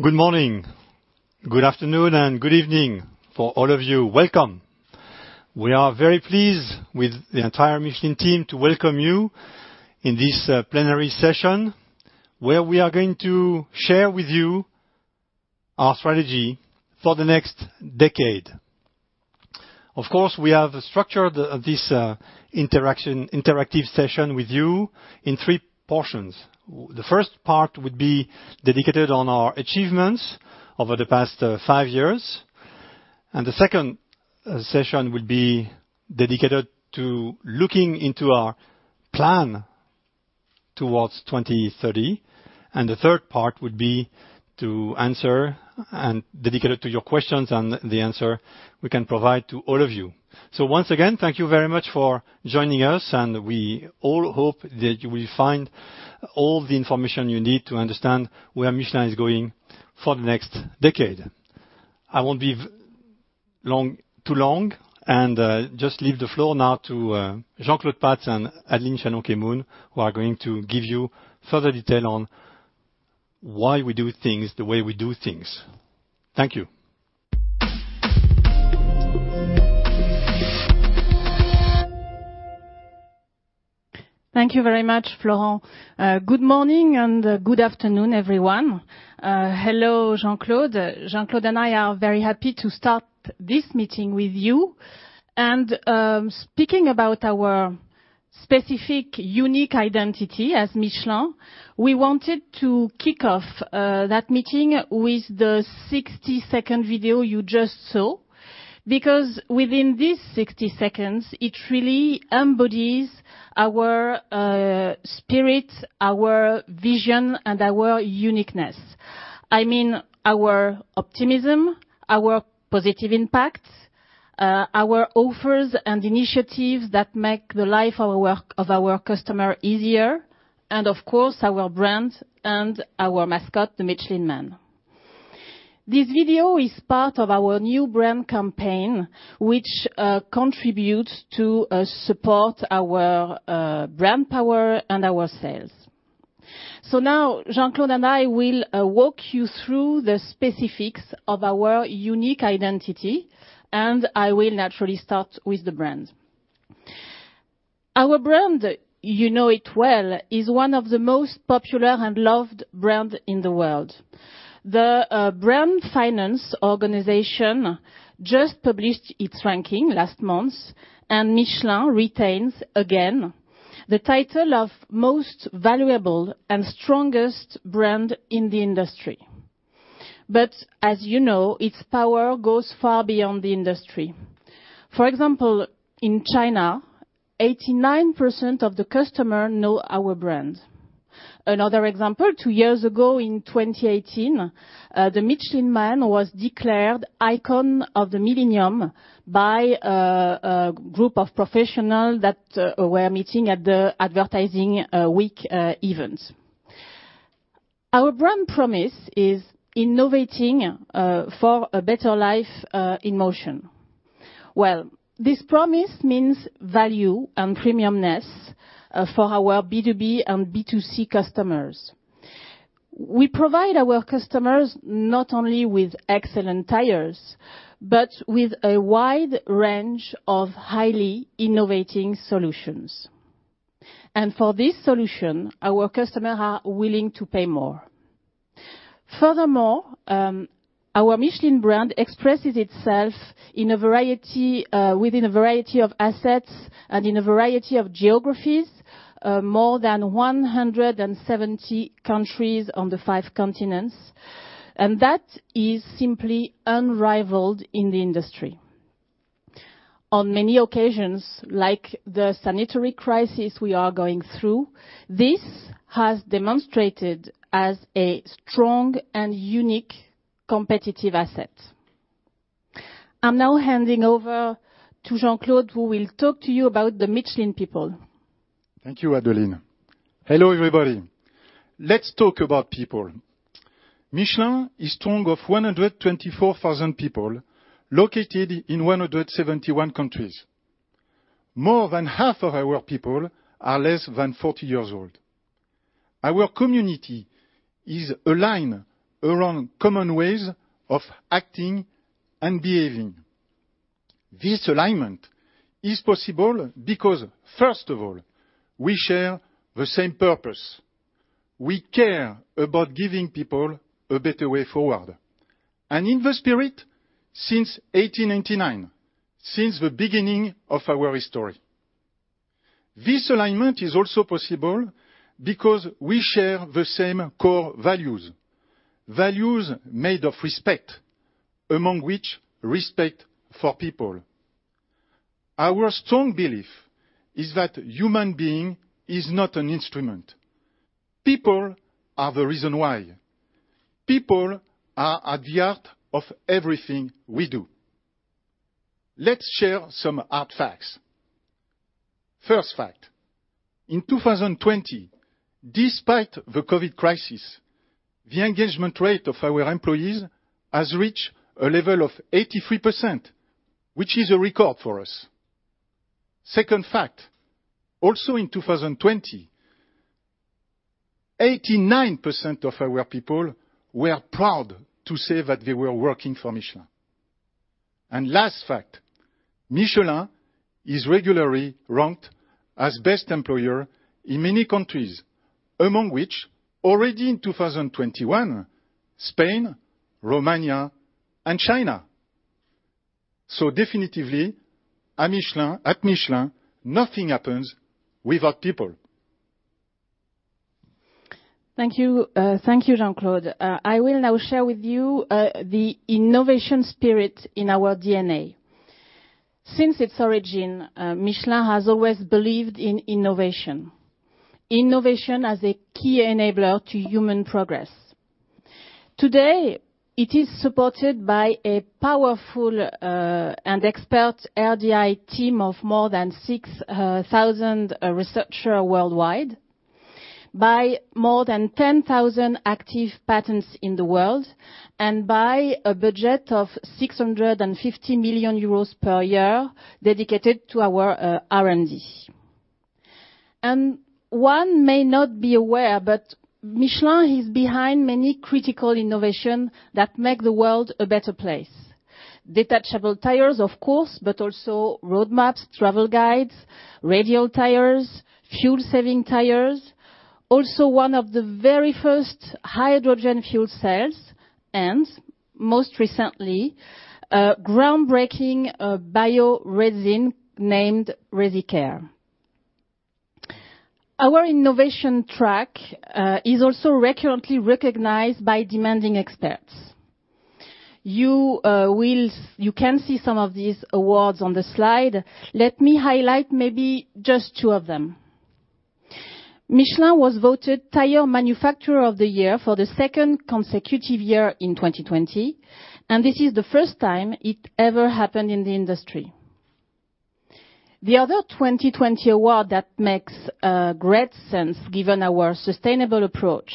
Good morning, good afternoon, and good evening for all of you. Welcome. We are very pleased with the entire Michelin team to welcome you in this plenary session where we are going to share with you our strategy for the next decade. Of course, we have structured this interactive session with you in three portions. The first part would be dedicated to our achievements over the past five years, and the second session would be dedicated to looking into our plan towards 2030, and the third part would be to answer and dedicate it to your questions and the answer we can provide to all of you, so once again, thank you very much for joining us, and we all hope that you will find all the information you need to understand where Michelin is going for the next decade. I won't be too long and just leave the floor now to Jean-Claude Pats and Adeline Challon-Kemoun, who are going to give you further detail on why we do things the way we do things. Thank you. Thank you very much, Florent. Good morning and good afternoon, everyone. Hello, Jean-Claude. Jean-Claude and I are very happy to start this meeting with you. Speaking about our specific, unique identity as Michelin, we wanted to kick off that meeting with the 60-second video you just saw, because within these 60 seconds, it really embodies our spirit, our vision, and our uniqueness. I mean our optimism, our positive impact, our offers and initiatives that make the life of our customers easier, and of course, our brand and our mascot, the Michelin Man. This video is part of our new brand campaign, which contributes to support our brand power and our sales. Now, Jean-Claude and I will walk you through the specifics of our unique identity, and I will naturally start with the brand. Our brand, you know it well, is one of the most popular and loved brands in the world. Brand Finance just published its ranking last month, and Michelin retains again the title of most valuable and strongest brand in the industry. But as you know, its power goes far beyond the industry. For example, in China, 89% of the customers know our brand. Another example, two years ago in 2018, the Michelin Man was declared Icon of the Millennium by a group of professionals that were meeting at the Advertising Week event. Our brand promise is innovating for a better life in motion. Well, this promise means value and premiumness for our B2B and B2C customers. We provide our customers not only with excellent tires, but with a wide range of highly-innovative solutions. And for this solution, our customers are willing to pay more. Furthermore, our Michelin brand expresses itself within a variety of assets and in a variety of geographies, more than 170 countries on the five continents, and that is simply unrivaled in the industry. On many occasions, like the sanitary crisis we are going through, this has demonstrated as a strong and unique competitive asset. I'm now handing over to Jean-Claude, who will talk to you about the Michelin people. Thank you, Adeline. Hello, everybody. Let's talk about people. Michelin is strong of 124,000 people located in 171 countries. More than half of our people are less than 40 years old. Our community is aligned around common ways of acting and behaving. This alignment is possible because, first of all, we share the same purpose. We care about giving people a better way forward, and in the spirit since 1899, since the beginning of our history. This alignment is also possible because we share the same core values, values made of respect, among which respect for people. Our strong belief is that human being is not an instrument. People are the reason why. People are at the heart of everything we do. Let's share some hard facts. First fact, in 2020, despite the COVID crisis, the engagement rate of our employees has reached a level of 83%, which is a record for us. Second fact, also in 2020, 89% of our people were proud to say that they were working for Michelin. And last fact, Michelin is regularly ranked as best employer in many countries, among which already in 2021, Spain, Romania, and China. So definitely at Michelin, nothing happens without people. Thank you. Thank you, Jean-Claude. I will now share with you the innovation spirit in our DNA. Since its origin, Michelin has always believed in innovation, innovation as a key enabler to human progress. Today, it is supported by a powerful and expert RDI team of more than 6,000 researchers worldwide, by more than 10,000 active patents in the world, and by a budget of 650 million euros per year dedicated to our R&D. And one may not be aware, but Michelin is behind many critical innovations that make the world a better place: detachable tires, of course, but also roadmaps, travel guides, radial tires, fuel-saving tires, also one of the very first hydrogen fuel cells, and most recently, groundbreaking bio-resin named ResiCare. Our innovation track is also recurrently recognized by demanding experts. You can see some of these awards on the slide. Let me highlight maybe just two of them. Michelin was voted Tire Manufacturer of the Year for the second consecutive year in 2020, and this is the first time it ever happened in the industry. The other 2020 award that makes great sense, given our sustainable approach,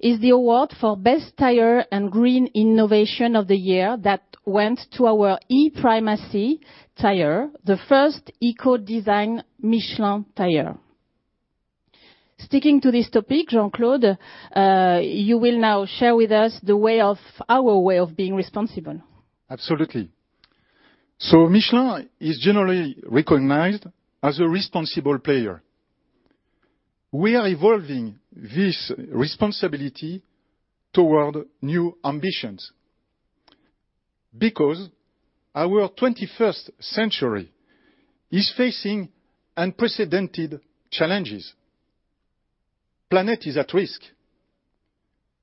is the award for Best Tire and Green Innovation of the Year that went to our e.Primacy tire, the first eco-designed Michelin tire. Sticking to this topic, Jean-Claude, you will now share with us our way of being responsible. Absolutely. So Michelin is generally recognized as a responsible player. We are evolving this responsibility toward new ambitions because our 21st century is facing unprecedented challenges. The planet is at risk.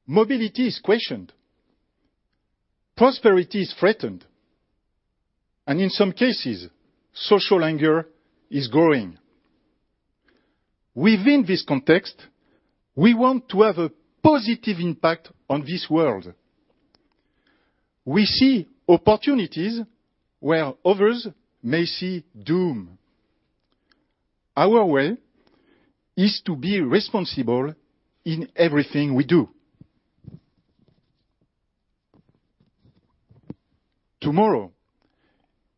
Mobility is questioned. Prosperity is threatened. And in some cases, social anger is growing. Within this context, we want to have a positive impact on this world. We see opportunities where others may see doom. Our way is to be responsible in everything we do. Tomorrow,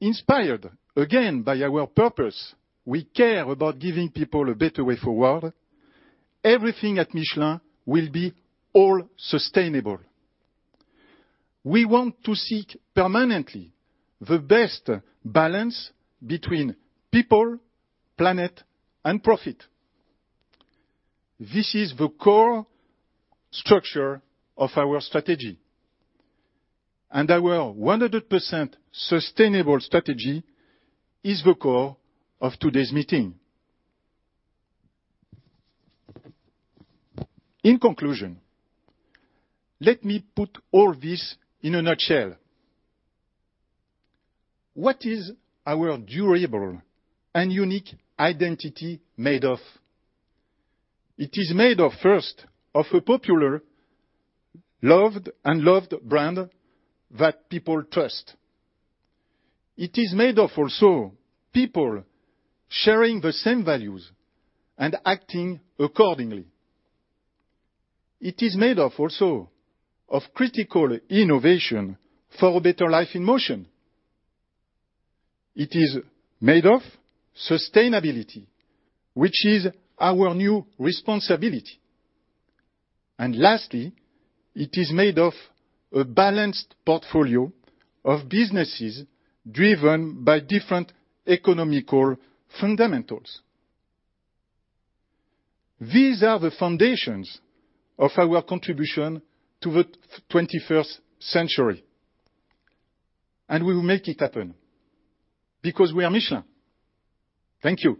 inspired again by our purpose, we care about giving people a better way forward. Everything at Michelin will be all sustainable. We want to seek permanently the best balance between people, planet, and profit. This is the core structure of our strategy. And our 100% sustainable strategy is the core of today's meeting. In conclusion, let me put all this in a nutshell. What is our durable and unique identity made of? It is made of, first, of a popular, loved, and loved brand that people trust. It is made of also people sharing the same values and acting accordingly. It is made of also critical innovation for a better life in motion. It is made of sustainability, which is our new responsibility. And lastly, it is made of a balanced portfolio of businesses driven by different economical fundamentals. These are the foundations of our contribution to the 21st century. And we will make it happen because we are Michelin. Thank you.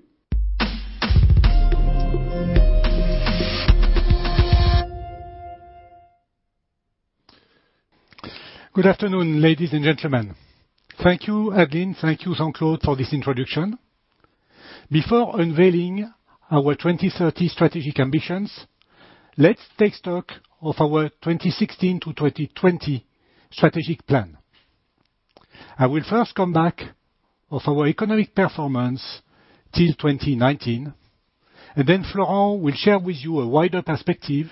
Good afternoon, ladies and gentlemen. Thank you, Adeline, thank you, Jean-Claude, for this introduction. Before unveiling our 2030 strategic ambitions, let's take stock of our 2016 to 2020 strategic plan. I will first come back to our economic performance until 2019, and then Florent will share with you a wider perspective,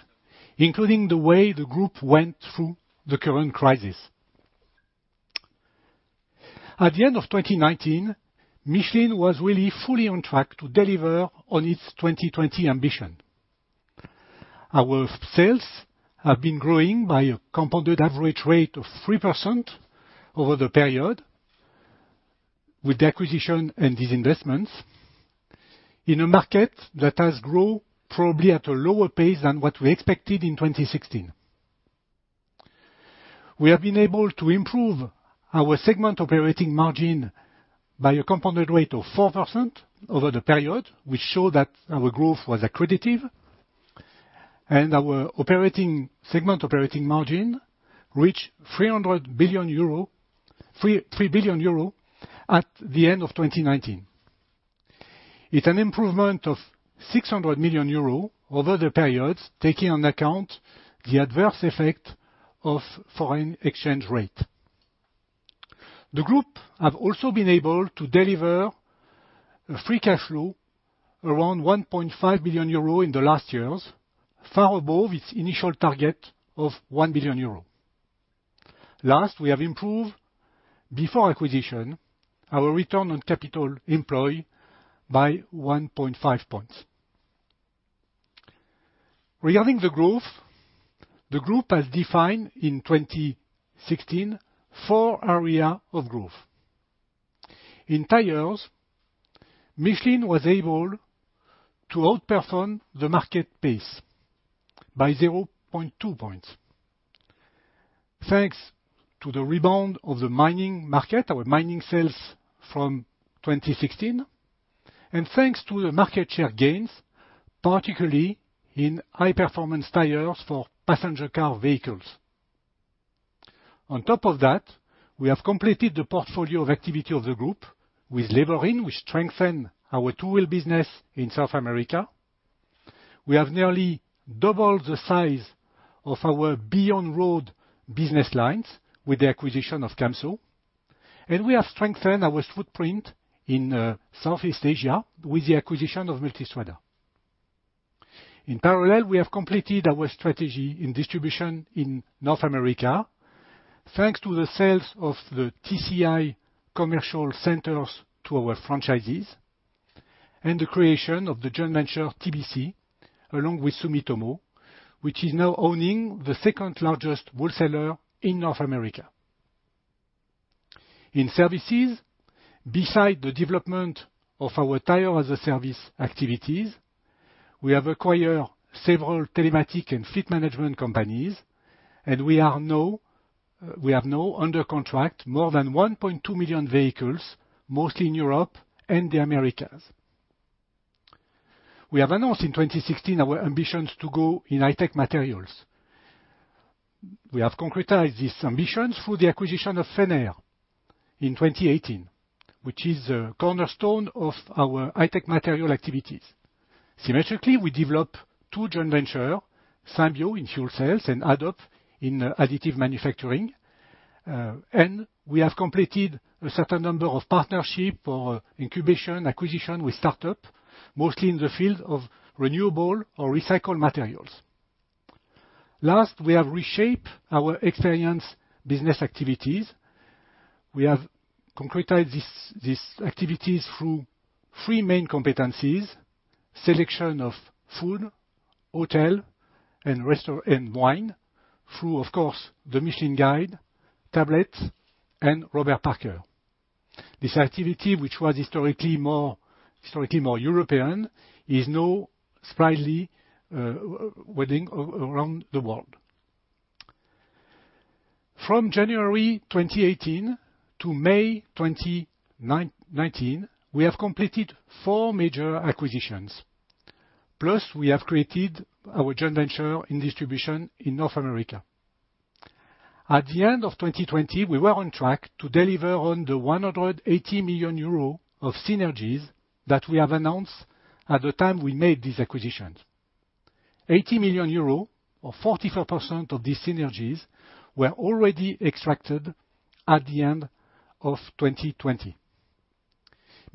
including the way the group went through the current crisis. At the end of 2019, Michelin was really fully on track to deliver on its 2020 ambition. Our sales have been growing by a compounded average rate of 3% over the period with the acquisition and these investments in a market that has grown probably at a lower pace than what we expected in 2016. We have been able to improve our segment operating margin by a compounded rate of 4% over the period, which showed that our growth was accretive, and our segment operating margin reached 3 billion euro at the end of 2019. It's an improvement of 600 million euro 4 over the period, taking into account the adverse effect of the foreign exchange rate. The group has also been able to deliver a free cash flow around 1.5 billion euro in the last years, far above its initial target of 1 billion euro. Last, we have improved pre-acquisition our return on capital employed by 1.5 points. Regarding the growth, the group has defined in 2016 four areas of growth. In tires, Michelin was able to outperform the market pace by 0.2 points thanks to the rebound of the mining market, our mining sales from 2016, and thanks to the market share gains, particularly in high-performance tires for passenger car vehicles. On top of that, we have completed the portfolio of activity of the group with Levorin, which strengthened our two-wheel business in South America. We have nearly doubled the size of our beyond road business lines with the acquisition of Camso, and we have strengthened our footprint in Southeast Asia with the acquisition of Multistrada. In parallel, we have completed our strategy in distribution in North America thanks to the sales of the TCI commercial centers to our franchisees and the creation of the joint venture TBC along with Sumitomo, which is now owning the second largest wholesaler in North America. In services, besides the development of our tire-as-a-service activities, we have acquired several telematic and fleet management companies, and we have now under contract more than 1.2 million vehicles, mostly in Europe and the Americas. We have announced in 2016 our ambitions to go in high-tech materials. We have concretized these ambitions through the acquisition of Fenner in 2018, which is a cornerstone of our high-tech material activities. Symmetrically, we develop two joint ventures, Symbio in fuel cells and AddUp in additive manufacturing, and we have completed a certain number of partnerships for incubation acquisition with startups, mostly in the field of renewable or recycled materials. Last, we have reshaped our experience business activities. We have concretized these activities through three main competencies: selection of food, hotel, and wine through, of course, the MICHELIN Guide, Tablet, and Robert Parker. This activity, which was historically more European, is now widely spreading around the world. From January 2018 to May 2019, we have completed four major acquisitions. Plus, we have created our joint venture in distribution in North America. At the end of 2020, we were on track to deliver on the 180 million euro of synergies that we have announced at the time we made these acquisitions. 80 million euro, or 44% of these synergies, were already extracted at the end of 2020.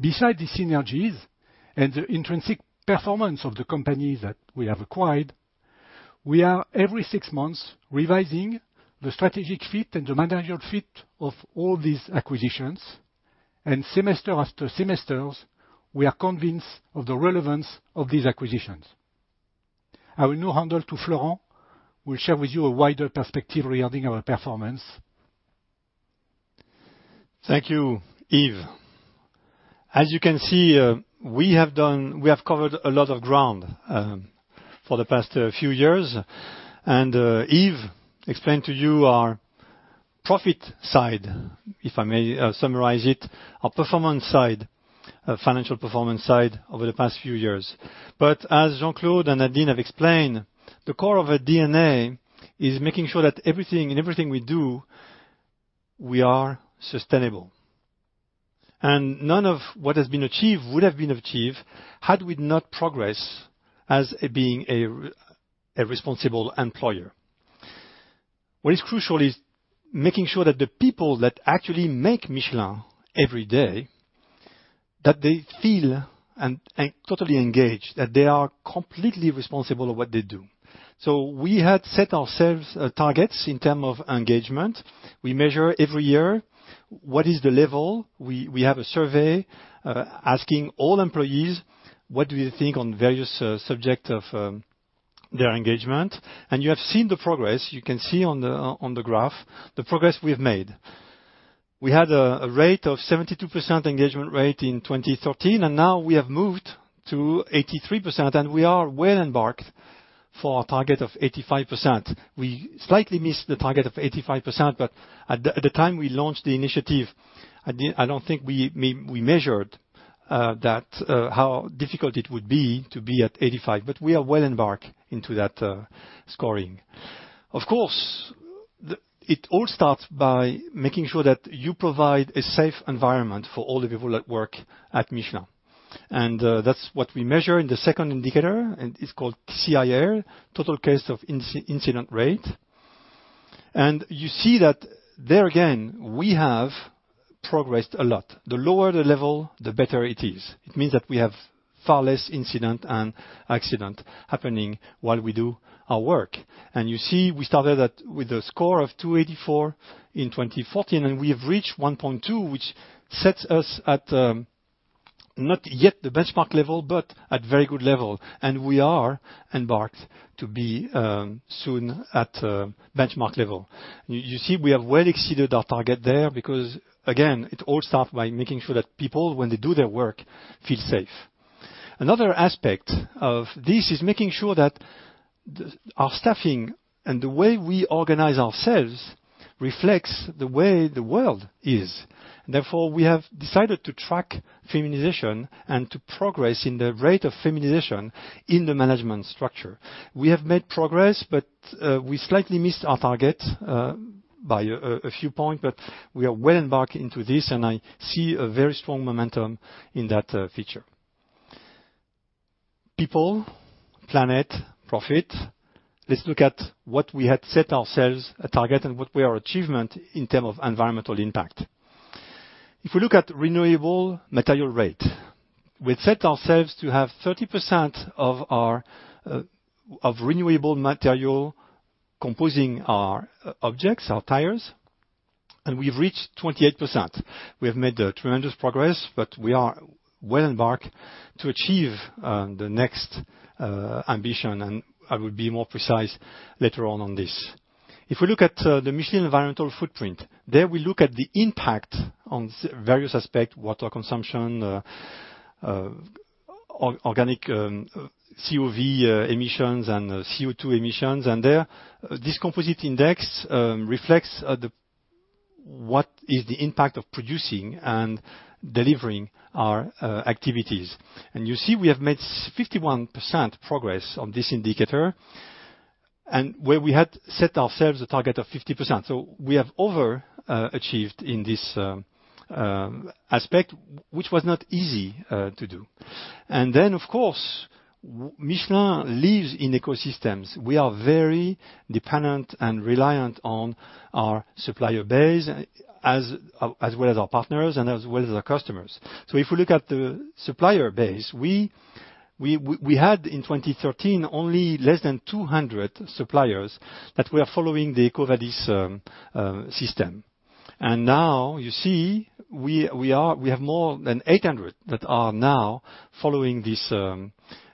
Besides the synergies and the intrinsic performance of the companies that we have acquired, we are every six months revising the strategic fit and the managerial fit of all these acquisitions, and semester after semester, we are convinced of the relevance of these acquisitions. I will now hand over to Florent., who will share with you a wider perspective regarding our performance. Thank you, Yves. As you can see, we have covered a lot of ground for the past few years, and Yves explained to you our profit side, if I may summarize it, our performance side, financial performance side over the past few years. But as Jean-Claude and Adeline have explained, the core of our DNA is making sure that in everything we do, we are sustainable. And none of what has been achieved would have been achieved had we not progressed as being a responsible employer. What is crucial is making sure that the people that actually make Michelin every day, that they feel and totally engage, that they are completely responsible for what they do. So we had set ourselves targets in terms of engagement. We measure every year what is the level. We have a survey asking all employees, what do you think on various subjects of their engagement? And you have seen the progress. You can see on the graph the progress we've made. We had a rate of 72% engagement rate in 2013, and now we have moved to 83%, and we are well-embarked for our target of 85%. We slightly missed the target of 85%, but at the time we launched the initiative, I don't think we measured how difficult it would be to be at 85, but we are well-embarked into that scoring. Of course, it all starts by making sure that you provide a safe environment for all the people that work at Michelin. And that's what we measure in the second indicator, and it's called TCIR, Total Case Incident Rate. And you see that there again, we have progressed a lot. The lower the level, the better it is. It means that we have far less incidents and accidents happening while we do our work. And you see we started with a score of 284 in 2014, and we have reached 1.2, which sets us at not yet the benchmark level, but at a very good level. And we are embarked to be soon at benchmark level. You see we have well-exceeded our target there because, again, it all starts by making sure that people, when they do their work, feel safe. Another aspect of this is making sure that our staffing and the way we organize ourselves reflects the way the world is. Therefore, we have decided to track feminization and to progress in the rate of feminization in the management structure. We have made progress, but we slightly missed our target by a few points, but we are well-embarked into this, and I see a very strong momentum in that feature. People, planet, profit. Let's look at what we had set ourselves a target and what were our achievements in terms of environmental impact. If we look at renewable material rate, we set ourselves to have 30% of renewable material composing our objects, our tires, and we've reached 28%. We have made tremendous progress, but we are well embarked to achieve the next ambition, and I will be more precise later on this. If we look at the Michelin environmental footprint, there we look at the impact on various aspects: water consumption, organic VOC emissions, and CO2 emissions, and there, this composite index reflects what is the impact of producing and delivering our activities. You see we have made 51% progress on this indicator, and where we had set ourselves a target of 50%. We have overachieved in this aspect, which was not easy to do. Then, of course, Michelin lives in ecosystems. We are very dependent and reliant on our supplier base as well as our partners and as well as our customers. If we look at the supplier base, we had in 2013 only less than 200 suppliers that were following the EcoVadis system. And now, you see, we have more than 800 that are now following this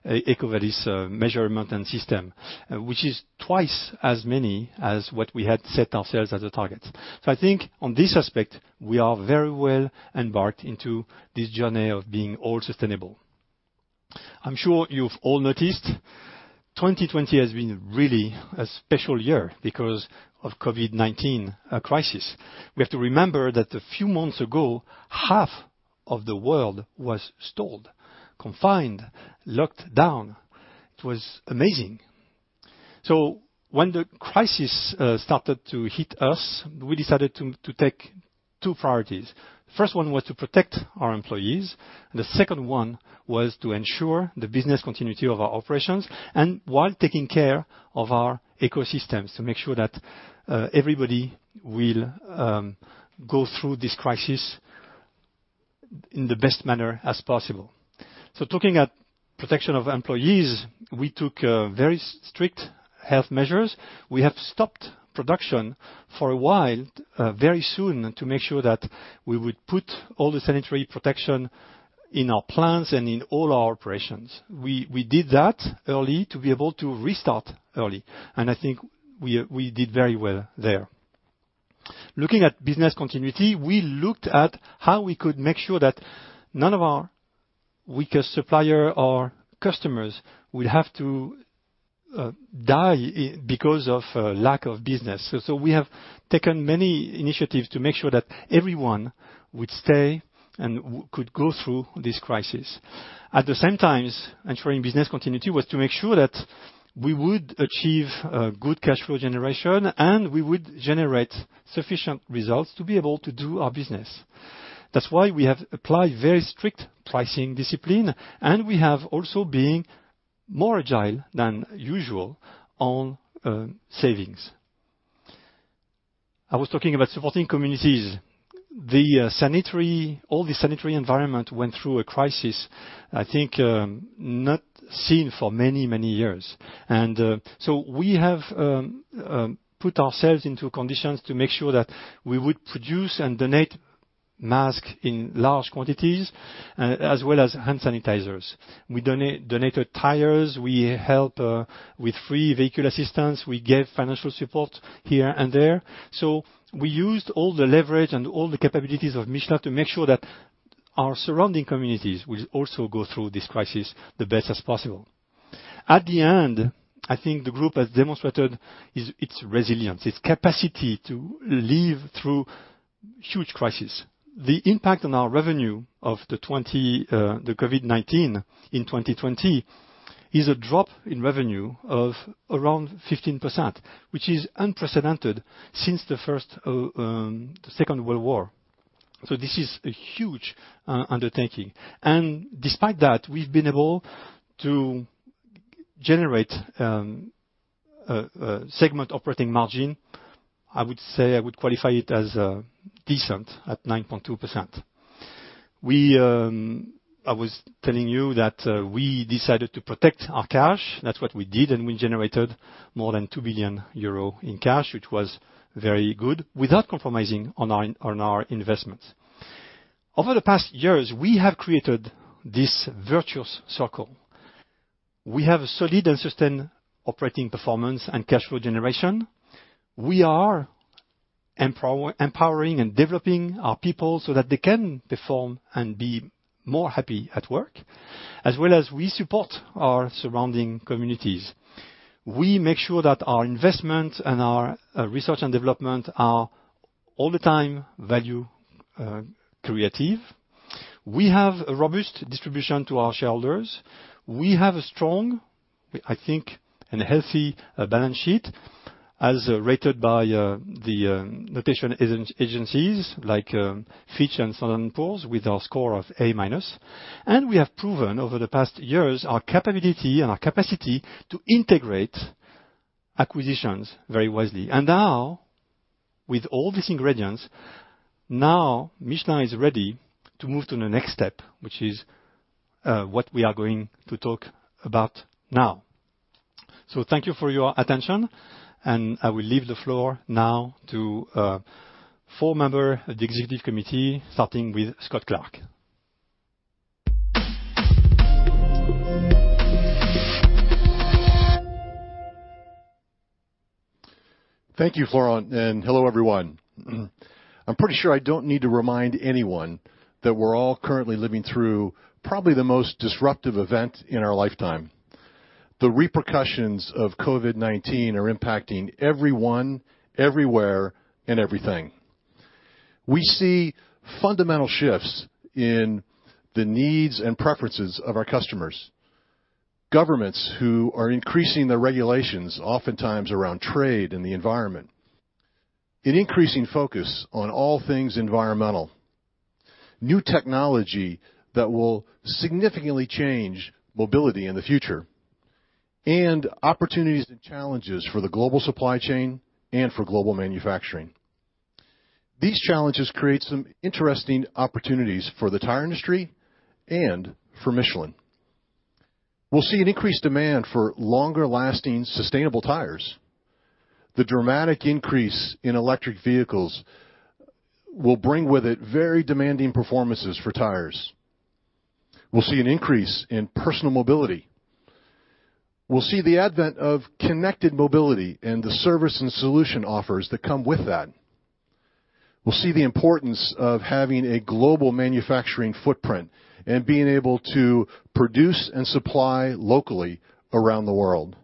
EcoVadis measurement and system, which is twice as many as what we had set ourselves as a target. I think on this aspect, we are very well embarked into this journey of being all sustainable. I'm sure you've all noticed 2020 has been really a special year because of the COVID-19 crisis. We have to remember that a few months ago, half of the world was stalled, confined, locked down. It was amazing. So when the crisis started to hit us, we decided to take two priorities. The first one was to protect our employees, and the second one was to ensure the business continuity of our operations and while taking care of our ecosystems to make sure that everybody will go through this crisis in the best manner as possible. So talking about protection of employees, we took very strict health measures. We have stopped production for a while very soon to make sure that we would put all the sanitary protection in our plants and in all our operations. We did that early to be able to restart early, and I think we did very well there. Looking at business continuity, we looked at how we could make sure that none of our weaker suppliers or customers would have to die because of lack of business. So we have taken many initiatives to make sure that everyone would stay and could go through this crisis. At the same time, ensuring business continuity was to make sure that we would achieve good cash flow generation and we would generate sufficient results to be able to do our business. That's why we have applied very strict pricing discipline, and we have also been more agile than usual on savings. I was talking about supporting communities. All the sanitary environment went through a crisis, I think, not seen for many, many years. And so we have put ourselves into conditions to make sure that we would produce and donate masks in large quantities as well as hand sanitizers. We donated tires. We helped with free vehicle assistance. We gave financial support here and there. So we used all the leverage and all the capabilities of Michelin to make sure that our surrounding communities would also go through this crisis the best as possible. At the end, I think the group has demonstrated its resilience, its capacity to live through huge crises. The impact on our revenue of the COVID-19 in 2020 is a drop in revenue of around 15%, which is unprecedented since the Second World War. So this is a huge undertaking. And despite that, we've been able to generate segment operating margin. I would say I would qualify it as decent at 9.2%. I was telling you that we decided to protect our cash. That's what we did, and we generated more than 2 billion euro in cash, which was very good without compromising on our investments. Over the past years, we have created this virtuous circle. We have solid and sustained operating performance and cash flow generation. We are empowering and developing our people so that they can perform and be more happy at work, as well as we support our surrounding communities. We make sure that our investments and our research and development are all the time value-creative. We have a robust distribution to our shareholders. We have a strong, I think, and healthy balance sheet as rated by the rating agencies like Fitch and Standard & Poor's with our score of A-. And we have proven over the past years our capability and our capacity to integrate acquisitions very wisely. Now, with all these ingredients, now Michelin is ready to move to the next step, which is what we are going to talk about now. Thank you for your attention, and I will leave the floor now to four members of the executive committee, starting with Scott Clark. Thank you, Florent, and hello, everyone. I'm pretty sure I don't need to remind anyone that we're all currently living through probably the most disruptive event in our lifetime. The repercussions of COVID-19 are impacting everyone, everywhere, and everything. We see fundamental shifts in the needs and preferences of our customers, governments who are increasing their regulations, oftentimes around trade and the environment, an increasing focus on all things environmental, new technology that will significantly change mobility in the future, and opportunities and challenges for the global supply chain and for global manufacturing. These challenges create some interesting opportunities for the tire industry and for Michelin. We'll see an increased demand for longer-lasting, sustainable tires. The dramatic increase in electric vehicles will bring with it very demanding performances for tires. We'll see an increase in personal mobility. We'll see the advent of connected mobility and the service and solution offers that come with that. We'll see the importance of having a global manufacturing footprint and being able to produce and supply locally around the world.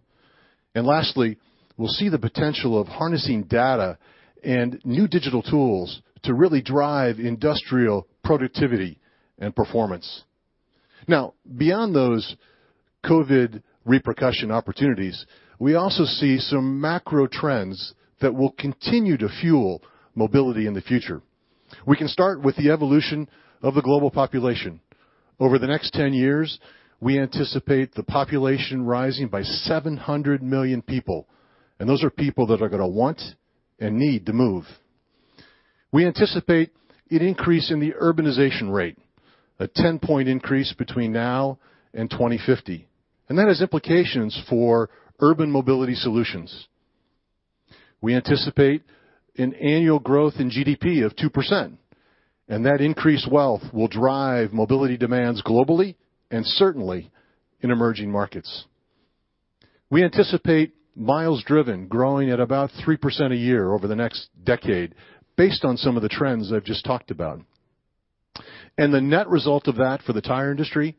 And lastly, we'll see the potential of harnessing data and new digital tools to really drive industrial productivity and performance. Now, beyond those COVID repercussion opportunities, we also see some macro trends that will continue to fuel mobility in the future. We can start with the evolution of the global population. Over the next 10 years, we anticipate the population rising by 700 million people, and those are people that are going to want and need to move. We anticipate an increase in the urbanization rate, a 10-point increase between now and 2050, and that has implications for urban mobility solutions. We anticipate an annual growth in GDP of 2%, and that increased wealth will drive mobility demands globally and certainly in emerging markets. We anticipate miles driven growing at about 3% a year over the next decade based on some of the trends I've just talked about. And the net result of that for the tire industry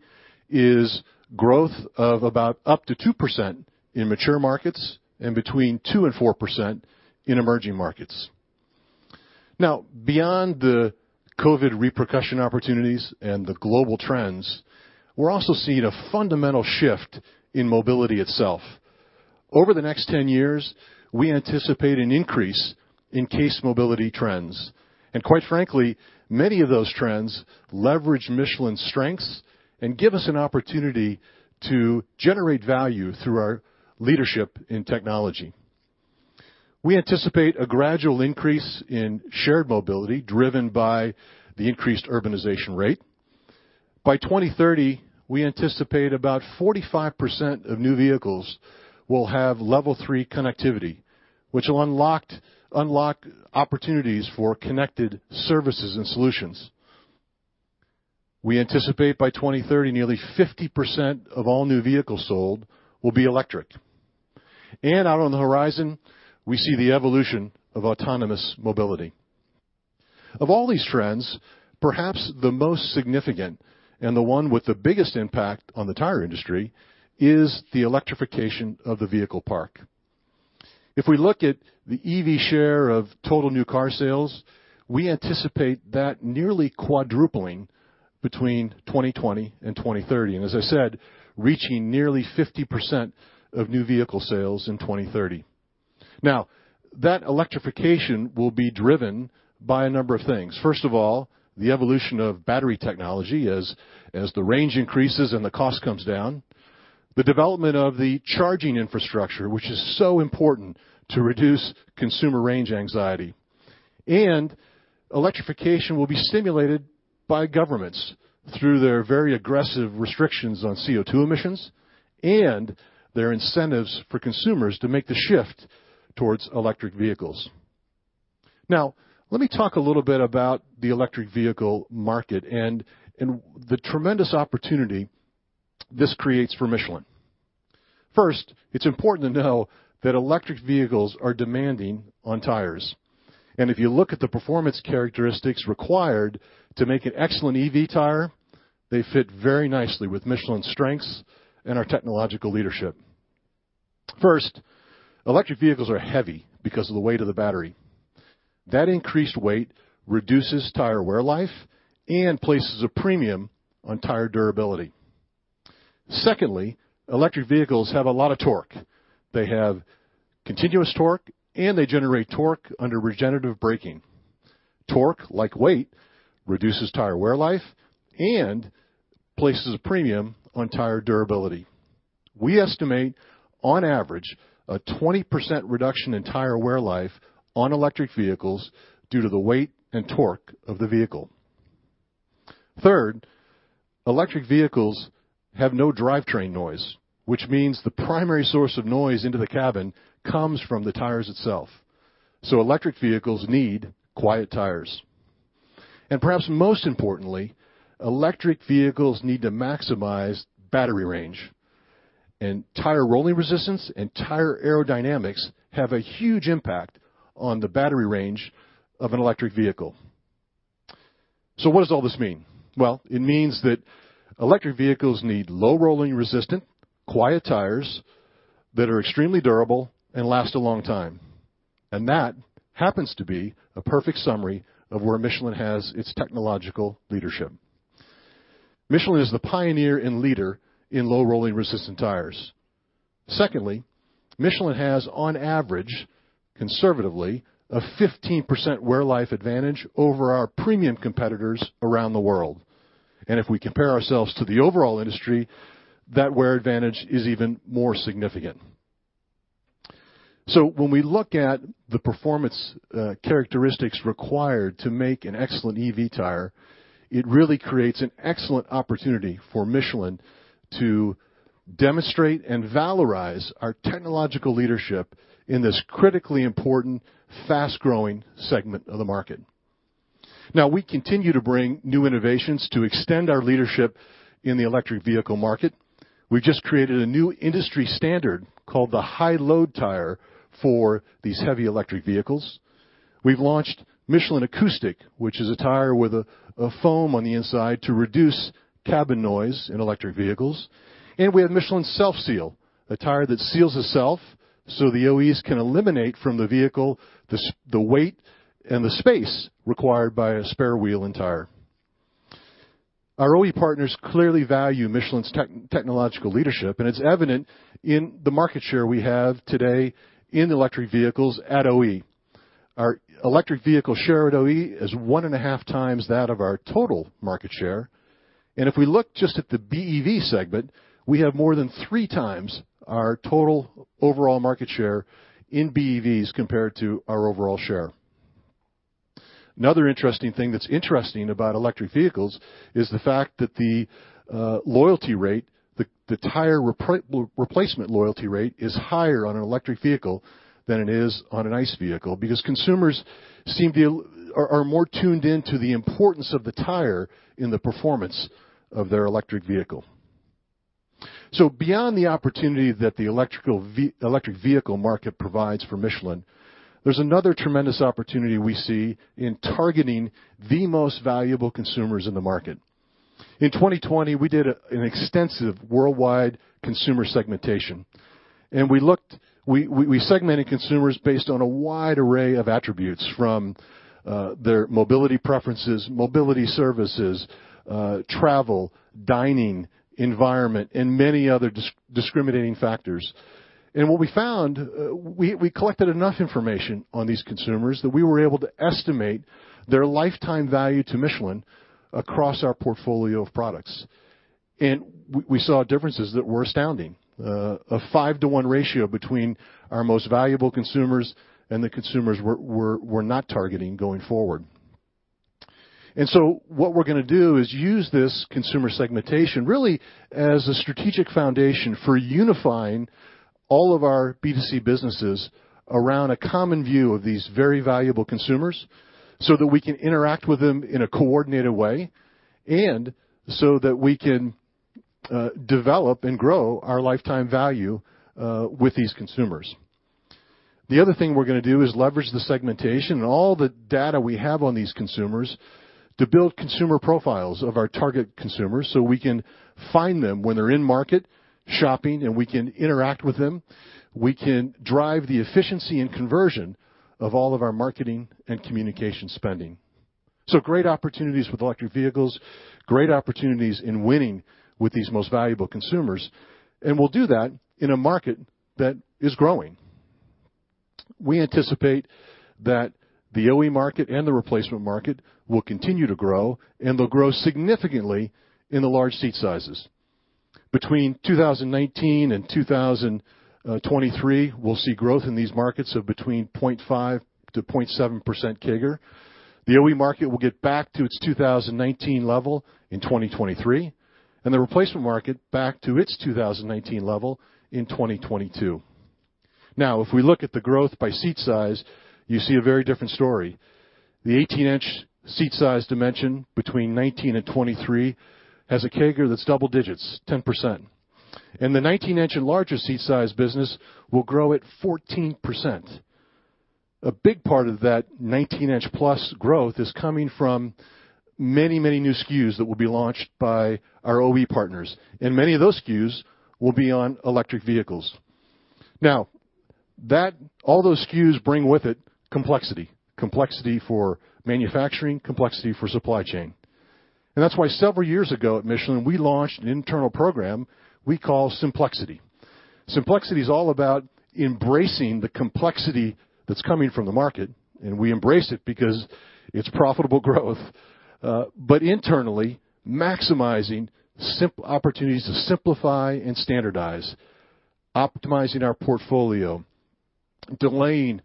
is growth of about up to 2% in mature markets and between 2% and 4% in emerging markets. Now, beyond the COVID repercussion opportunities and the global trends, we're also seeing a fundamental shift in mobility itself. Over the next 10 years, we anticipate an increase in CASE mobility trends. And quite frankly, many of those trends leverage Michelin's strengths and give us an opportunity to generate value through our leadership in technology. We anticipate a gradual increase in shared mobility driven by the increased urbanization rate. By 2030, we anticipate about 45% of new vehicles will have level three connectivity, which will unlock opportunities for connected services and solutions. We anticipate by 2030, nearly 50% of all new vehicles sold will be electric, and out on the horizon, we see the evolution of autonomous mobility. Of all these trends, perhaps the most significant and the one with the biggest impact on the tire industry is the electrification of the vehicle park. If we look at the EV share of total new car sales, we anticipate that nearly quadrupling between 2020 and 2030, and as I said, reaching nearly 50% of new vehicle sales in 2030. Now, that electrification will be driven by a number of things. First of all, the evolution of battery technology as the range increases and the cost comes down, the development of the charging infrastructure, which is so important to reduce consumer range anxiety, and electrification will be stimulated by governments through their very aggressive restrictions on CO2 emissions and their incentives for consumers to make the shift towards electric vehicles. Now, let me talk a little bit about the electric vehicle market and the tremendous opportunity this creates for Michelin. First, it's important to know that electric vehicles are demanding on tires, and if you look at the performance characteristics required to make an excellent EV tire, they fit very nicely with Michelin's strengths and our technological leadership. First, electric vehicles are heavy because of the weight of the battery. That increased weight reduces tire wear life and places a premium on tire durability. Secondly, electric vehicles have a lot of torque. They have continuous torque, and they generate torque under regenerative braking. Torque, like weight, reduces tire wear life and places a premium on tire durability. We estimate, on average, a 20% reduction in tire wear life on electric vehicles due to the weight and torque of the vehicle. Third, electric vehicles have no drivetrain noise, which means the primary source of noise into the cabin comes from the tire itself, so electric vehicles need quiet tires, and perhaps most importantly, electric vehicles need to maximize battery range, and tire rolling resistance and tire aerodynamics have a huge impact on the battery range of an electric vehicle, so what does all this mean? Well, it means that electric vehicles need low rolling resistance, quiet tires that are extremely durable and last a long time. That happens to be a perfect summary of where Michelin has its technological leadership. Michelin is the pioneer and leader in low rolling resistance tires. Secondly, Michelin has, on average, conservatively, a 15% wear life advantage over our premium competitors around the world. If we compare ourselves to the overall industry, that wear advantage is even more significant. When we look at the performance characteristics required to make an excellent EV tire, it really creates an excellent opportunity for Michelin to demonstrate and valorize our technological leadership in this critically important, fast-growing segment of the market. Now, we continue to bring new innovations to extend our leadership in the electric vehicle market. We've just created a new industry standard called the High Load tire for these heavy electric vehicles. We've launched Michelin Acoustic, which is a tire with a foam on the inside to reduce cabin noise in electric vehicles. And we have Michelin Selfseal, a tire that seals itself so the OEs can eliminate from the vehicle the weight and the space required by a spare wheel and tire. Our OE partners clearly value Michelin's technological leadership, and it's evident in the market share we have today in electric vehicles at OE. Our electric vehicle share at OE is one and a half times that of our total market share. And if we look just at the BEV segment, we have more than three times our total overall market share in BEVs compared to our overall share. Another interesting thing that's interesting about electric vehicles is the fact that the loyalty rate, the tire replacement loyalty rate, is higher on an electric vehicle than it is on an ICE vehicle because consumers seem to be more tuned into the importance of the tire in the performance of their electric vehicle. So beyond the opportunity that the electric vehicle market provides for Michelin, there's another tremendous opportunity we see in targeting the most valuable consumers in the market. In 2020, we did an extensive worldwide consumer segmentation, and we segmented consumers based on a wide array of attributes from their mobility preferences, mobility services, travel, dining, environment, and many other discriminating factors, and what we found, we collected enough information on these consumers that we were able to estimate their lifetime value to Michelin across our portfolio of products. We saw differences that were astounding, a five-to-one ratio between our most valuable consumers and the consumers we're not targeting going forward. So what we're going to do is use this consumer segmentation really as a strategic foundation for unifying all of our B2C businesses around a common view of these very valuable consumers so that we can interact with them in a coordinated way and so that we can develop and grow our lifetime value with these consumers. The other thing we're going to do is leverage the segmentation and all the data we have on these consumers to build consumer profiles of our target consumers so we can find them when they're in market shopping, and we can interact with them. We can drive the efficiency and conversion of all of our marketing and communication spending. So great opportunities with electric vehicles, great opportunities in winning with these most valuable consumers. And we'll do that in a market that is growing. We anticipate that the OE market and the replacement market will continue to grow, and they'll grow significantly in the large sizes. Between 2019 and 2023, we'll see growth in these markets of between 0.5%-0.7% CAGR. The OE market will get back to its 2019 level in 2023, and the replacement market back to its 2019 level in 2022. Now, if we look at the growth by size, you see a very different story. The 18-inch size dimension between 2019 and 2023 has a CAGR that's double digits, 10%. And the 19-inch and larger size business will grow at 14%. A big part of that 19-inch plus growth is coming from many, many new SKUs that will be launched by our OE partners. Many of those SKUs will be on electric vehicles. Now, all those SKUs bring with it complexity, complexity for manufacturing, complexity for supply chain. That's why several years ago at Michelin, we launched an internal program we call Simplexity. Simplexity is all about embracing the complexity that's coming from the market, and we embrace it because it's profitable growth, but internally maximizing opportunities to simplify and standardize, optimizing our portfolio, delaying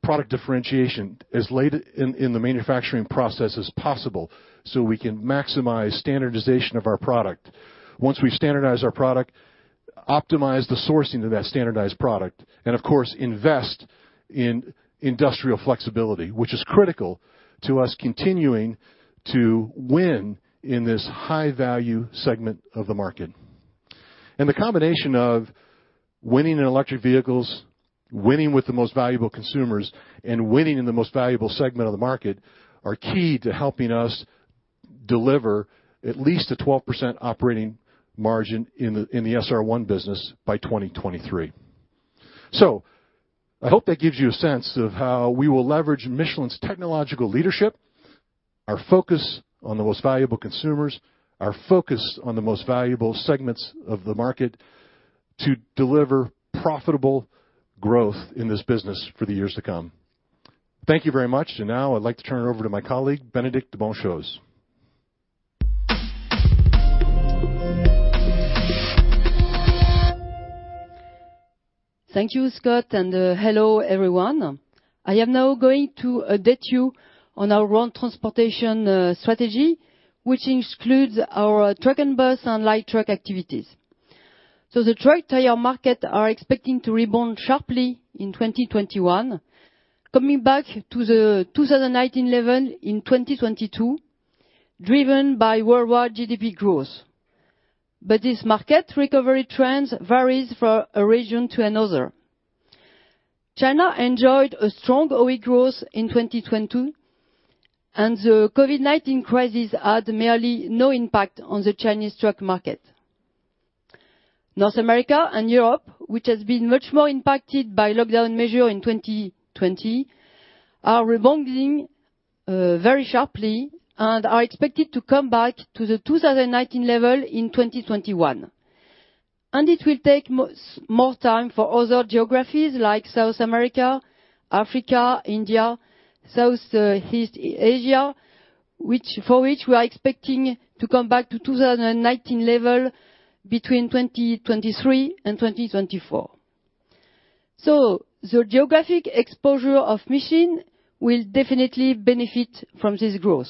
product differentiation as late in the manufacturing process as possible so we can maximize standardization of our product. Once we've standardized our product, optimize the sourcing of that standardized product, and of course, invest in industrial flexibility, which is critical to us continuing to win in this high-value segment of the market. The co5mbination of winning in electric vehicles, winning with the most valuable consumers, and winning in the most valuable segment of the market are key to helping us deliver at least a 12% operating margin in the SR1 business by 2023. So I hope that gives you a sense of how we will leverage Michelin's technological leadership, our focus on the most valuable consumers, our focus on the most valuable segments of the market to deliver profitable growth in this business for the years to come. Thank you very much. And now I'd like to turn it over to my colleague, Bénédicte de Bonnechose. Thank you, Scott, and hello, everyone. I am now going to update you on our transportation strategy, which includes our truck and bus and light truck activities. So the truck tire market is expected to rebound sharply in 2021, coming back to the 2019 level in 2022, driven by worldwide GDP growth. But this market recovery trend varies from a region to another. China enjoyed a strong OE growth in 2022, and the COVID-19 crisis had merely no impact on the Chinese truck market. North America and Europe, which have been much more impacted by lockdown measures in 2020, are rebounding very sharply and are expected to come back to the 2019 level in 2021. And it will take more time for other geographies like South America, Africa, India, Southeast Asia, for which we are expecting to come back to the 2019 level between 2023 and 2024. So the geographic exposure of Michelin will definitely benefit from this growth.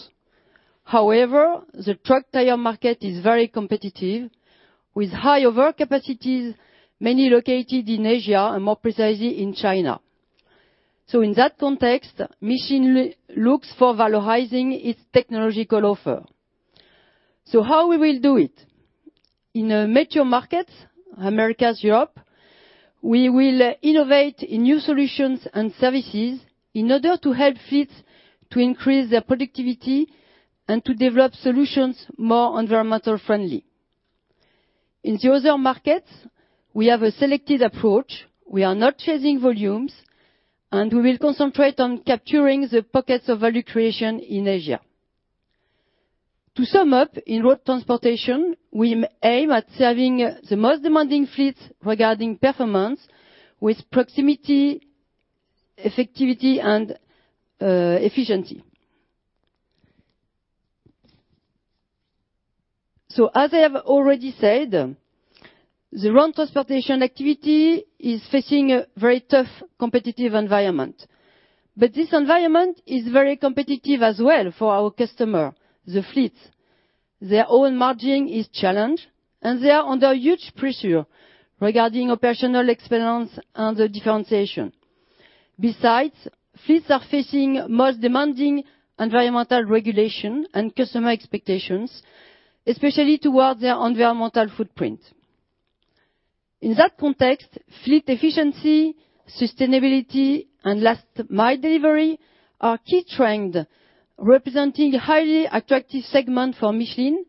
However, the truck tire market is very competitive, with high overcapacities, mainly located in Asia and more precisely in China. So in that context, Michelin looks for valorizing its technological offer. So how will we do it? In major markets, Americas, Europe, we will innovate in new solutions and services in order to help fleets to increase their productivity and to develop solutions more environmentally friendly. In the other markets, we have a selected approach. We are not chasing volumes, and we will concentrate on capturing the pockets of value creation in Asia. To sum up, in road transportation, we aim at serving the most demanding fleets regarding performance with proximity, effectivity, and efficiency. So as I have already said, the road transportation activity is facing a very tough competitive environment. But this environment is very competitive as well for our customers, the fleets. Their own margin is challenged, and they are under huge pressure regarding operational excellence and differentiation. Besides, fleets are facing most demanding environmental regulation and customer expectations, especially towards their environmental footprint. In that context, fleet efficiency, sustainability, and last-mile delivery are key trends representing a highly attractive segment for Michelin,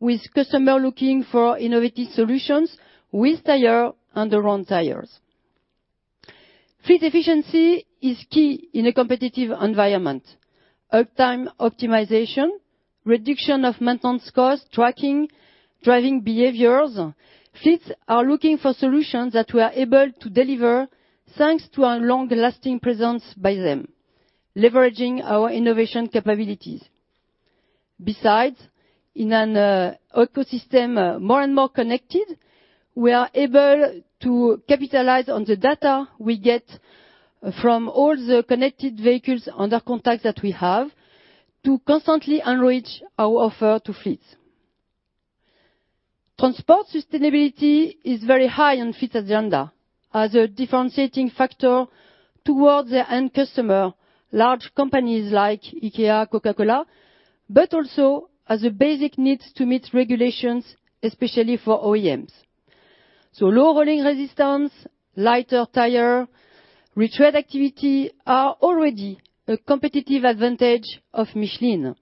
with customers looking for innovative solutions with tires and around tires. Fleet efficiency is key in a competitive environment. Uptime optimization, reduction of maintenance costs, tracking, driving behaviors, fleets are looking for solutions that we are able to deliver thanks to our long-lasting presence beside them, leveraging our innovation capabilities. Besides, in an ecosystem more and more connected, we are able to capitalize on the data we get from all the connected vehicles under contract that we have to constantly enrich our offer to fleets. Transport sustainability is very high on the fleet's agenda as a differentiating factor towards the end customer, large companies like IKEA, Coca-Cola, but also as a basic need to meet regulations, especially for OEMs. So low rolling resistance, lighter tire, retread activity are already a competitive advantage of Michelin.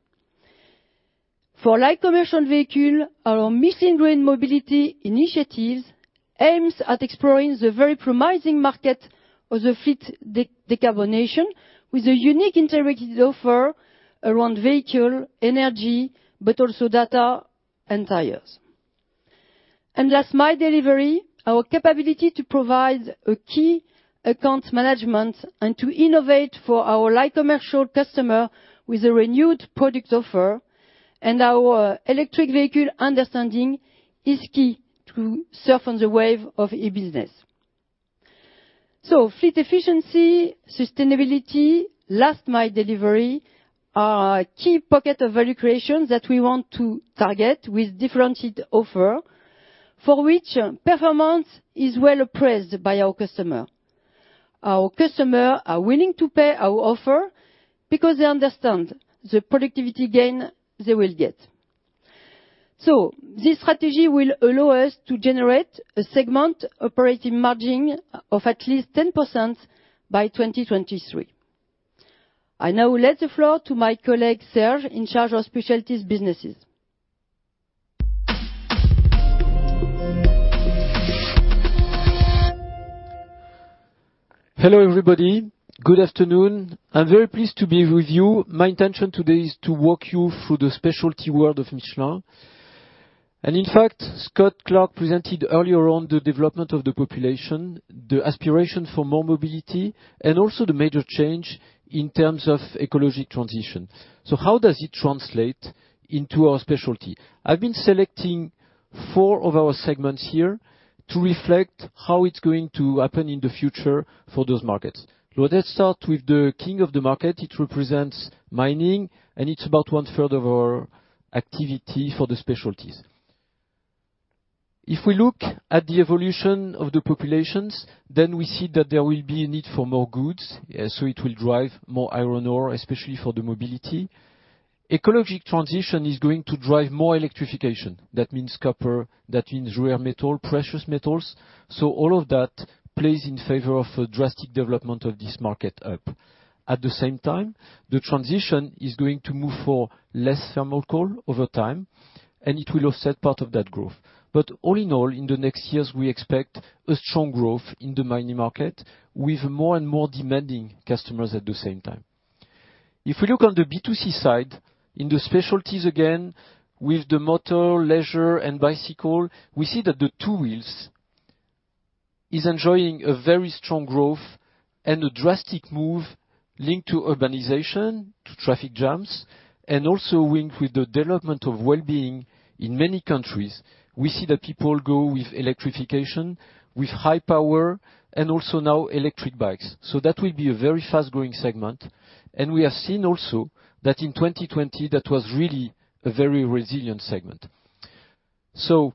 For light commercial vehicles, our Michelin Green Mobility initiatives aim at exploring the very promising market of the fleet decarbonation with a unique integrated offer around vehicle, energy, but also data and tires. And last-mile delivery, our capability to provide a key account management and to innovate for our light commercial customers with a renewed product offer and our electric vehicle understanding is key to surf on the wave of e-business. So fleet efficiency, sustainability, last-mile delivery are key pockets of value creation that we want to target with differentiated offer for which performance is well appraised by our customers. Our customers are willing to pay our offer because they understand the productivity gain they will get. So this strategy will allow us to generate a segment operating margin of at least 10% by 2023. I now will give the floor to my colleague, Serge, in charge of specialties businesses. Hello, everybody. Good afternoon. I'm very pleased to be with you. My intention today is to walk you through the specialty world of Michelin. In fact, Scott Clark presented earlier on the development of the population, the aspiration for more mobility, and also the major change in terms of ecological transition. How does it translate into our specialty? I've been selecting four of our segments here to reflect how it's going to happen in the future for those markets. Let's start with the king of the market. It represents mining, and it's about one-third of our activity for the specialties. If we look at the evolution of the populations, then we see that there will be a need for more goods, so it will drive more iron ore, especially for the mobility. Ecological transition is going to drive more electrification. That means copper, that means rare metals, precious metals. So all of that plays in favor of a drastic development of this market up. At the same time, the transition is going to move for less thermal coal over time, and it will offset part of that growth. But all in all, in the next years, we expect a strong growth in the mining market with more and more demanding customers at the same time. If we look on the B2C side, in the specialties, again, with the motor, leisure, and bicycle, we see that the two wheels are enjoying a very strong growth and a drastic move linked to urbanization, to traffic jams, and also linked with the development of well-being in many countries. We see that people go with electrification, with high power, and also now electric bikes. So that will be a very fast-growing segment. We have seen also that in 2020, that was really a very resilient segment. So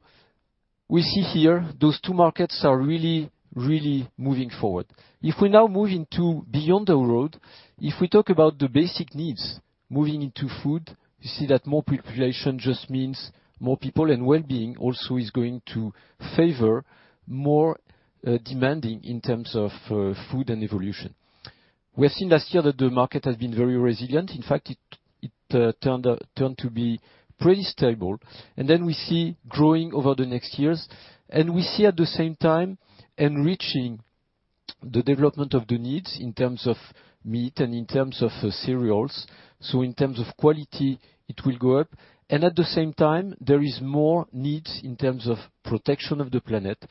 we see here those two markets are really, really moving forward. If we now move into beyond the road, if we talk about the basic needs moving into food, you see that more population just means more people, and well-being also is going to favor more demanding in terms of food and evolution. We have seen last year that the market has been very resilient. In fact, it turned to be pretty stable. And then we see growing over the next years. And we see at the same time enriching the development of the needs in terms of meat and in terms of cereals. So in terms of quality, it will go up. And at the same time, there are more needs in terms of protection of the planet.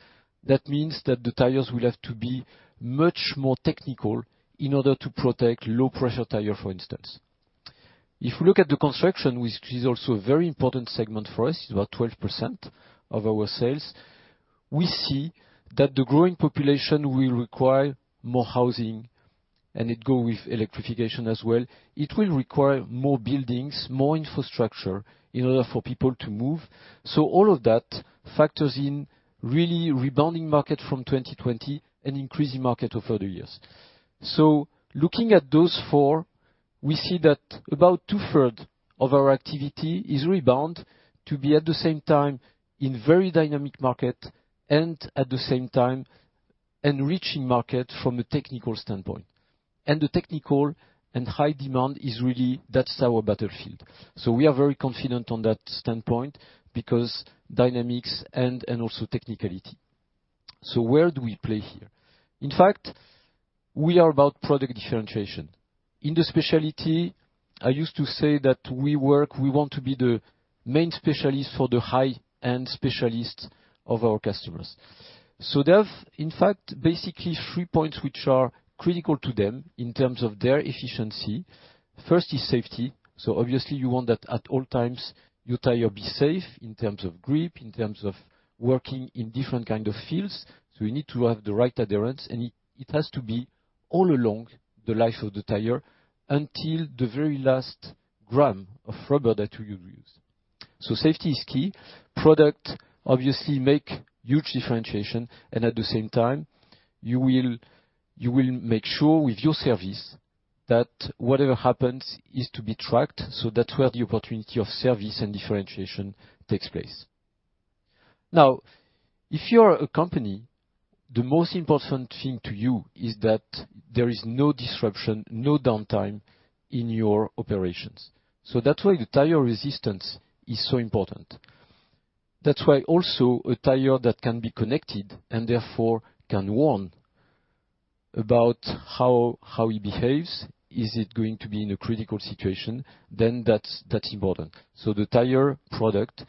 That means that the tires will have to be much more technical in order to protect low-pressure tires, for instance. If we look at the construction, which is also a very important segment for us, it's about 12% of our sales. We see that the growing population will require more housing, and it goes with electrification as well. It will require more buildings, more infrastructure in order for people to move so all of that factors in really rebounding market from 2020 and increasing market over the years so looking at those four, we see that about two-thirds of our activity is rebound to be at the same time in very dynamic market and at the same time enriching market from a technical standpoint and the technical and high demand is really that's our battlefield so we are very confident on that standpoint because dynamics and also technicality. So where do we play here? In fact, we are about product differentiation. In the specialty, I used to say that we want to be the main specialist for the high-end specialists of our customers. So they have, in fact, basically three points which are critical to them in terms of their efficiency. First is safety. So obviously, you want that at all times your tire be safe in terms of grip, in terms of working in different kinds of fields. So you need to have the right adherence, and it has to be all along the life of the tire until the very last gram of rubber that you use. So safety is key. Product, obviously, makes huge differentiation. And at the same time, you will make sure with your service that whatever happens is to be tracked. So that's where the opportunity of service and differentiation takes place. Now, if you're a company, the most important thing to you is that there is no disruption, no downtime in your operations. So that's why the tire resistance is so important. That's why also a tire that can be connected and therefore can warn about how it behaves, is it going to be in a critical situation, then that's important. So the tire product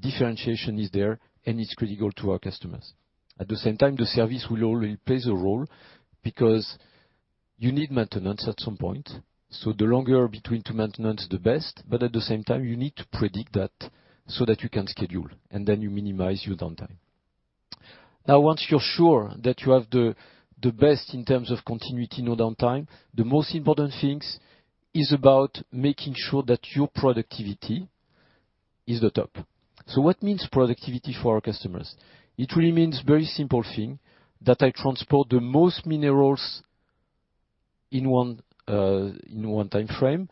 differentiation is there, and it's critical to our customers. At the same time, the service will always play a role because you need maintenance at some point. So the longer between two maintenance, the best. But at the same time, you need to predict that so that you can schedule, and then you minimize your downtime. Now, once you're sure that you have the best in terms of continuity, no downtime, the most important thing is about making sure that your productivity is the top. What means productivity for our customers? It really means a very simple thing that I transport the most minerals in one time frame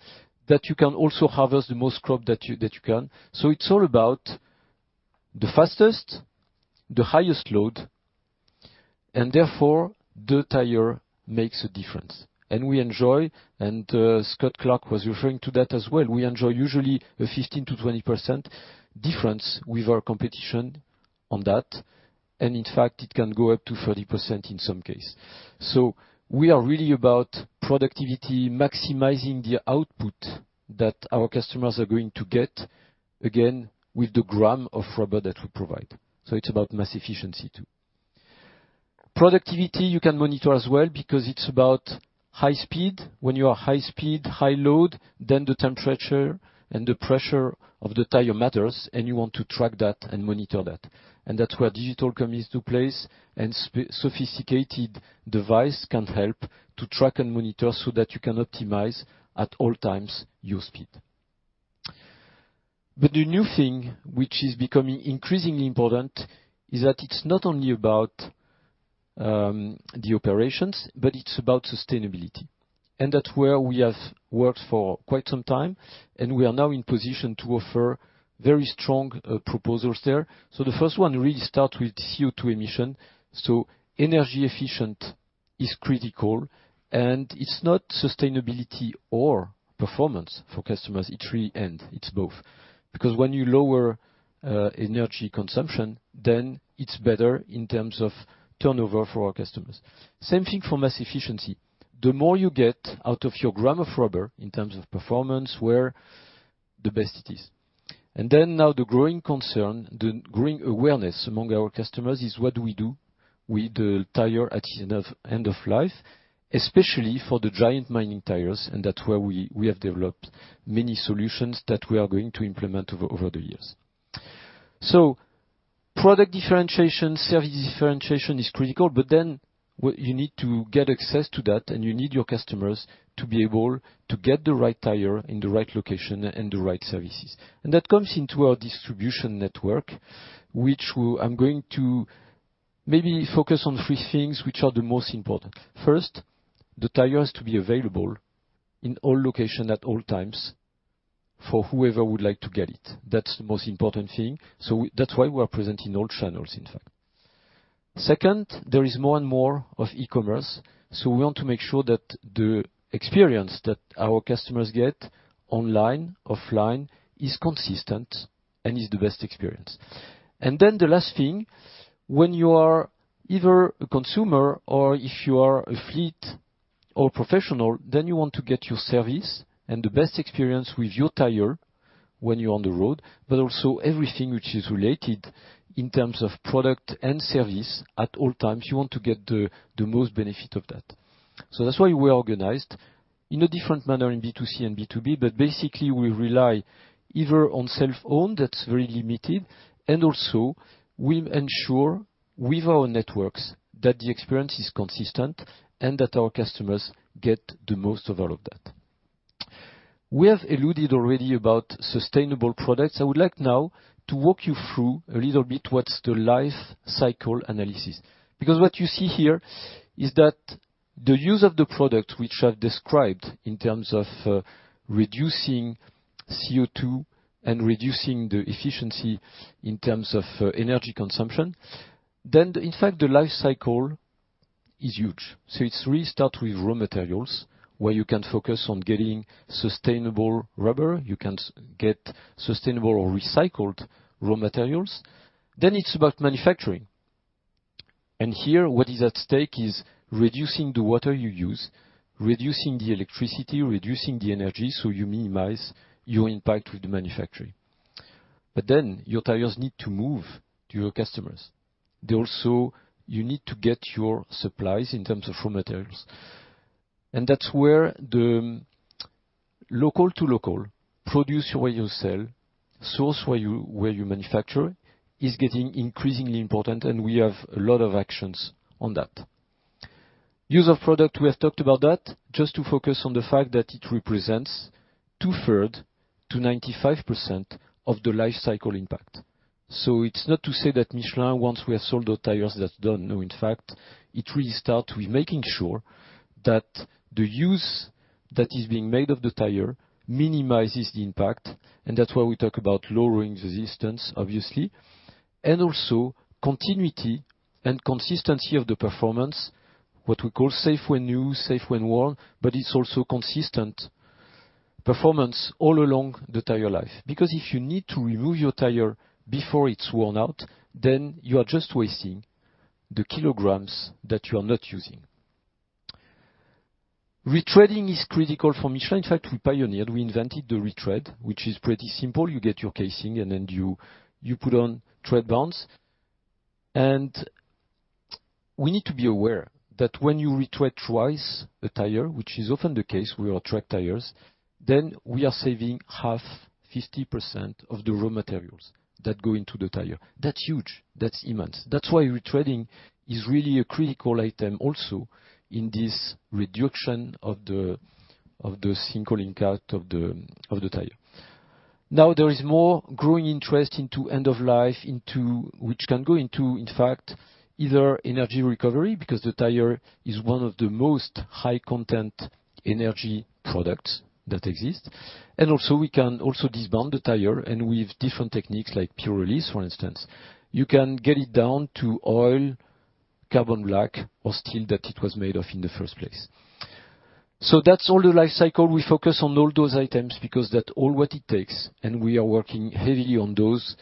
that you can also harvest the most crop that you can. It's all about the fastest, the highest load, and therefore the tire makes a difference. We enjoy, and Scott Clark was referring to that as well, we enjoy usually a 15%-20% difference with our competition on that. In fact, it can go up to 30% in some cases. We are really about productivity, maximizing the output that our customers are going to get, again, with the gram of rubber that we provide. It's about mass efficiency too. Productivity, you can monitor as well because it's about high speed. When you are high speed, high load, then the temperature and the pressure of the tire matters, and you want to track that and monitor that, and that's where digital comes into place, and sophisticated devices can help to track and monitor so that you can optimize at all times your speed, but the new thing, which is becoming increasingly important, is that it's not only about the operations, but it's about sustainability, and that's where we have worked for quite some time, and we are now in position to offer very strong proposals there, so the first one really starts with CO2 emission, so energy efficient is critical, and it's not sustainability or performance for customers. It's really end. It's both. Because when you lower energy consumption, then it's better in terms of turnover for our customers. Same thing for mass efficiency. The more you get out of your gram of rubber in terms of performance, the best it is. And then now the growing concern, the growing awareness among our customers is what do we do with the tire at the end of life, especially for the giant mining tires. And that's where we have developed many solutions that we are going to implement over the years. So product differentiation, service differentiation is critical, but then you need to get access to that, and you need your customers to be able to get the right tire in the right location and the right services. And that comes into our distribution network, which I'm going to maybe focus on three things which are the most important. First, the tire has to be available in all locations at all times for whoever would like to get it. That's the most important thing. So that's why we are presenting all channels, in fact. Second, there is more and more of e-commerce. So we want to make sure that the experience that our customers get online, offline, is consistent and is the best experience. And then the last thing, when you are either a consumer or if you are a fleet or professional, then you want to get your service and the best experience with your tire when you're on the road, but also everything which is related in terms of product and service at all times. You want to get the most benefit of that. So that's why we are organized in a different manner in B2C and B2B, but basically, we rely either on self-owned that's very limited, and also we ensure with our networks that the experience is consistent and that our customers get the most of all of that. We have alluded already about sustainable products. I would like now to walk you through a little bit what's the life cycle analysis. Because what you see here is that the use of the products which I've described in terms of reducing CO2 and reducing the efficiency in terms of energy consumption, then in fact, the life cycle is huge, so it's really start with raw materials where you can focus on getting sustainable rubber. You can get sustainable or recycled raw materials. Then it's about manufacturing, and here, what is at stake is reducing the water you use, reducing the electricity, reducing the energy so you minimize your impact with the manufacturing. But then your tires need to move to your customers. Also, you need to get your supplies in terms of raw materials. And that's where the local to local production where you sell, source where you manufacture is getting increasingly important, and we have a lot of actions on that. Use of product, we have talked about that. Just to focus on the fact that it represents two-thirds to 95% of the life cycle impact. So it's not to say that Michelin, once we have sold those tires, that's done. No, in fact, it really starts with making sure that the use that is being made of the tire minimizes the impact. And that's why we talk about lowering resistance, obviously, and also continuity and consistency of the performance, what we call safe when new, safe when worn, but it's also consistent performance all along the tire life. Because if you need to remove your tire before it's worn out, then you are just wasting the kilograms that you are not using. Retreading is critical for Michelin. In fact, we pioneered. We invented the retread, which is pretty simple. You get your casing, and then you put on tread bands. And we need to be aware that when you retread twice a tire, which is often the case with our truck tires, then we are saving half, 50% of the raw materials that go into the tire. That's huge. That's immense. That's why retreading is really a critical item also in this reduction of the single impact of the tire. Now, there is more growing interest into end of life, which can go into, in fact, either energy recovery because the tire is one of the most high-content energy products that exist. And also, we can also disband the tire, and with different techniques like pyrolysis, for instance, you can get it down to oil, carbon black, or steel that it was made of in the first place. So that's all the life cycle. We focus on all those items because that's all what it takes, and we are working heavily on those.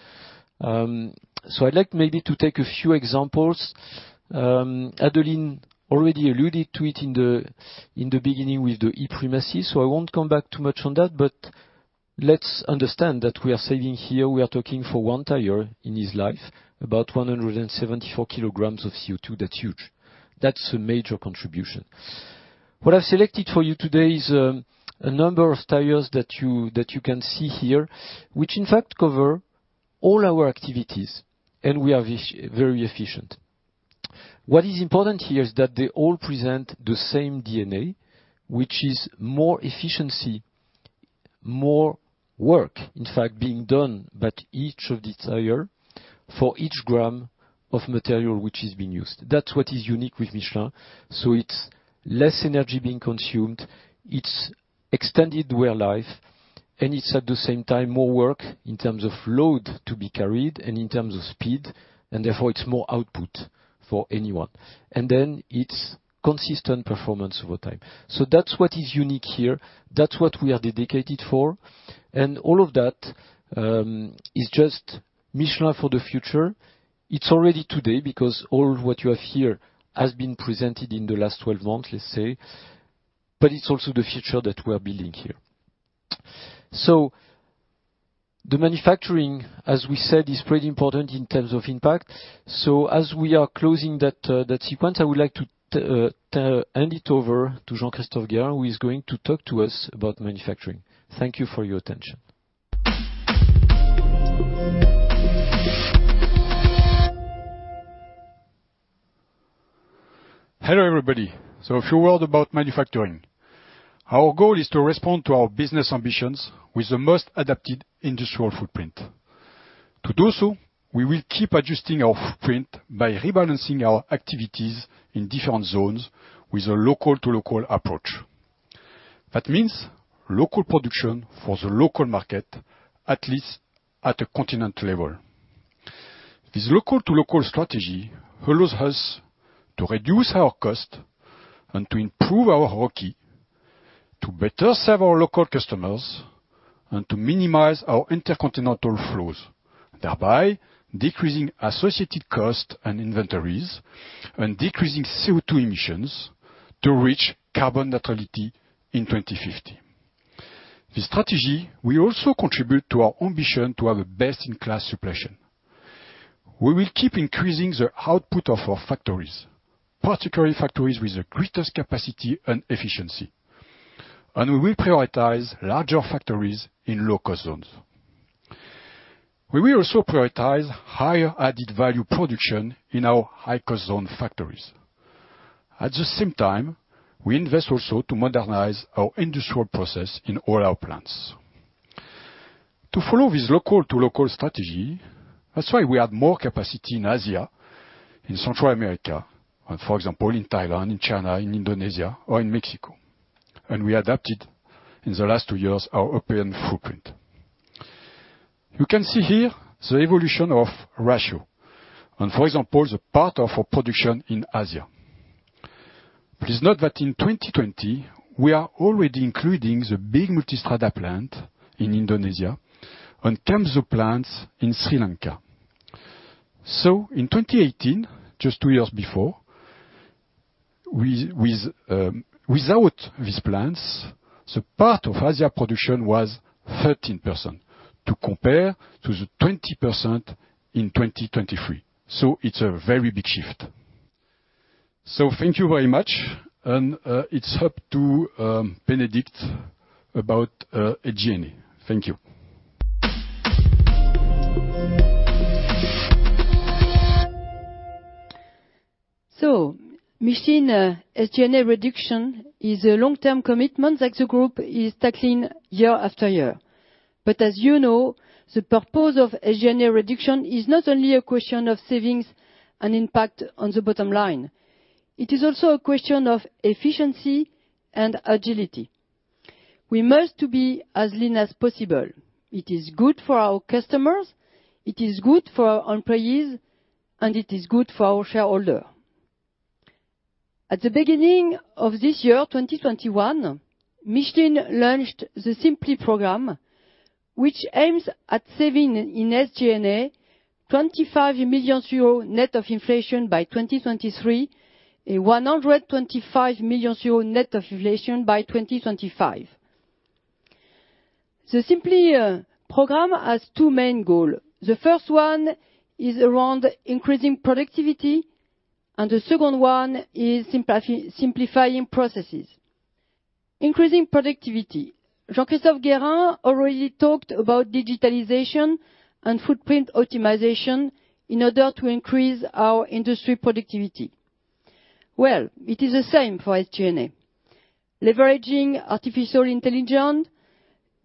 So I'd like maybe to take a few examples. Adeline already alluded to it in the beginning with the e.Primacy. So I won't come back too much on that, but let's understand that we are saving here. We are talking for one tire in his life, about 174 kg of CO2. That's huge. That's a major contribution. What I've selected for you today is a number of tires that you can see here, which in fact cover all our activities, and we are very efficient. What is important here is that they all present the same DNA, which is more efficiency, more work, in fact, being done by each of these tires for each gram of material which is being used. That's what is unique with Michelin, so it's less energy being consumed. It's extended wear life, and it's at the same time more work in terms of load to be carried and in terms of speed, and therefore, it's more output for anyone, and then it's consistent performance over time, so that's what is unique here. That's what we are dedicated for, and all of that is just Michelin for the future. It's already today because all what you have here has been presented in the last 12 months, let's say, but it's also the future that we are building here, so the manufacturing, as we said, is pretty important in terms of impact. So as we are closing that sequence, I would like to hand it over to Jean-Christophe Guérin, who is going to talk to us about manufacturing. Thank you for your attention. Hello everybody. A few word about manufacturing, our goal is to respond to our business ambitions with the most adapted industrial footprint. To do so, we will keep adjusting our footprint by rebalancing our activities in different zones with a local to local approach. That means local production for the local market, at least at a continental level. This local to local strategy allows us to reduce our cost and to improve our ROCE, to better serve our local customers, and to minimize our intercontinental flows, thereby decreasing associated costs and inventories and decreasing CO2 emissions to reach carbon neutrality in 2050. This strategy, we also contribute to our ambition to have a best-in-class supply chain. We will keep increasing the output of our factories, particularly factories with the greatest capacity and efficiency, and we will prioritize larger factories in low-cost zones. We will also prioritize higher added value production in our high-cost zone factories. At the same time, we invest also to modernize our industrial process in all our plants. To follow this local to local strategy, that's why we add more capacity in Asia, in Central America, and for example, in Thailand, in China, in Indonesia, or in Mexico, and we adapted in the last two years our operating footprint. You can see here the evolution of ratio, and for example, the part of our production in Asia. Please note that in 2020, we are already including the big Multistrada plant in Indonesia and Camso plants in Sri Lanka. So in 2018, just two years before, without these plants, the part of Asia production was 13% to compare to the 20% in 2023. So it's a very big shift. So thank you very much. And it's up to Bénédicte about SG&A. Thank you. So Michelin SG&A reduction is a long-term commitment that the group is tackling year-after-year. But as you know, the purpose of SG&A reduction is not only a question of savings and impact on the bottom line. It is also a question of efficiency and agility. We must be as lean as possible. It is good for our customers. It is good for our employees, and it is good for our shareholder. At the beginning of this year, 2021, Michelin launched the Simplexity program, which aims at saving in SG&A 25 million euro net of inflation by 2023 and 125 million euro net of inflation by 2025. The Simplexity program has two main goals. The first one is around increasing productivity, and the second one is simplifying processes. Increasing productivity. Jean-Christophe Guérin already talked about digitalization and footprint optimization in order to increase our industry productivity. Well, it is the same for SG&A. Leveraging artificial intelligence,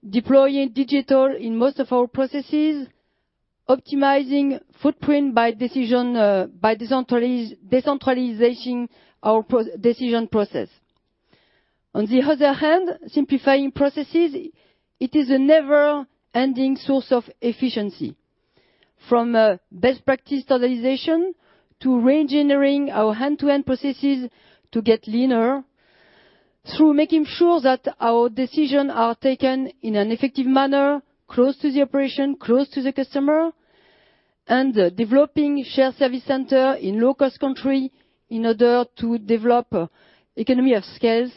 deploying digital in most of our processes, optimizing footprint by decentralization of our decision process. On the other hand, simplifying processes, it is a never-ending source of efficiency. From best practice standardization to re-engineering our end-to-end processes to get leaner, through making sure that our decisions are taken in an effective manner, close to the operation, close to the customer, and developing shared service centers in low-cost countries in order to develop economies of scale,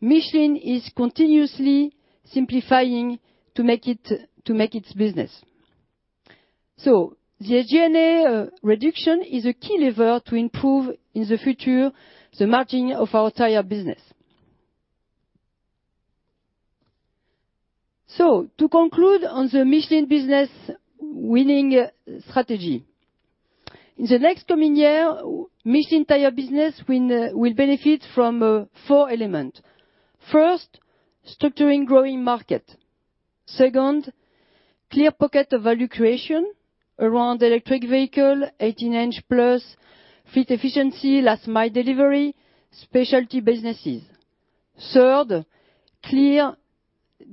Michelin is continuously simplifying to make its business. So the SG&A reduction is a key lever to improve in the future the margin of our tire business. So to conclude on the Michelin business winning strategy, in the next coming year, Michelin tire business will benefit from four elements. First, structuring growing market. Second, clear pocket of value creation around electric vehicles, 18-inch plus, fleet efficiency, last-mile delivery, specialty businesses. Third, clear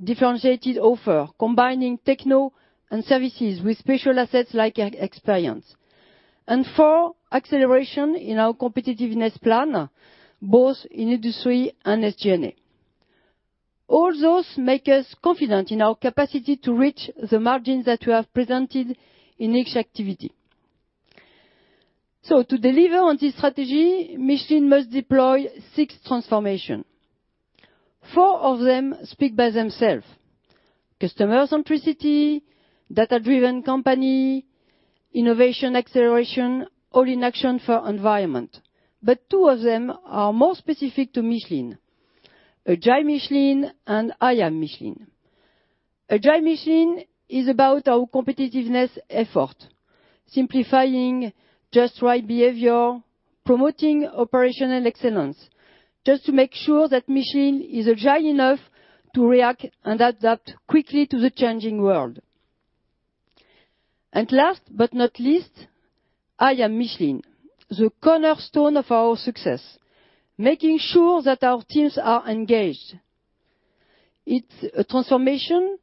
differentiated offer, combining techno and services with special assets like experience. And four, acceleration in our competitiveness plan, both in industry and SG&A. All those make us confident in our capacity to reach the margins that we have presented in each activity. So to deliver on this strategy, Michelin must deploy six transformations. Four of them speak by themselves: customer centricity, data-driven company, innovation acceleration, all in action for the environment. But two of them are more specific to Michelin: Agile Michelin and I am Michelin. Agile Michelin is about our competitiveness effort, simplifying just right behavior, promoting operational excellence, just to make sure that Michelin is agile enough to react and adapt quickly to the changing world. And last but not least, I am Michelin, the cornerstone of our success, making sure that our teams are engaged. It's a transformation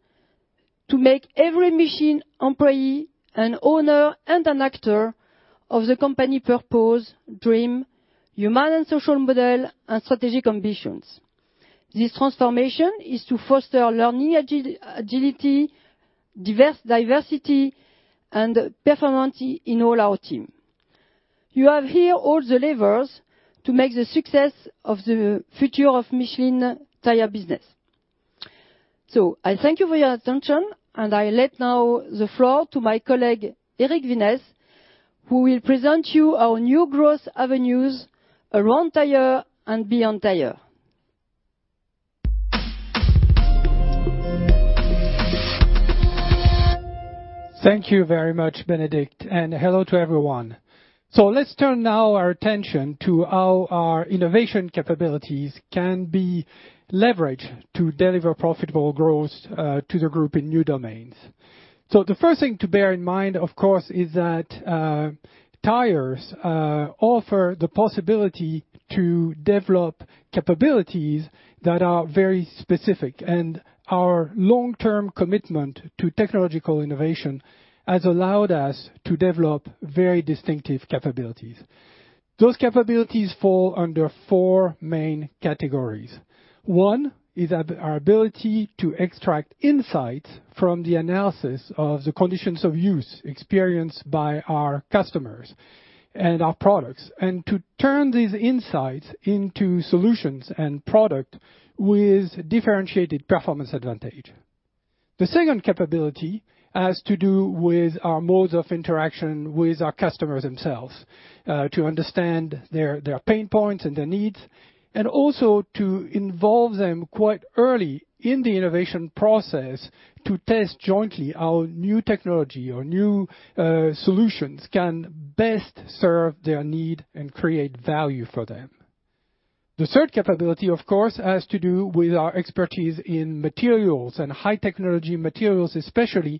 to make every Michelin employee an owner and an actor of the company purpose, dream, human and social model, and strategic ambitions. This transformation is to foster learning agility, diversity, and performance in all our teams. You have here all the levers to make the success of the future of the Michelin tire business. So I thank you for your attention, and I now let the floor to my colleague Eric Vinesse, who will present to you our new growth avenues around tire and beyond tire. Thank you very much, Bénédicte, and hello to everyone. Let's turn now our attention to how our innovation capabilities can be leveraged to deliver profitable growth to the group in new domains. The first thing to bear in mind, of course, is that tires offer the possibility to develop capabilities that are very specific. Our long-term commitment to technological innovation has allowed us to develop very distinctive capabilities. Those capabilities fall under four main categories. One is our ability to extract insights from the analysis of the conditions of use experienced by our customers and our products, and to turn these insights into solutions and products with differentiated performance advantage. The second capability has to do with our modes of interaction with our customers themselves, to understand their pain points and their needs, and also to involve them quite early in the innovation process to test jointly how new technology or new solutions can best serve their need and create value for them. The third capability, of course, has to do with our expertise in materials and high-technology materials, especially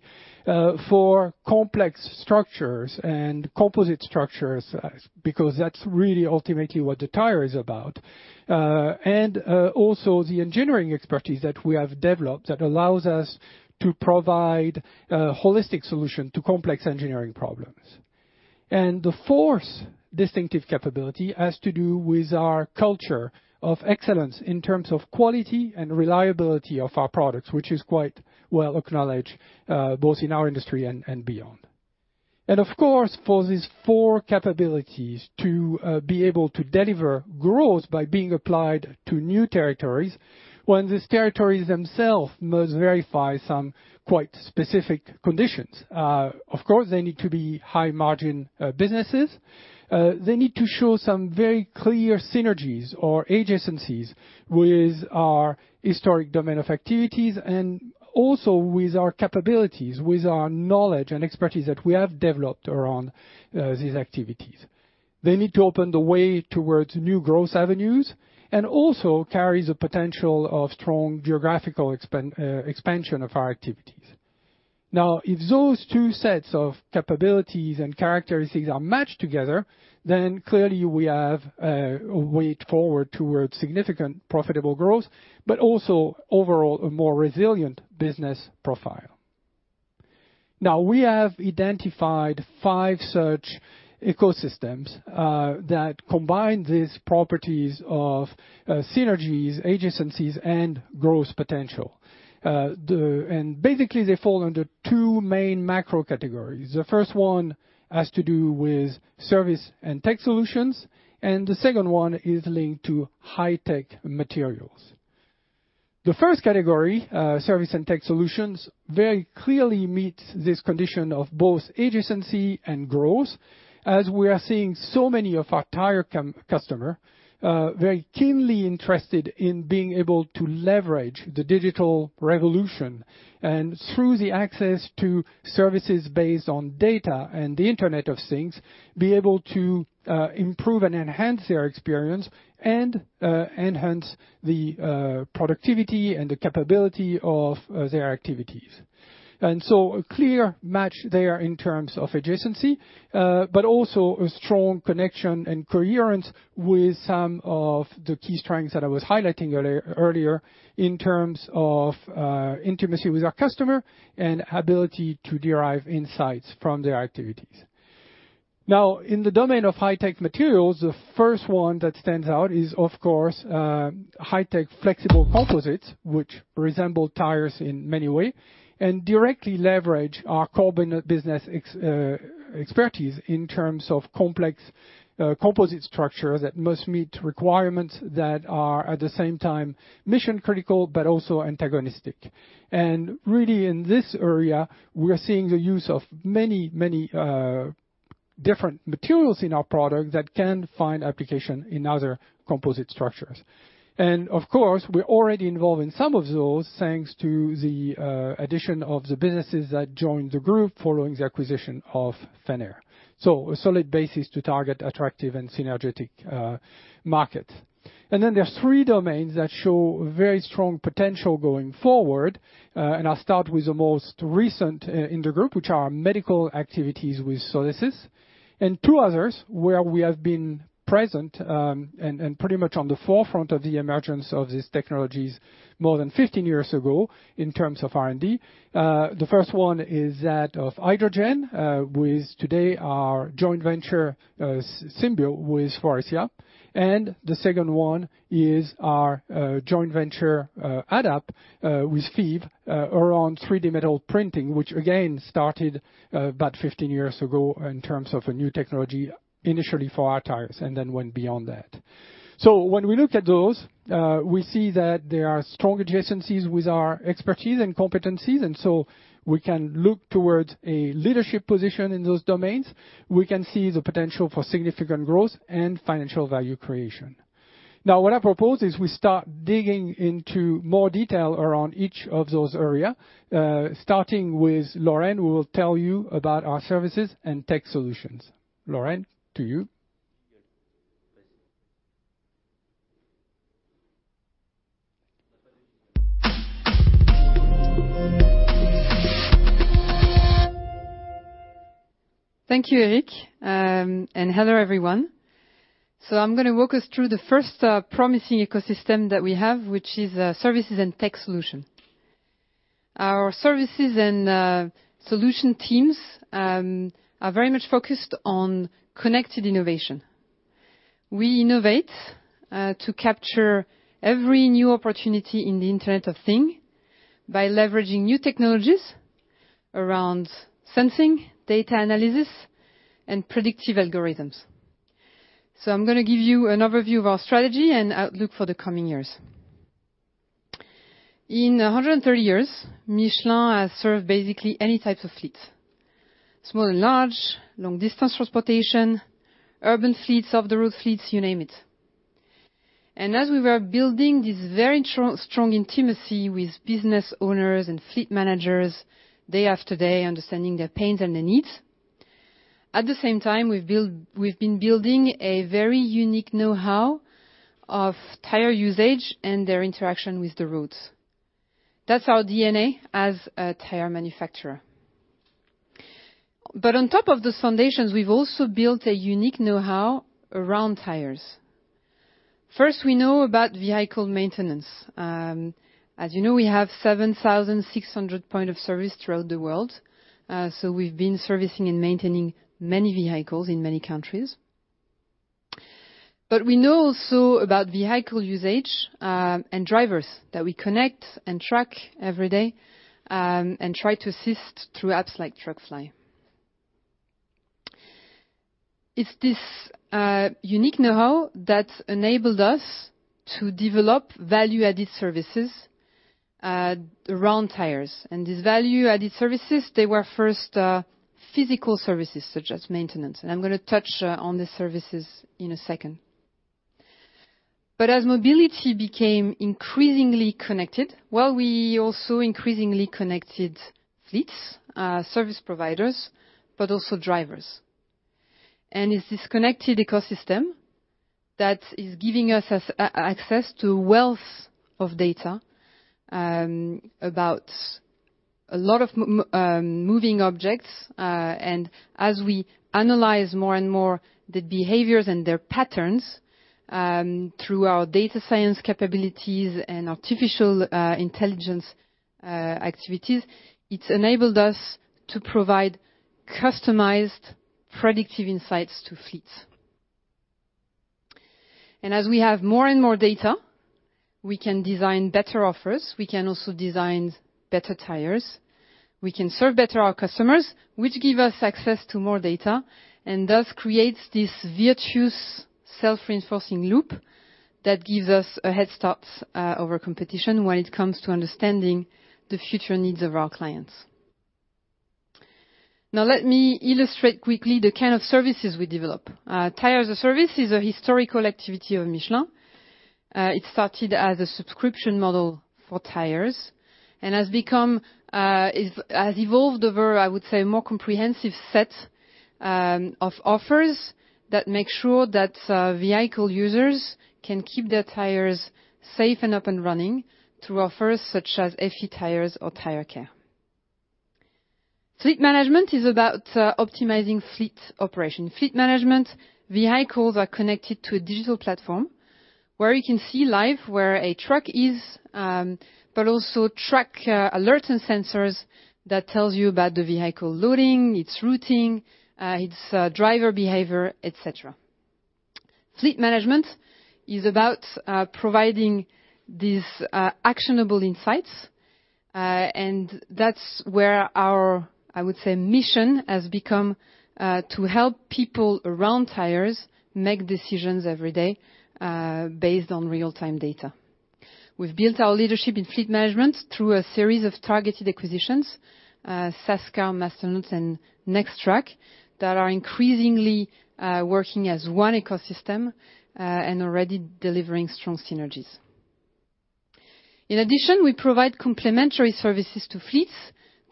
for complex structures and composite structures, because that's really ultimately what the tire is about, and also the engineering expertise that we have developed that allows us to provide holistic solutions to complex engineering problems, and the fourth distinctive capability has to do with our culture of excellence in terms of quality and reliability of our products, which is quite well acknowledged both in our industry and beyond. Of course, for these four capabilities to be able to deliver growth by being applied to new territories when these territories themselves must verify some quite specific conditions. Of course, they need to be high-margin businesses. They need to show some very clear synergies or adjacencies with our historic domain of activities and also with our capabilities, with our knowledge and expertise that we have developed around these activities. They need to open the way towards new growth avenues and also carry the potential of strong geographical expansion of our activities. Now, if those two sets of capabilities and characteristics are matched together, then clearly we have a way forward towards significant profitable growth, but also overall a more resilient business profile. Now, we have identified five such ecosystems that combine these properties of synergies, adjacencies, and growth potential. Basically, they fall under two main macro categories. The first one has to do with service and tech solutions, and the second one is linked to high-tech materials. The first category, service and tech solutions, very clearly meets this condition of both adjacency and growth, as we are seeing so many of our tire customers very keenly interested in being able to leverage the digital revolution and through the access to services based on data and the Internet of Things, be able to improve and enhance their experience and enhance the productivity and the capability of their activities, and so a clear match there in terms of adjacency, but also a strong connection and coherence with some of the key strengths that I was highlighting earlier in terms of intimacy with our customer and ability to derive insights from their activities. Now, in the domain of high-tech materials, the first one that stands out is, of course, high-tech flexible composites, which resemble tires in many ways and directly leverage our carbon business expertise in terms of complex composite structures that must meet requirements that are at the same time mission-critical, but also antagonistic. And really, in this area, we're seeing the use of many, many different materials in our product that can find application in other composite structures. And of course, we're already involved in some of those thanks to the addition of the businesses that joined the group following the acquisition of Fenner. So a solid basis to target attractive and synergetic markets. And then there are three domains that show very strong potential going forward. And I'll start with the most recent in the group, which are medical activities with Solesis. And two others where we have been present and pretty much on the forefront of the emergence of these technologies more than 15 years ago in terms of R&D. The first one is that of hydrogen with today our joint venture, Symbio, with Faurecia. And the second one is our joint venture, AddUp, with Fives, around 3D metal printing, which again started about 15 years ago in terms of a new technology initially for our tires and then went beyond that. So when we look at those, we see that there are strong adjacencies with our expertise and competencies. And so we can look towards a leadership position in those domains. We can see the potential for significant growth and financial value creation. Now, what I propose is we start digging into more detail around each of those areas, starting with Lorraine, who will tell you about our services and tech solutions. Lorraine, to you. Thank you, Eric. And hello, everyone. So I'm going to walk us through the first promising ecosystem that we have, which is services and tech solutions. Our services and solution teams are very much focused on connected innovation. We innovate to capture every new opportunity in the Internet of Things by leveraging new technologies around sensing, data analysis, and predictive algorithms. So I'm going to give you an overview of our strategy and outlook for the coming years. In 130 years, Michelin has served basically any type of fleet: small and large, long-distance transportation, urban fleets, off-the-road fleets, you name it. And as we were building this very strong intimacy with business owners and fleet managers day after day, understanding their pains and their needs, at the same time, we've been building a very unique know-how of tire usage and their interaction with the roads. That's our DNA as a tire manufacturer. But on top of those foundations, we've also built a unique know-how around tires. First, we know about vehicle maintenance. As you know, we have 7,600 points of service throughout the world. So we've been servicing and maintaining many vehicles in many countries. But we know also about vehicle usage and drivers that we connect and track every day and try to assist through apps like Truckfly. It's this unique know-how that enabled us to develop value-added services around tires. And these value-added services, they were first physical services such as maintenance. I'm going to touch on the services in a second. As mobility became increasingly connected, well, we also increasingly connected fleets, service providers, but also drivers. It's this connected ecosystem that is giving us access to wealth of data about a lot of moving objects. As we analyze more and more the behaviors and their patterns through our data science capabilities and artificial intelligence activities, it's enabled us to provide customized predictive insights to fleets. As we have more and more data, we can design better offers. We can also design better tires. We can serve better our customers, which gives us access to more data and thus creates this virtuous self-reinforcing loop that gives us a head start over competition when it comes to understanding the future needs of our clients. Now, let me illustrate quickly the kind of services we develop. Tires-as-a-Service is a historical activity of Michelin. It started as a subscription model for tires and has evolved over, I would say, a more comprehensive set of offers that make sure that vehicle users can keep their tires safe and up and running through offers such as Effitires or Tire Care. Fleet management is about optimizing fleet operation. Fleet management vehicles are connected to a digital platform where you can see live where a truck is, but also track alerts and sensors that tell you about the vehicle loading, its routing, its driver behavior, etc. Fleet management is about providing these actionable insights, and that's where our, I would say, mission has become to help people around tires make decisions every day based on real-time data. We've built our leadership in fleet management through a series of targeted acquisitions, Sascar, Masternaut, and NexTraq that are increasingly working as one ecosystem and already delivering strong synergies. In addition, we provide complementary services to fleets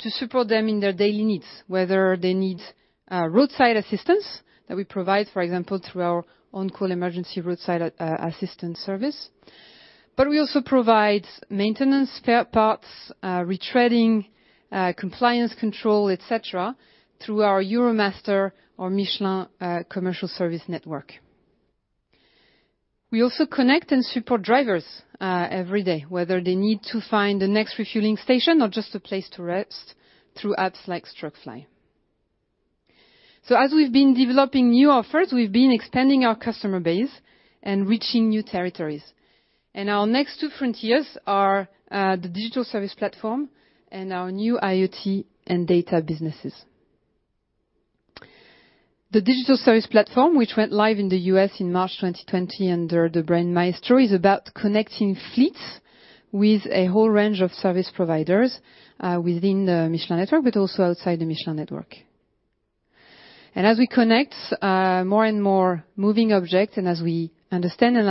to support them in their daily needs, whether they need roadside assistance that we provide, for example, through our on-call emergency roadside assistance service. But we also provide maintenance spare parts, retreading, compliance control, etc., through our Euromaster or Michelin Commercial Service Network. We also connect and support drivers every day, whether they need to find the next refueling station or just a place to rest through apps like Truckfly. So as we've been developing new offers, we've been expanding our customer base and reaching new territories. And our next two frontiers are the digital service platform and our new IoT and data businesses. The digital service platform, which went live in the U.S. in March 2020 under the brand MAESTRO, is about connecting fleets with a whole range of service providers within the Michelin network, but also outside the Michelin network, and as we connect more and more moving objects and as we understand and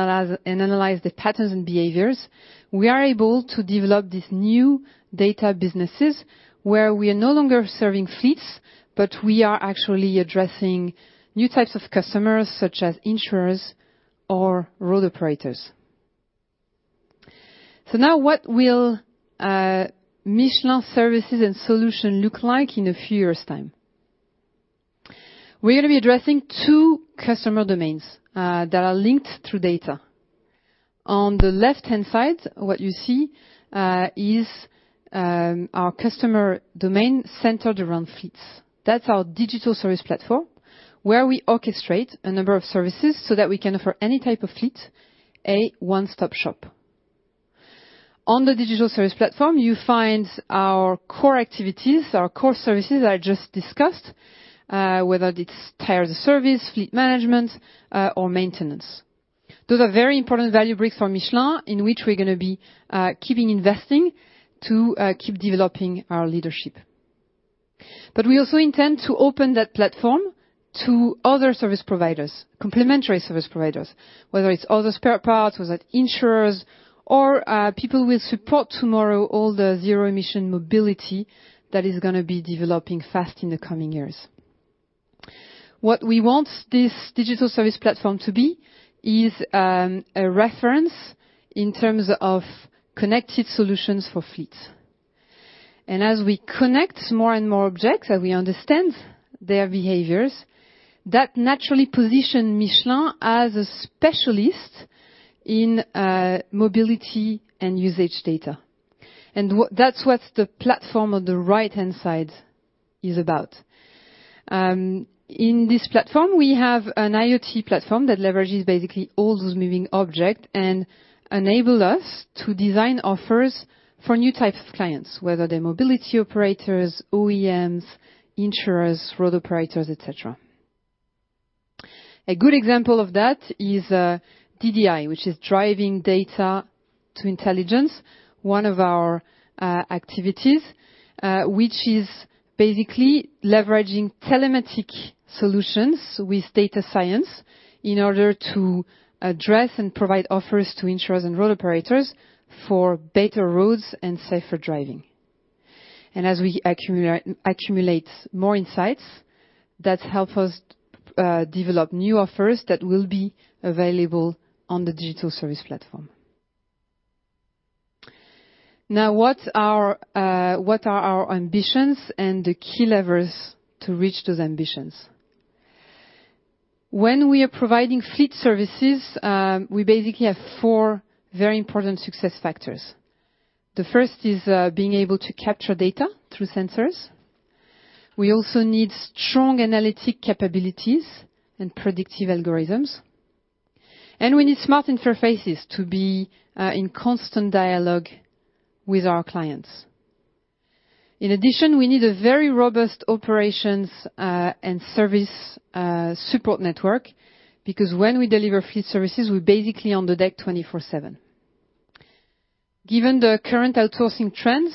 analyze the patterns and behaviors, we are able to develop these new data businesses where we are no longer serving fleets, but we are actually addressing new types of customers such as insurers or road operators, so now, what will Michelin services and solutions look like in a few years' time? We're going to be addressing two customer domains that are linked through data. On the left-hand side, what you see is our customer domain centered around fleets. That's our digital service platform where we orchestrate a number of services so that we can offer any type of fleet a one-stop shop. On the digital service platform, you find our core activities, our core services that I just discussed, whether it's Tires-as-a-Service, fleet management, or maintenance. Those are very important value bricks for Michelin in which we're going to be keeping investing to keep developing our leadership. But we also intend to open that platform to other service providers, complementary service providers, whether it's other spare parts, whether it's insurers, or people who will support tomorrow all the zero-emission mobility that is going to be developing fast in the coming years. What we want this digital service platform to be is a reference in terms of connected solutions for fleets. As we connect more and more objects and we understand their behaviors, that naturally positions Michelin as a specialist in mobility and usage data. That's what the platform on the right-hand side is about. In this platform, we have an IoT platform that leverages basically all those moving objects and enables us to design offers for new types of clients, whether they're mobility operators, OEMs, insurers, road operators, etc. A good example of that is DDI, which is Driving Data to Intelligence, one of our activities, which is basically leveraging telematic solutions with data science in order to address and provide offers to insurers and road operators for better roads and safer driving. As we accumulate more insights, that helps us develop new offers that will be available on the digital service platform. Now, what are our ambitions and the key levers to reach those ambitions? When we are providing fleet services, we basically have four very important success factors. The first is being able to capture data through sensors. We also need strong analytic capabilities and predictive algorithms, and we need smart interfaces to be in constant dialogue with our clients. In addition, we need a very robust operations and service support network because when we deliver fleet services, we're basically on the deck 24/7. Given the current outsourcing trends,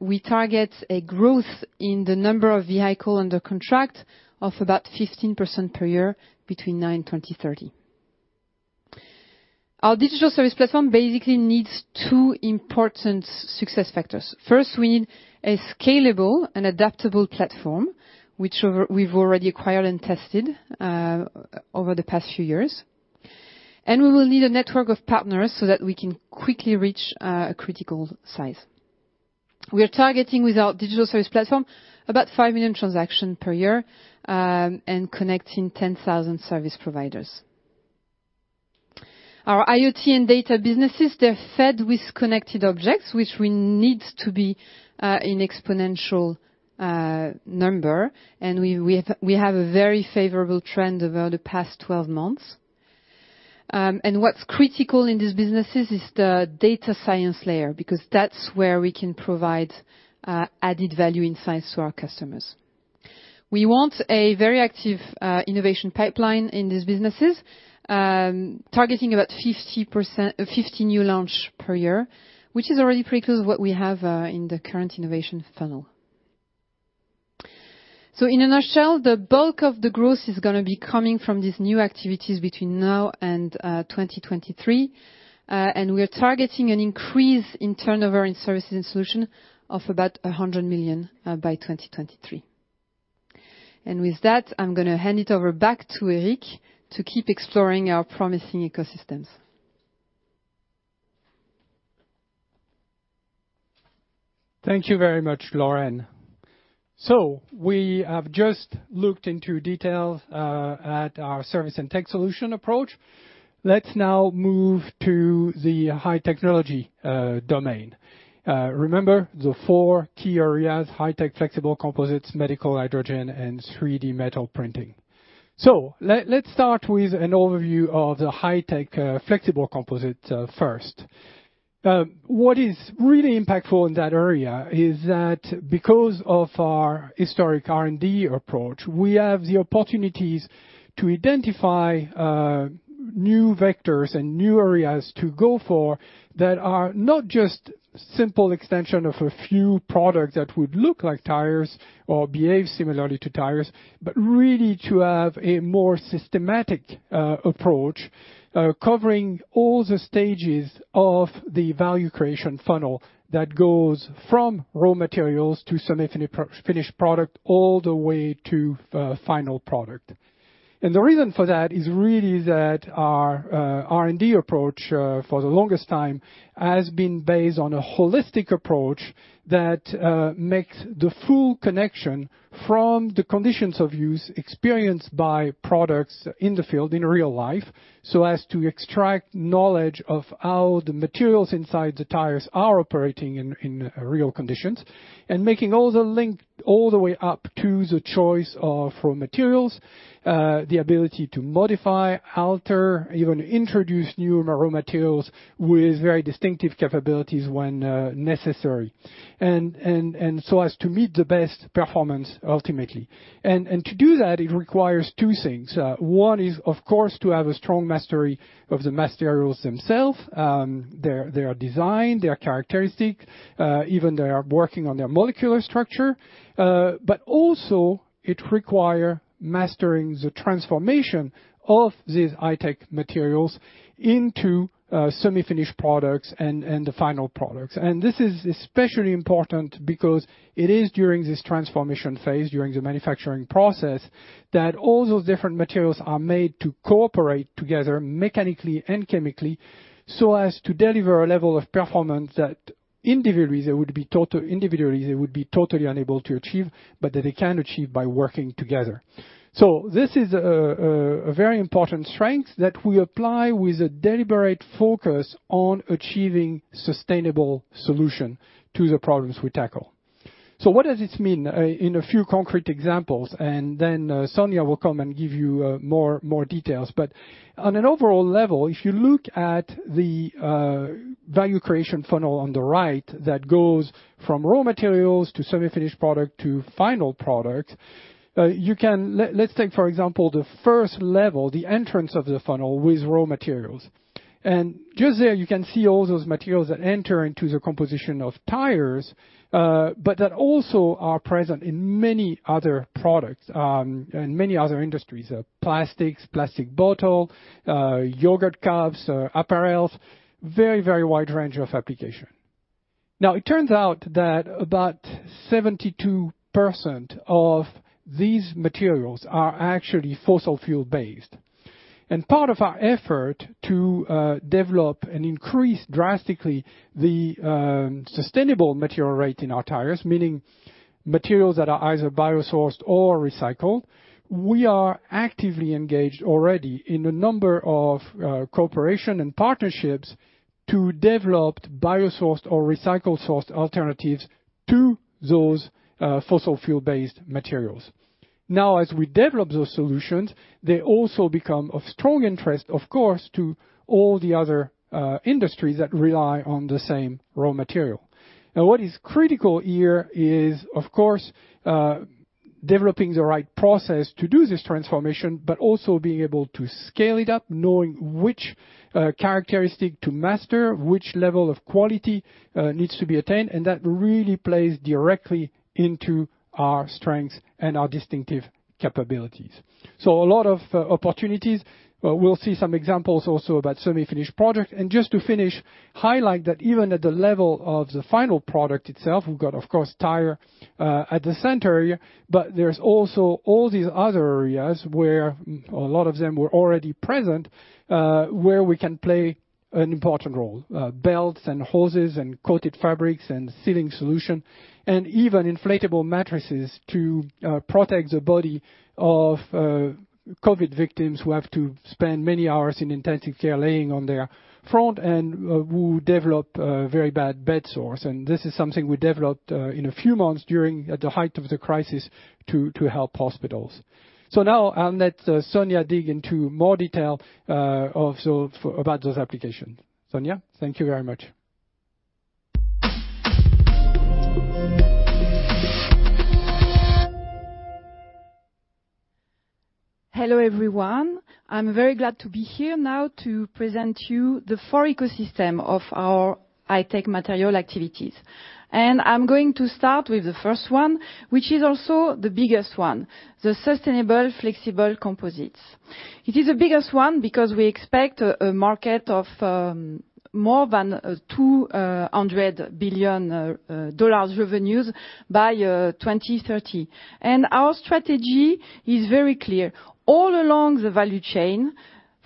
we target a growth in the number of vehicles under contract of about 15% per year between now and 2030. Our digital service platform basically needs two important success factors. First, we need a scalable and adaptable platform, which we've already acquired and tested over the past few years, and we will need a network of partners so that we can quickly reach a critical size. We are targeting with our digital service platform about 5 million transactions per year and connecting 10,000 service providers. Our IoT and data businesses, they're fed with connected objects, which we need to be in exponential number. And we have a very favorable trend over the past 12 months. And what's critical in these businesses is the data science layer because that's where we can provide added value in science to our customers. We want a very active innovation pipeline in these businesses, targeting about 50 new launches per year, which is already pretty close to what we have in the current innovation funnel. So in a nutshell, the bulk of the growth is going to be coming from these new activities between now and 2023. And we are targeting an increase in turnover in services and solutions of about 100 million by 2023. And with that, I'm going to hand it over back to Eric to keep exploring our promising ecosystems. Thank you very much, Lorraine. So we have just looked into detail at our service and tech solution approach. Let's now move to the high-technology domain. Remember the four key areas: high-tech, flexible composites, medical hydrogen, and 3D metal printing. So let's start with an overview of the high-tech flexible composites first. What is really impactful in that area is that because of our historic R&D approach, we have the opportunities to identify new vectors and new areas to go for that are not just simple extensions of a few products that would look like tires or behave similarly to tires, but really to have a more systematic approach covering all the stages of the value creation funnel that goes from raw materials to semi-finished product all the way to final product. The reason for that is really that our R&D approach for the longest time has been based on a holistic approach that makes the full connection from the conditions of use experienced by products in the field in real life so as to extract knowledge of how the materials inside the tires are operating in real conditions and making all the link all the way up to the choice of raw materials, the ability to modify, alter, even introduce new raw materials with very distinctive capabilities when necessary and so as to meet the best performance ultimately. To do that, it requires two things. One is, of course, to have a strong mastery of the materials themselves, their design, their characteristics, even their working on their molecular structure. But also, it requires mastering the transformation of these high-tech materials into semi-finished products and the final products. And this is especially important because it is during this transformation phase, during the manufacturing process, that all those different materials are made to cooperate together mechanically and chemically so as to deliver a level of performance that individually, they would be totally unable to achieve, but that they can achieve by working together. So this is a very important strength that we apply with a deliberate focus on achieving sustainable solutions to the problems we tackle. So what does this mean? In a few concrete examples, and then Sonia will come and give you more details. But on an overall level, if you look at the value creation funnel on the right that goes from raw materials to semi-finished product to final product, you can. Let's take, for example, the first level, the entrance of the funnel with raw materials. Just there, you can see all those materials that enter into the composition of tires, but that also are present in many other products and many other industries: plastics, plastic bottles, yogurt cups, apparels, very, very wide range of applications. Now, it turns out that about 72% of these materials are actually fossil fuel-based. Part of our effort to develop and increase drastically the sustainable material rate in our tires, meaning materials that are either biosourced or recycled. We are actively engaged already in a number of cooperations and partnerships to develop biosourced or recycled-sourced alternatives to those fossil fuel-based materials. Now, as we develop those solutions, they also become of strong interest, of course, to all the other industries that rely on the same raw material. Now, what is critical here is, of course, developing the right process to do this transformation, but also being able to scale it up, knowing which characteristic to master, which level of quality needs to be attained, and that really plays directly into our strengths and our distinctive capabilities. So a lot of opportunities. We'll see some examples also about semi-finished products. And just to finish, highlight that even at the level of the final product itself, we've got, of course, tire at the center here, but there's also all these other areas where a lot of them were already present where we can play an important role: belts and hoses and coated fabrics and sealing solutions, and even inflatable mattresses to protect the body of COVID victims who have to spend many hours in intensive care laying on their front and who develop very bad bedsores. This is something we developed in a few months during the height of the crisis to help hospitals. Now I'll let Sonia dig into more detail about those applications. Sonia, thank you very much. Hello everyone. I'm very glad to be here now to present to you the four ecosystems of our high-tech material activities. I'm going to start with the first one, which is also the biggest one: the sustainable flexible composites. It is the biggest one because we expect a market of more than EUR 200 billion revenues by 2030. Our strategy is very clear. All along the value chain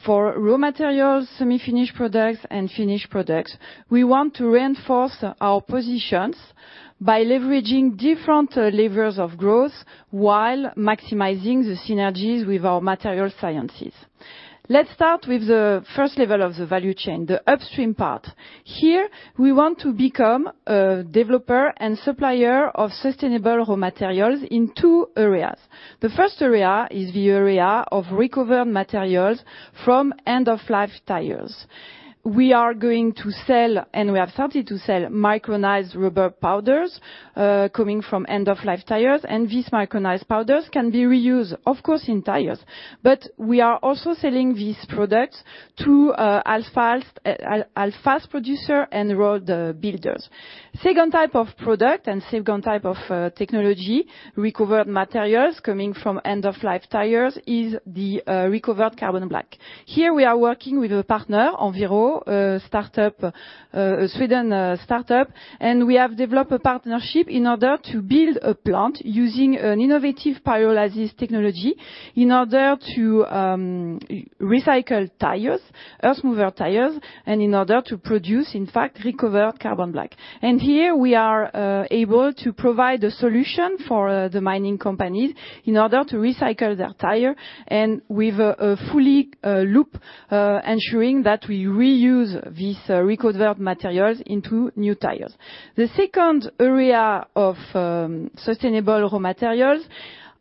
for raw materials, semi-finished products, and finished products, we want to reinforce our positions by leveraging different levers of growth while maximizing the synergies with our material sciences. Let's start with the first level of the value chain, the upstream part. Here, we want to become a developer and supplier of sustainable raw materials in two areas. The first area is the area of recovered materials from end-of-life tires. We are going to sell, and we have started to sell, micronized rubber powders coming from end-of-life tires. And these micronized powders can be reused, of course, in tires. But we are also selling these products to asphalt producers and road builders. Second type of product and second type of technology, recovered materials coming from end-of-life tires, is the recovered carbon black. Here, we are working with a partner, Enviro, a Swedish startup, and we have developed a partnership in order to build a plant using an innovative pyrolysis technology in order to recycle tires, earth-mover tires, and in order to produce, in fact, recovered carbon black. And here, we are able to provide a solution for the mining companies in order to recycle their tires and with a closed loop, ensuring that we reuse these recovered materials into new tires. The second area of sustainable raw materials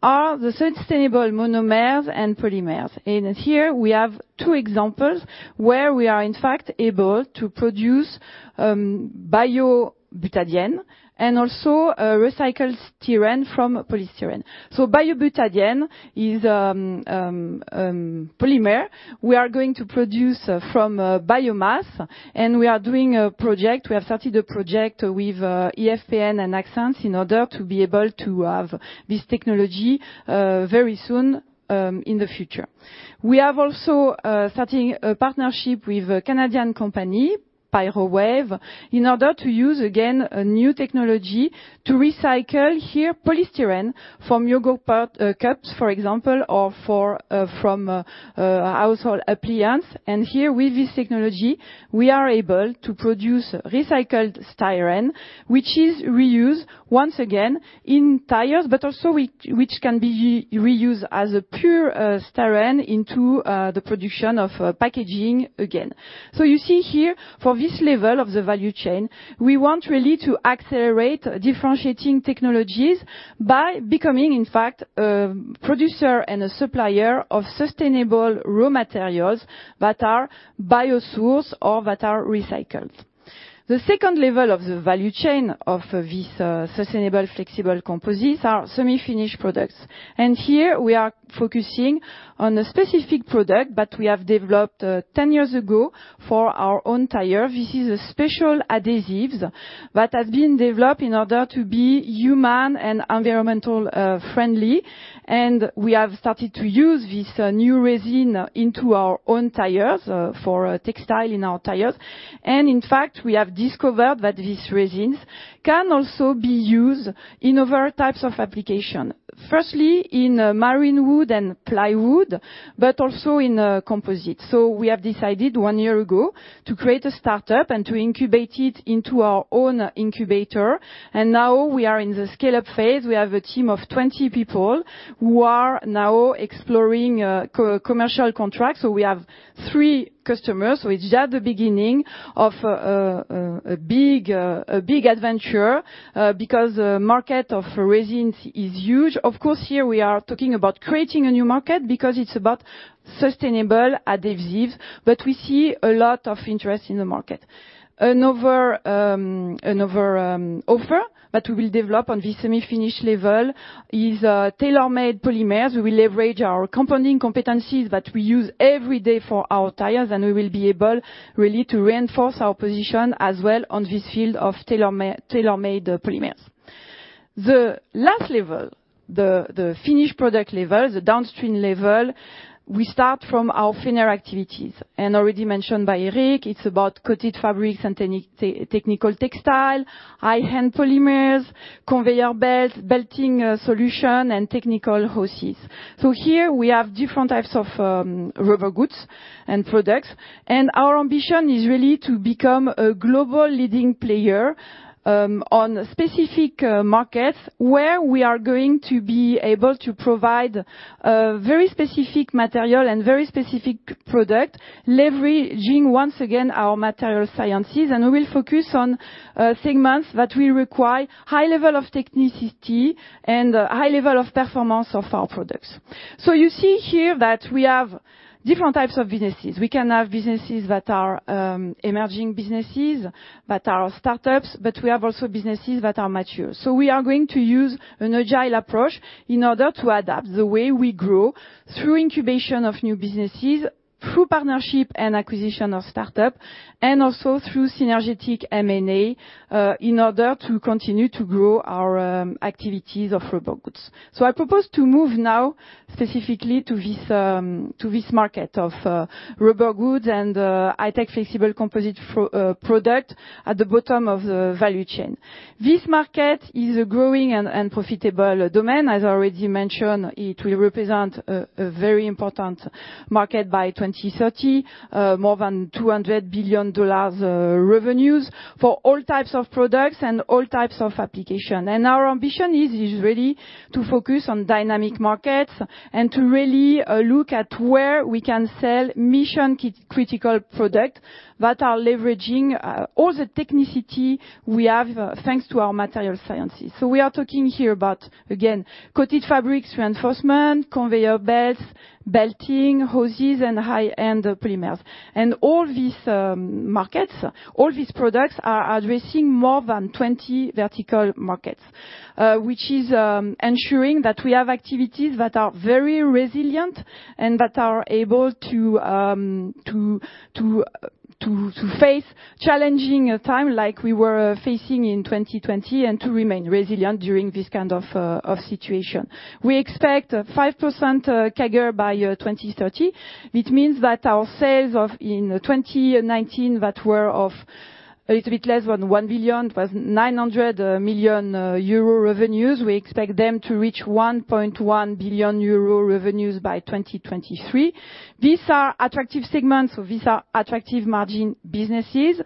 are the sustainable monomers and polymers. And here, we have two examples where we are, in fact, able to produce bio-butadiene and also recycled styrene from polystyrene. So bio-butadiene is a polymer we are going to produce from biomass, and we are doing a project. We have started a project with IFPEN and Axens in order to be able to have this technology very soon in the future. We have also started a partnership with a Canadian company, Pyrowave, in order to use, again, a new technology to recycle here polystyrene from yogurt cups, for example, or from household appliances. And here, with this technology, we are able to produce recycled styrene, which is reused once again in tires, but also which can be reused as a pure styrene into the production of packaging again. So you see here, for this level of the value chain, we want really to accelerate differentiating technologies by becoming, in fact, a producer and a supplier of sustainable raw materials that are biosourced or that are recycled. The second level of the value chain of these sustainable flexible composites are semi-finished products. And here, we are focusing on a specific product that we have developed 10 years ago for our own tires. This is a special adhesive that has been developed in order to be human- and environmentally friendly. And we have started to use this new resin into our own tires for textiles in our tires. In fact, we have discovered that these resins can also be used in other types of applications, firstly in marine wood and plywood, but also in composites. We have decided one year ago to create a startup and to incubate it into our own incubator. Now we are in the scale-up phase. We have a team of 20 people who are now exploring commercial contracts. We have three customers. It's just the beginning of a big adventure because the market of resins is huge. Of course, here we are talking about creating a new market because it's about sustainable adhesives, but we see a lot of interest in the market. Another offer that we will develop on this semi-finished level is tailor-made polymers. We will leverage our compounding competencies that we use every day for our tires, and we will be able really to reinforce our position as well on this field of tailor-made polymers. The last level, the finished product level, the downstream level, we start from our Fenner activities. And already mentioned by Eric, it's about coated fabrics and technical textile, high-end polymers, conveyor belts, belting solutions, and technical hoses. So here we have different types of rubber goods and products. And our ambition is really to become a global leading player on specific markets where we are going to be able to provide very specific material and very specific products, leveraging once again our material sciences. And we will focus on segments that will require a high level of technicity and a high level of performance of our products. So you see here that we have different types of businesses. We can have businesses that are emerging businesses that are startups, but we have also businesses that are mature. So we are going to use an agile approach in order to adapt the way we grow through incubation of new businesses, through partnership and acquisition of startups, and also through synergetic M&A in order to continue to grow our activities of rubber goods. So I propose to move now specifically to this market of rubber goods and high-tech flexible composite products at the bottom of the value chain. This market is a growing and profitable domain. As I already mentioned, it will represent a very important market by 2030, more than EUR 200 billion revenues for all types of products and all types of applications. Our ambition is really to focus on dynamic markets and to really look at where we can sell mission-critical products that are leveraging all the technicity we have thanks to our material sciences. So we are talking here about, again, coated fabrics, reinforcement, conveyor belts, belting, hoses, and high-end polymers. And all these markets, all these products are addressing more than 20 vertical markets, which is ensuring that we have activities that are very resilient and that are able to face challenging times like we were facing in 2020 and to remain resilient during this kind of situation. We expect 5% CAGR by 2030. It means that our sales in 2019 that were of a little bit less than 1 billion was 900 million euro revenues. We expect them to reach 1.1 billion euro revenues by 2023. These are attractive segments, so these are attractive margin businesses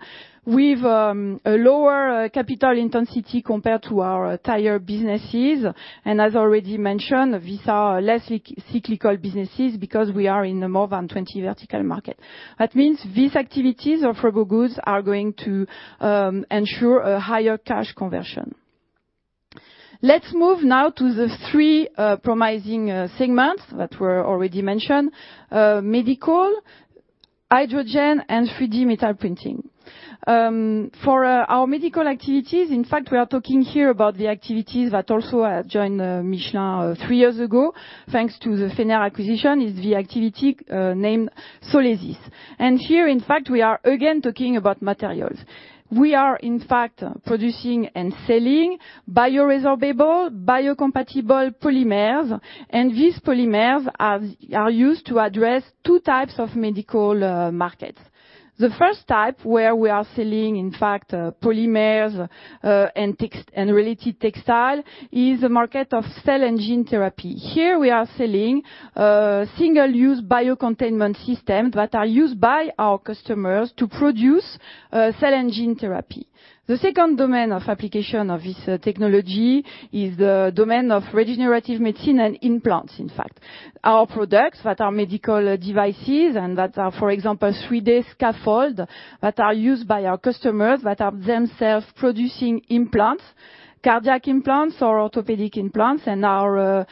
with a lower capital intensity compared to our tire businesses. And as already mentioned, these are less cyclical businesses because we are in more than 20 vertical markets. That means these activities of rubber goods are going to ensure a higher cash conversion. Let's move now to the three promising segments that were already mentioned: medical, hydrogen, and 3D metal printing. For our medical activities, in fact, we are talking here about the activities that also joined Michelin three years ago thanks to the Fenner acquisition. It's the activity named Solesis. And here, in fact, we are again talking about materials. We are, in fact, producing and selling bioresorbable, biocompatible polymers, and these polymers are used to address two types of medical markets. The first type where we are selling, in fact, polymers and related textiles is the market of cell and gene therapy. Here we are selling single-use biocontainment systems that are used by our customers to produce cell and gene therapy. The second domain of application of this technology is the domain of regenerative medicine and implants, in fact. Our products that are medical devices and that are, for example, 3D scaffolds that are used by our customers that are themselves producing implants, cardiac implants or orthopedic implants, and our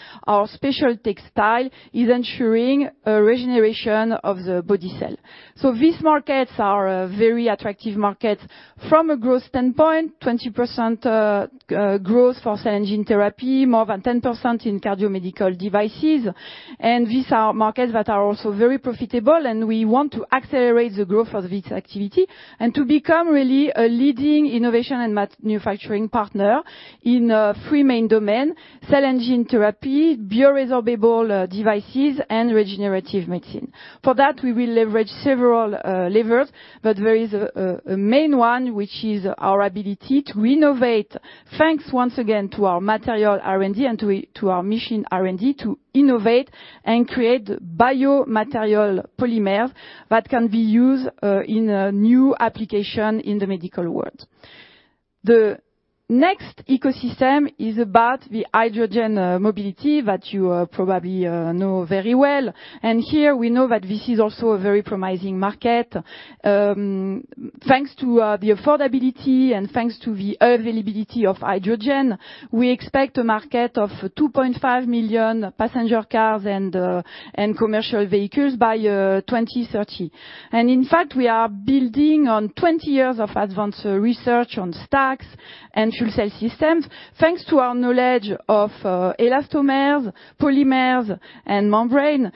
special textile is ensuring regeneration of the body cell. So these markets are very attractive markets from a growth standpoint: 20% growth for cell and gene therapy, more than 10% in cardiomedical devices. These are markets that are also very profitable, and we want to accelerate the growth of this activity and to become really a leading innovation and manufacturing partner in three main domains: cell and gene therapy, bioresorbable devices, and regenerative medicine. For that, we will leverage several levers, but there is a main one, which is our ability to innovate, thanks once again to our material R&D and to our machine R&D, to innovate and create biomaterial polymers that can be used in new applications in the medical world. The next ecosystem is about the hydrogen mobility that you probably know very well. And here we know that this is also a very promising market. Thanks to the affordability and thanks to the availability of hydrogen, we expect a market of 2.5 million passenger cars and commercial vehicles by 2030. In fact, we are building on 20 years of advanced research on stacks and fuel cell systems, thanks to our knowledge of elastomers, polymers, and membranes.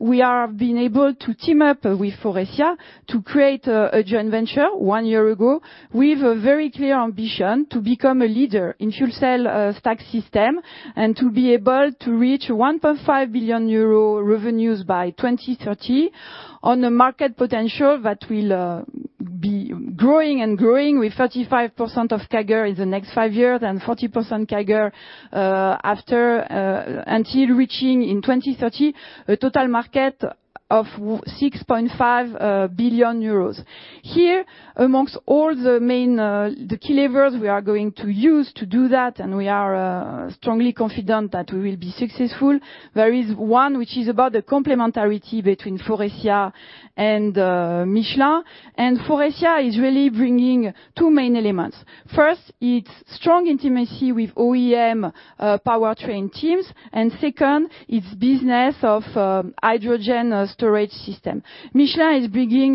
We have been able to team up with Faurecia to create a joint venture one year ago with a very clear ambition to become a leader in fuel cell stack systems and to be able to reach 1.5 billion euro revenues by 2030 on a market potential that will be growing and growing with 35% of CAGR in the next five years and 40% CAGR until reaching in 2030 a total market of 6.5 billion euros. Here, amongst all the key levers we are going to use to do that, and we are strongly confident that we will be successful, there is one which is about the complementarity between Faurecia and Michelin. Faurecia is really bringing two main elements. First, it's strong intimacy with OEM powertrain teams, and second, it's business of hydrogen storage system. Michelin is bringing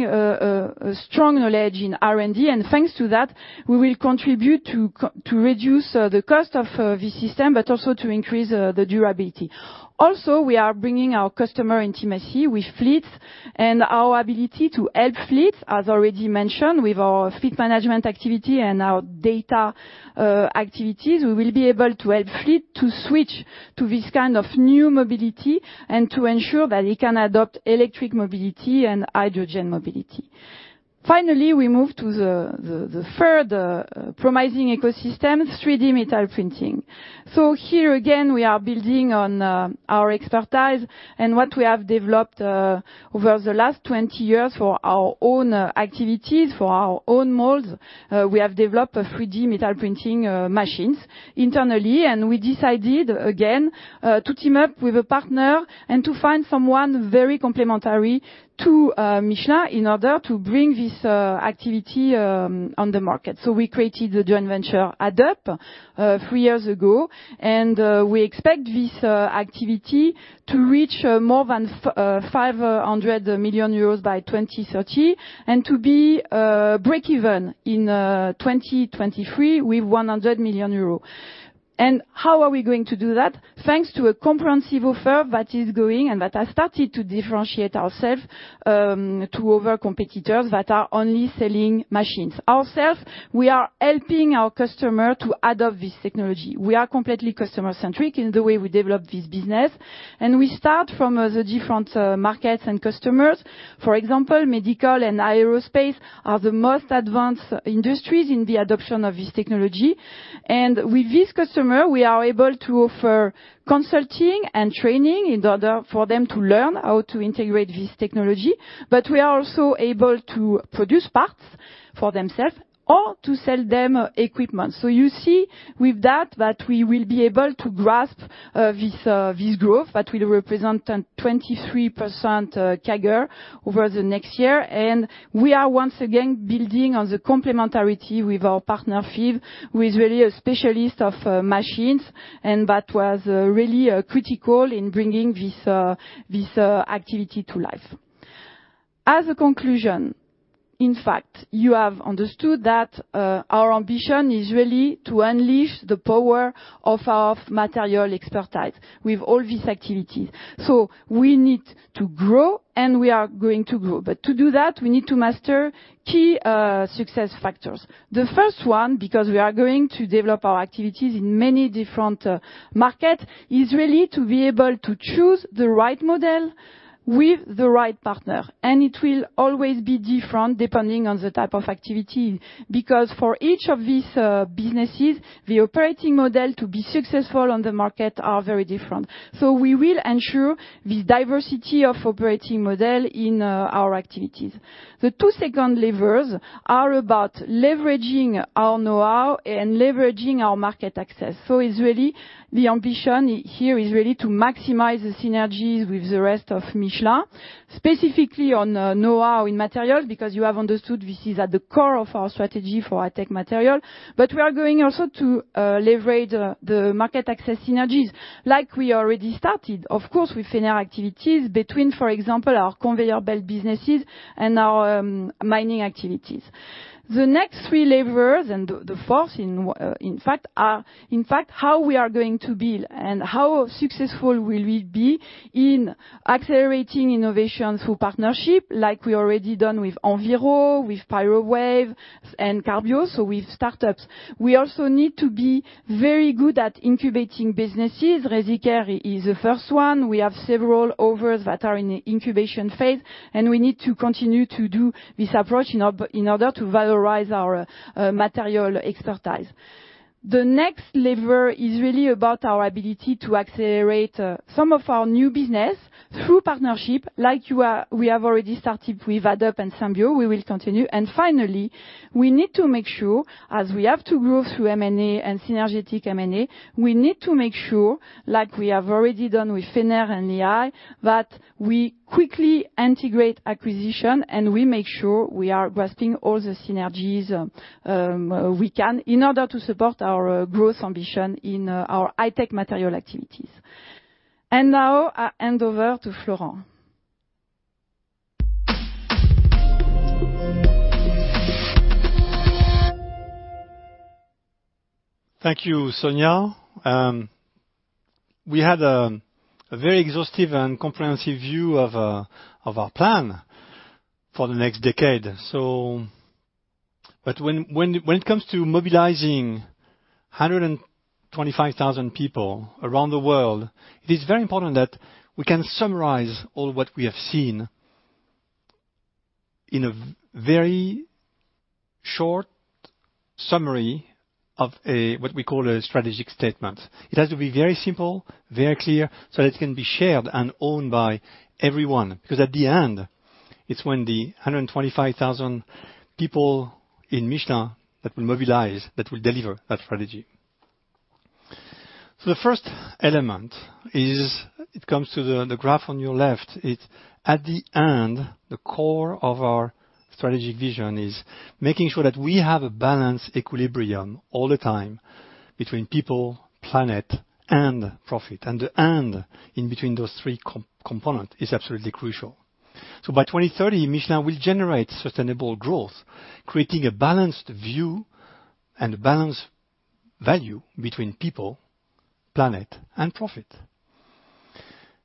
strong knowledge in R&D, and thanks to that, we will contribute to reduce the cost of this system, but also to increase the durability. Also, we are bringing our customer intimacy with fleets and our ability to help fleets. As already mentioned, with our fleet management activity and our data activities, we will be able to help fleets to switch to this kind of new mobility and to ensure that they can adopt electric mobility and hydrogen mobility. Finally, we move to the third promising ecosystem, 3D metal printing, so here again, we are building on our expertise and what we have developed over the last 20 years for our own activities, for our own molds. We have developed 3D metal printing machines internally, and we decided again to team up with a partner and to find someone very complementary to Michelin in order to bring this activity on the market. So we created the joint venture AddUp three years ago, and we expect this activity to reach more than 500 million euros by 2030 and to be break-even in 2023 with 100 million euros. And how are we going to do that? Thanks to a comprehensive offer that is going and that has started to differentiate ourselves to other competitors that are only selling machines. Ourselves, we are helping our customers to adopt this technology. We are completely customer-centric in the way we develop this business. And we start from the different markets and customers. For example, medical and aerospace are the most advanced industries in the adoption of this technology. With this customer, we are able to offer consulting and training in order for them to learn how to integrate this technology. But we are also able to produce parts for themselves or to sell them equipment. So you see with that that we will be able to grasp this growth that will represent 23% CAGR over the next year. And we are once again building on the complementarity with our partner, Fives, who is really a specialist of machines and that was really critical in bringing this activity to life. As a conclusion, in fact, you have understood that our ambition is really to unleash the power of our material expertise with all these activities. So we need to grow, and we are going to grow. But to do that, we need to master key success factors. The first one, because we are going to develop our activities in many different markets, is really to be able to choose the right model with the right partner. And it will always be different depending on the type of activity because for each of these businesses, the operating model to be successful on the market are very different. So we will ensure this diversity of operating model in our activities. The two second levers are about leveraging our know-how and leveraging our market access. So it's really the ambition here is really to maximize the synergies with the rest of Michelin, specifically on know-how in materials because you have understood this is at the core of our strategy for high-tech materials. We are going also to leverage the market access synergies like we already started, of course, with Fenner activities between, for example, our conveyor belt businesses and our mining activities. The next three levers and the fourth, in fact, are in fact how we are going to build and how successful will we be in accelerating innovation through partnership like we already done with Enviro, with Pyrowave, and Carbios. With startups, we also need to be very good at incubating businesses. ResiCare is the first one. We have several others that are in the incubation phase, and we need to continue to do this approach in order to valorize our material expertise. The next lever is really about our ability to accelerate some of our new business through partnership like we have already started with AddUp and Symbio. We will continue. And finally, we need to make sure, as we have to grow through M&A and synergistic M&A, we need to make sure, like we have already done with Fenner and AI, that we quickly integrate acquisition and we make sure we are grasping all the synergies we can in order to support our growth ambition in our high-tech material activities. And now I hand over to Florent. Thank you, Sonia. We had a very exhaustive and comprehensive view of our plan for the next decade. But when it comes to mobilizing 125,000 people around the world, it is very important that we can summarize all what we have seen in a very short summary of what we call a strategic statement. It has to be very simple, very clear so that it can be shared and owned by everyone because at the end, it's when the 125,000 people in Michelin that will mobilize, that will deliver that strategy. So the first element is it comes to the graph on your left. At the end, the core of our strategic vision is making sure that we have a balanced equilibrium all the time between people, planet, and profit, and the end in between those three components is absolutely crucial. So by 2030, Michelin will generate sustainable growth, creating a balanced view and a balanced value between people, planet, and profit,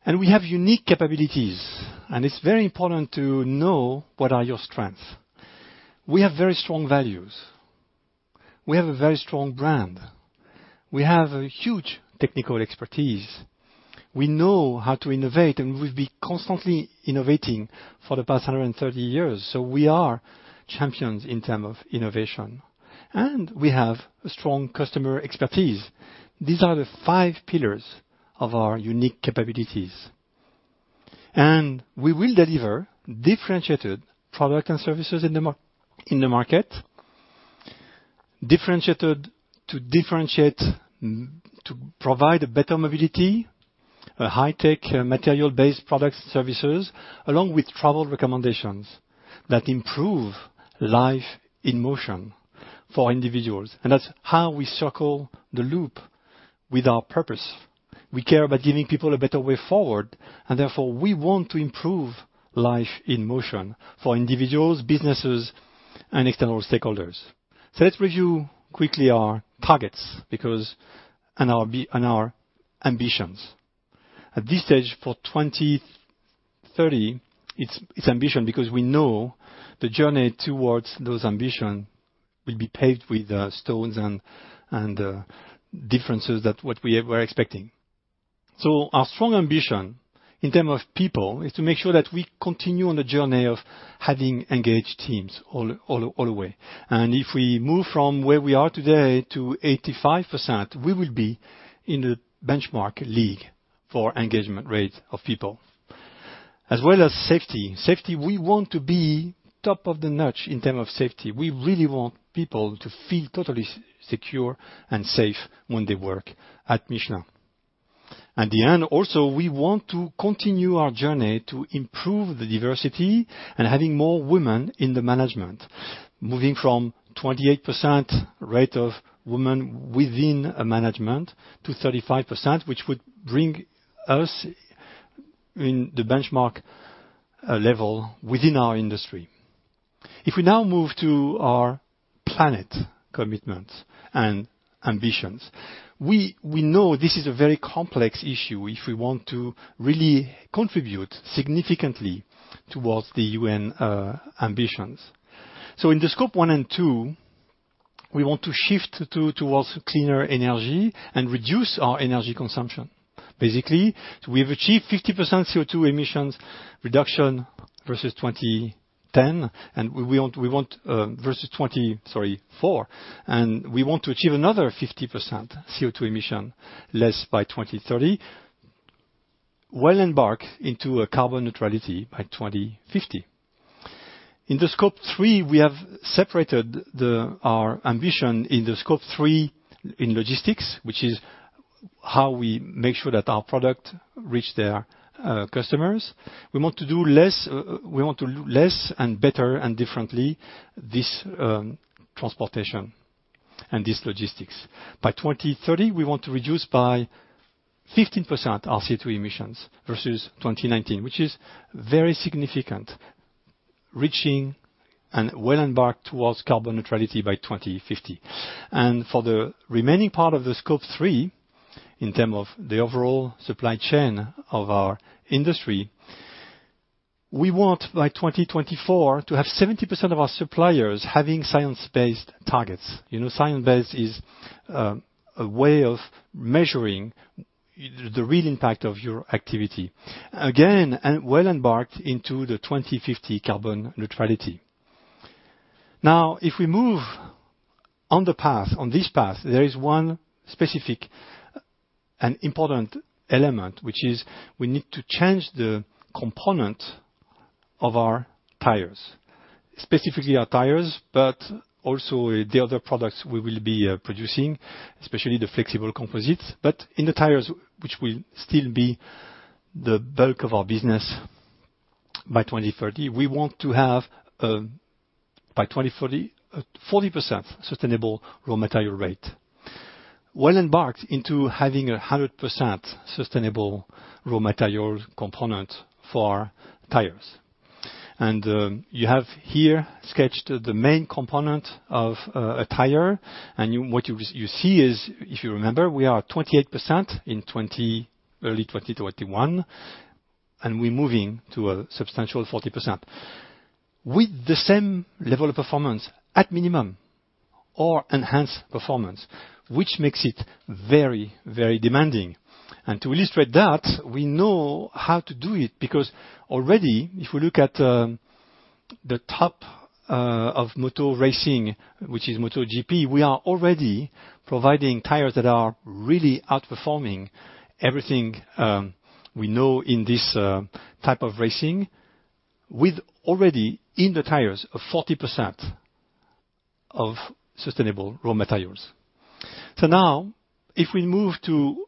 and we have unique capabilities, and it's very important to know what are your strengths. We have very strong values. We have a very strong brand. We have a huge technical expertise. We know how to innovate, and we've been constantly innovating for the past 130 years. So we are champions in terms of innovation. And we have strong customer expertise. These are the five pillars of our unique capabilities. And we will deliver differentiated products and services in the market, differentiated to provide better mobility, high-tech material-based products and services, along with travel recommendations that improve life in motion for individuals. And that's how we circle the loop with our purpose. We care about giving people a better way forward, and therefore we want to improve life in motion for individuals, businesses, and external stakeholders. So let's review quickly our targets and our ambitions. At this stage, for 2030, it's ambition because we know the journey towards those ambitions will be paved with stones and differences that we were expecting. Our strong ambition in terms of people is to make sure that we continue on the journey of having engaged teams all the way. And if we move from where we are today to 85%, we will be in the benchmark league for engagement rate of people, as well as safety. Safety, we want to be top of the niche in terms of safety. We really want people to feel totally secure and safe when they work at Michelin. At the end, also, we want to continue our journey to improve the diversity and having more women in the management, moving from 28% rate of women within management to 35%, which would bring us in the benchmark level within our industry. If we now move to our planet commitments and ambitions, we know this is a very complex issue if we want to really contribute significantly towards the UN ambitions. So in the Scope 1 and 2, we want to shift towards cleaner energy and reduce our energy consumption. Basically, we've achieved 50% CO2 emissions reduction versus 2010, and we want versus 2024. And we want to achieve another 50% CO2 emission less by 2030, well-embarked into carbon neutrality by 2050. In the Scope 3, we have separated our ambition in the Scope 3 in logistics, which is how we make sure that our product reaches their customers. We want to do less, we want to do less and better and differently this transportation and this logistics. By 2030, we want to reduce by 15% our CO2 emissions versus 2019, which is very significant, reaching and well-embarked towards carbon neutrality by 2050. For the remaining part of the Scope 3, in terms of the overall supply chain of our industry, we want by 2024 to have 70% of our suppliers having science-based targets. Science-based is a way of measuring the real impact of your activity. Again, well embarked into the 2050 carbon neutrality. Now, if we move on this path, there is one specific and important element, which is we need to change the component of our tires, specifically our tires, but also the other products we will be producing, especially the flexible composites. But in the tires, which will still be the bulk of our business by 2030, we want to have by 2040, 40% sustainable raw material rate, well-embarked into having a 100% sustainable raw material component for tires. And you have here sketched the main component of a tire. And what you see is, if you remember, we are at 28% in early 2021, and we're moving to a substantial 40% with the same level of performance at minimum or enhanced performance, which makes it very, very demanding. And to illustrate that, we know how to do it because already, if we look at the top of motor racing, which is MotoGP, we are already providing tires that are really outperforming everything we know in this type of racing with already in the tires a 40% of sustainable raw materials. So now, if we move to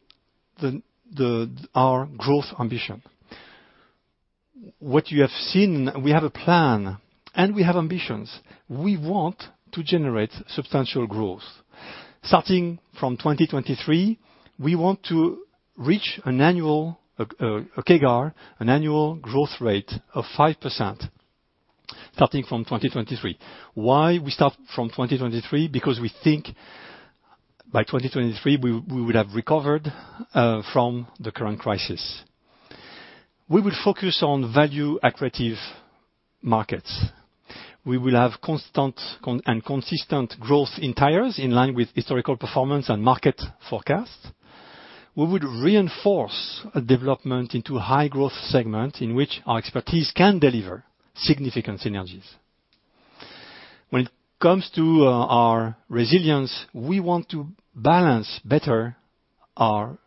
our growth ambition, what you have seen, we have a plan and we have ambitions. We want to generate substantial growth. Starting from 2023, we want to reach an annual CAGR, an annual growth rate of 5% starting from 2023. Why we start from 2023? Because we think by 2023, we will have recovered from the current crisis. We will focus on value-accretive markets. We will have constant and consistent growth in tires in line with historical performance and market forecasts. We would reinforce a development into a high-growth segment in which our expertise can deliver significant synergies. When it comes to our resilience, we want to balance better our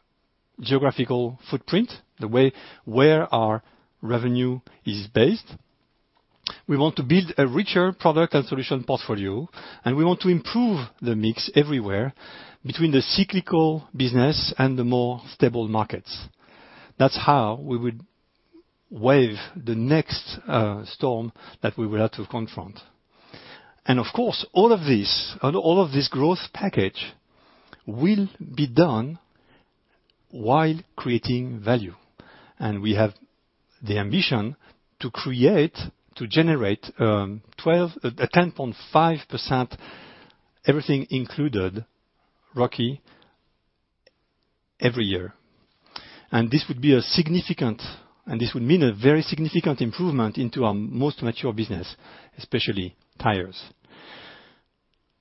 geographical footprint, the way where our revenue is based. We want to build a richer product and solution portfolio, and we want to improve the mix everywhere between the cyclical business and the more stable markets. That's how we would weather the next storm that we will have to confront. And of course, all of this, all of this growth package will be done while creating value. And we have the ambition to create, to generate a 10.5% everything included ROCE every year. And this would be a significant, and this would mean a very significant improvement into our most mature business, especially tires.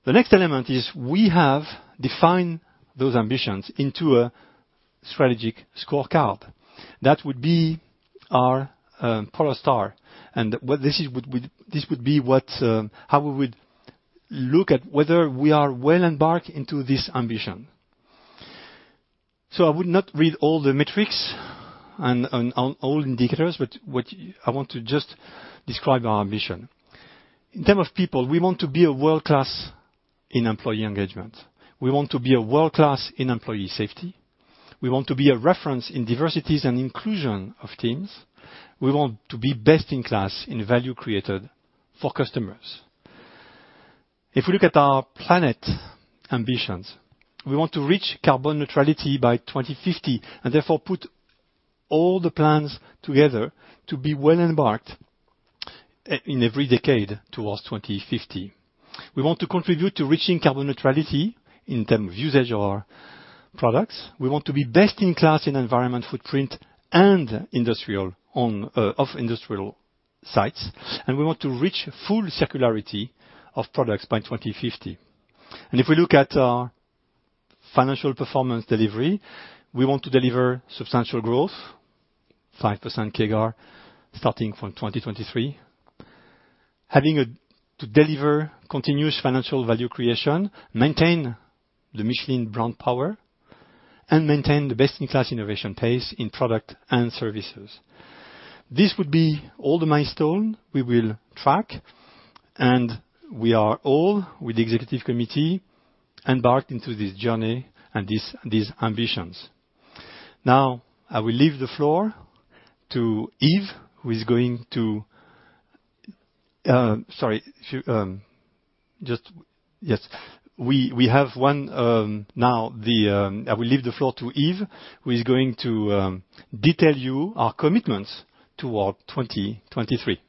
The next element is we have defined those ambitions into a strategic scorecard. That would be our polar star. And this would be how we would look at whether we are well embarked into this ambition. So I would not read all the metrics and all indicators, but I want to just describe our ambition. In terms of people, we want to be world-class in employee engagement. We want to be world-class in employee safety. We want to be a reference in diversity and inclusion of teams. We want to be best-in-class in value created for customers. If we look at our planet ambitions, we want to reach carbon neutrality by 2050 and therefore put all the plans together to be well-embarked in every decade towards 2050. We want to contribute to reaching carbon neutrality in terms of usage of our products. We want to be best-in-class in environmental footprint and industrial footprint of industrial sites, and we want to reach full circularity of products by 2050. If we look at our financial performance delivery, we want to deliver substantial growth, 5% CAGR starting from 2023, having to deliver continuous financial value creation, maintain the Michelin brand power, and maintain the best-in-class innovation pace in product and services. This would be all the milestones we will track. We are all with the executive committee embarked into this journey and these ambitions. Now, I will leave the floor to Yves, who is going to, sorry, just, yes, we have one now. I will leave the floor to Yves, who is going to detail you our commitments toward 2023.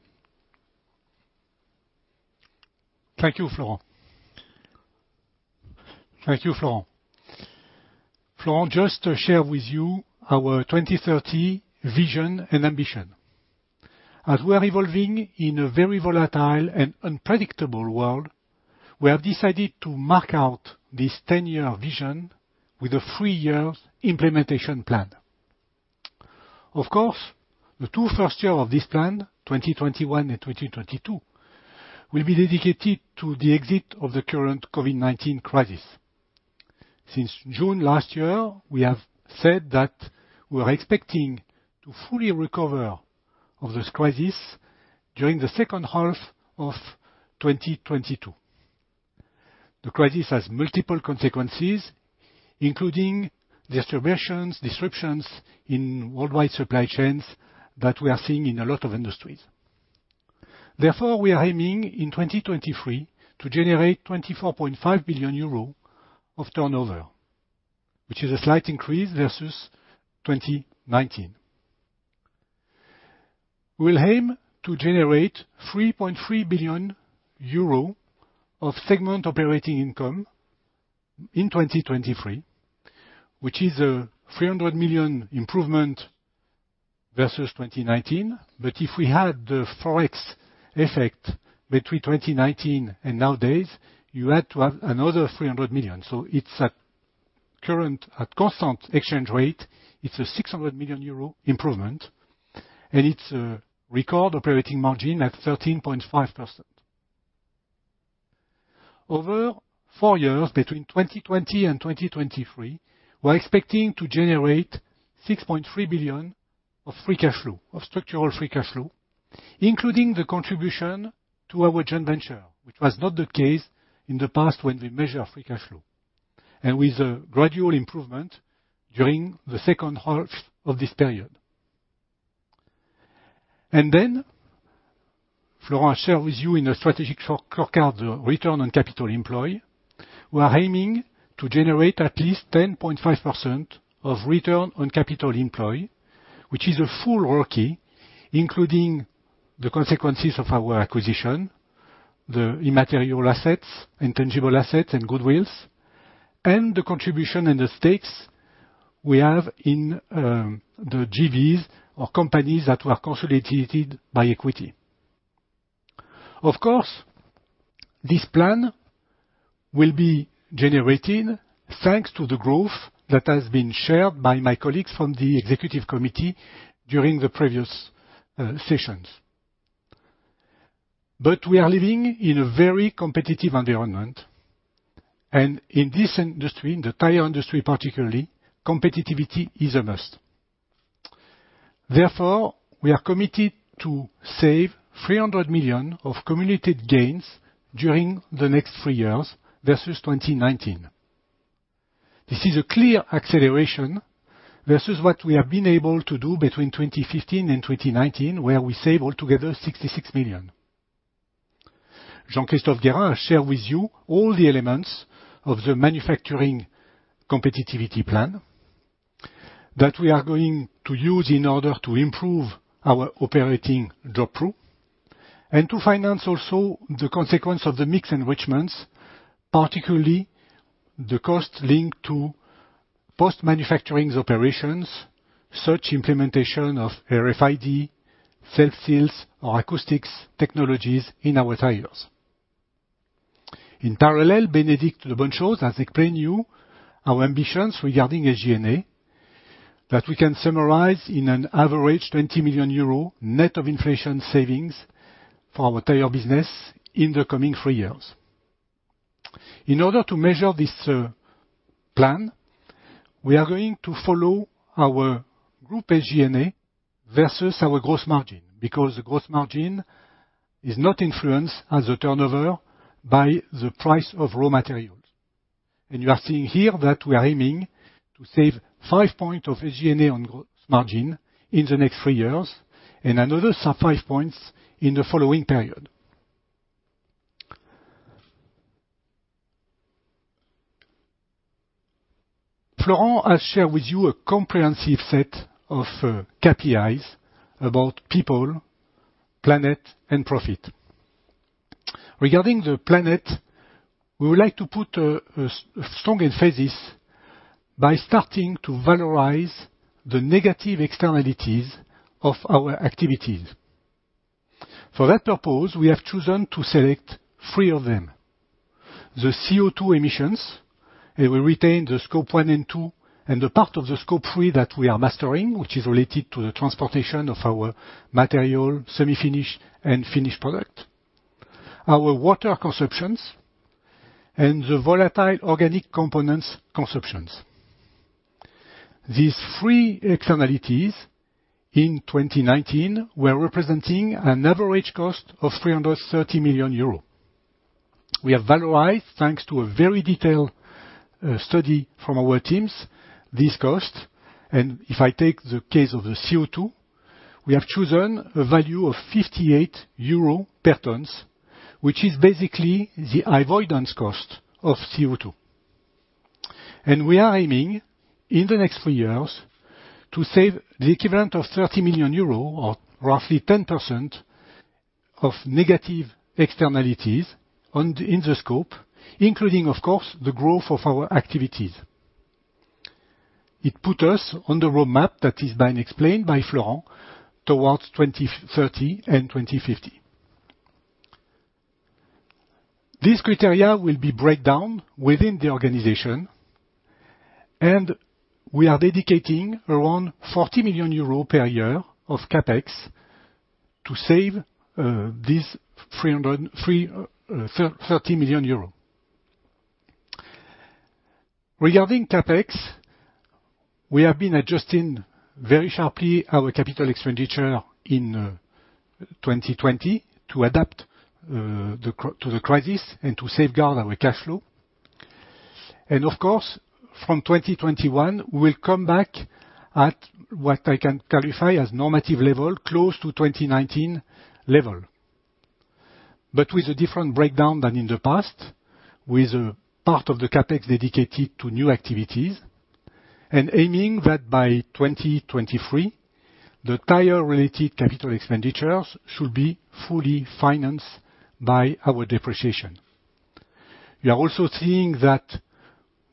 Thank you, Florent. Thank you, Florent. Florent, just to share with you our 2030 vision and ambition. As we are evolving in a very volatile and unpredictable world, we have decided to mark out this 10-year vision with a three-year implementation plan. Of course, the two first years of this plan, 2021 and 2022, will be dedicated to the exit of the current COVID-19 crisis. Since June last year, we have said that we are expecting to fully recover from this crisis during the second half of 2022. The crisis has multiple consequences, including disturbances, disruptions in worldwide supply chains that we are seeing in a lot of industries. Therefore, we are aiming in 2023 to generate 24.5 billion euro of turnover, which is a slight increase versus 2019. We will aim to generate 3.3 billion euro of segment operating income in 2023, which is a 300 million improvement versus 2019. But if we had the forex effect between 2019 and nowadays, you had to have another 300 million. So it's a current, a constant exchange rate. It's a 600 million euro improvement, and it's a record operating margin at 13.5%. Over four years, between 2020 and 2023, we're expecting to generate 6.3 billion of free cash flow, of structural free cash flow, including the contribution to our joint venture, which was not the case in the past when we measure free cash flow, and with a gradual improvement during the second half of this period. Then, Florent, I'll share with you in a strategic scorecard, the return on capital employed. We are aiming to generate at least 10.5% of return on capital employed, which is a full ROCE, including the consequences of our acquisition, the immaterial assets, intangible assets, and goodwill, and the contribution and the stakes we have in the JVs or companies that were consolidated by equity. Of course, this plan will be generated thanks to the growth that has been shared by my colleagues from the executive committee during the previous sessions. But we are living in a very competitive environment. And in this industry, in the tire industry particularly, competitiveness is a must. Therefore, we are committed to save 300 million of competitiveness gains during the next three years versus 2019. This is a clear acceleration versus what we have been able to do between 2015 and 2019, where we saved altogether 66 million. Jean-Christophe Guérin shared with you all the elements of the manufacturing competitiveness plan that we are going to use in order to improve our operating gross profit and to finance also the consequence of the mix enrichments, particularly the cost linked to post-manufacturing operations, such as implementation of RFID, Selfseal, or Acoustic technologies in our tires. In parallel, Bénédicte de Bonnechose has explained to you our ambitions regarding SG&A that we can summarize in an average 20 million euro net of inflation savings for our tire business in the coming three years. In order to measure this plan, we are going to follow our group SG&A versus our gross margin because the gross margin is not influenced as a turnover by the price of raw materials, and you are seeing here that we are aiming to save five points of SG&A on gross margin in the next three years and another five points in the following period. Florent has shared with you a comprehensive set of KPIs about people, planet, and profit. Regarding the planet, we would like to put a strong emphasis by starting to valorize the negative externalities of our activities. For that purpose, we have chosen to select three of them: the CO2 emissions, and we retain the Scope 1 and 2, and the part of the Scope 3 that we are mastering, which is related to the transportation of our material, semi-finished, and finished product, our water consumptions, and the volatile organic compounds consumptions. These three externalities in 2019 were representing an average cost of 330 million euro. We have valorized, thanks to a very detailed study from our teams, this cost. If I take the case of the CO2, we have chosen a value of 58 euro per ton, which is basically the avoidance cost of CO2. We are aiming in the next three years to save the equivalent of 30 million euros or roughly 10% of negative externalities in the Scope, including, of course, the growth of our activities. It put us on the roadmap that is being explained by Florent towards 2030 and 2050. These criteria will be broken down within the organization, and we are dedicating around 40 million euros per year of CapEx to save these 330 million euros. Regarding CapEx, we have been adjusting very sharply our capital expenditure in 2020 to adapt to the crisis and to safeguard our cash flow, and of course, from 2021, we will come back at what I can qualify as normative level, close to 2019 level, but with a different breakdown than in the past, with a part of the CapEx dedicated to new activities, and aiming that by 2023, the tire-related capital expenditures should be fully financed by our depreciation. We are also seeing that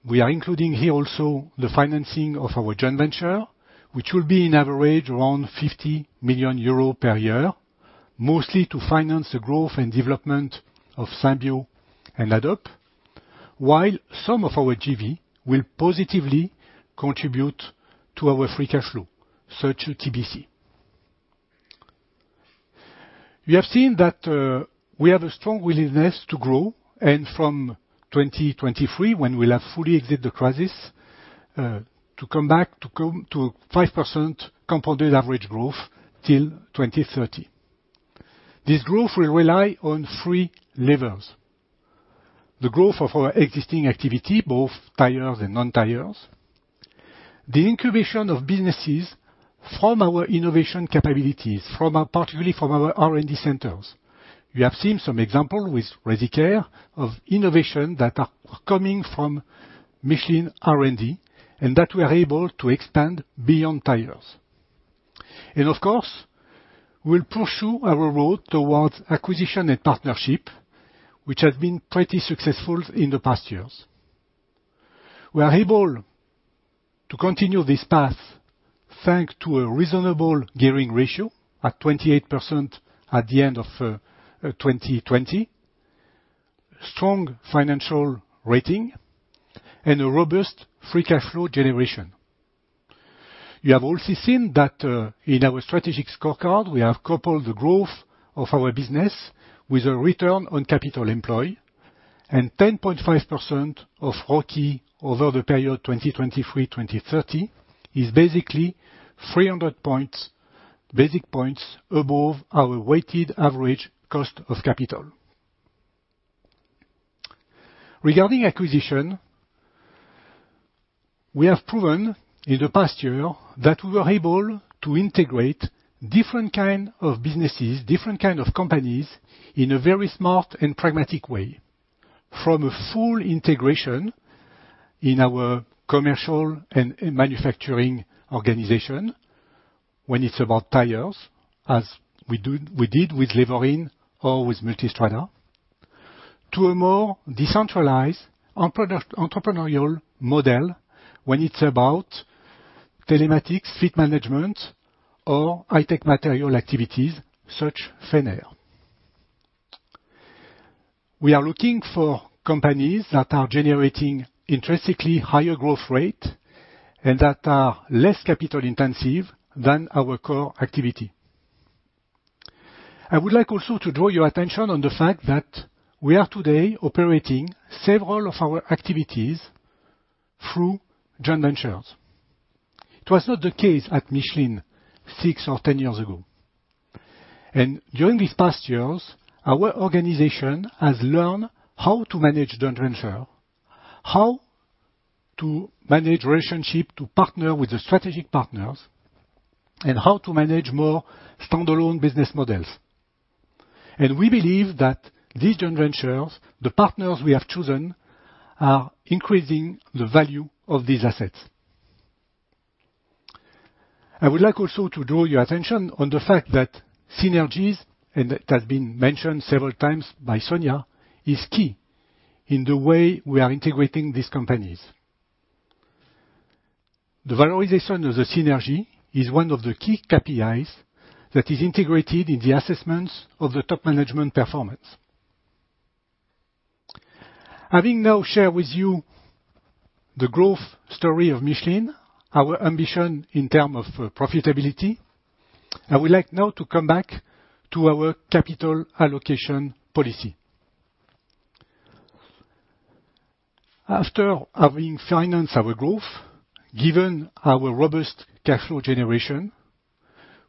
we are including here also the financing of our joint venture, which will be on average around 50 million euros per year, mostly to finance the growth and development of Symbio and AddUp, while some of our JV will positively contribute to our free cash flow, such as TBC. You have seen that we have a strong willingness to grow, and from 2023, when we will have fully exited the crisis, to come back to 5% compounded average growth till 2030. This growth will rely on three levels: the growth of our existing activity, both tires and non-tires, the incubation of businesses from our innovation capabilities, particularly from our R&D centers. You have seen some examples with ResiCare of innovation that are coming from Michelin R&D and that we are able to expand beyond tires. Of course, we will pursue our road towards acquisition and partnership, which has been pretty successful in the past years. We are able to continue this path thanks to a reasonable gearing ratio at 28% at the end of 2020, strong financial rating, and a robust free cash flow generation. You have also seen that in our strategic scorecard, we have coupled the growth of our business with a return on capital employed, and 10.5% ROCE over the period 2023-2030 is basically 300 basis points above our weighted average cost of capital. Regarding acquisition, we have proven in the past year that we were able to integrate different kinds of businesses, different kinds of companies in a very smart and pragmatic way, from a full integration in our commercial and manufacturing organization when it's about tires, as we did with Levorin or with Multistrada, to a more decentralized entrepreneurial model when it's about telematics, fleet management, or high-tech material activities such as Fenner. We are looking for companies that are generating intrinsically higher growth rates and that are less capital-intensive than our core activity. I would like also to draw your attention on the fact that we are today operating several of our activities through joint ventures. It was not the case at Michelin six or ten years ago. During these past years, our organization has learned how to manage joint ventures, how to manage relationships, to partner with the strategic partners, and how to manage more standalone business models. We believe that these joint ventures, the partners we have chosen, are increasing the value of these assets. I would like also to draw your attention on the fact that synergies, and it has been mentioned several times by Sonia, is key in the way we are integrating these companies. The valorization of the synergy is one of the key KPIs that is integrated in the assessments of the top management performance. Having now shared with you the growth story of Michelin, our ambition in terms of profitability, I would like now to come back to our capital allocation policy. After having financed our growth, given our robust cash flow generation,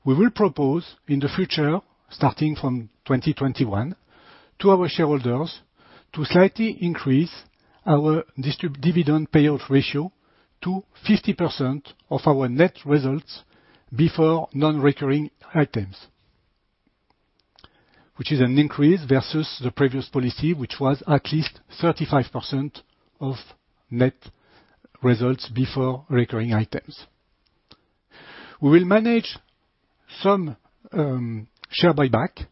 we will propose in the future, starting from 2021, to our shareholders to slightly increase our dividend payout ratio to 50% of our net results before non-recurring items, which is an increase versus the previous policy, which was at least 35% of net results before recurring items. We will manage some share buyback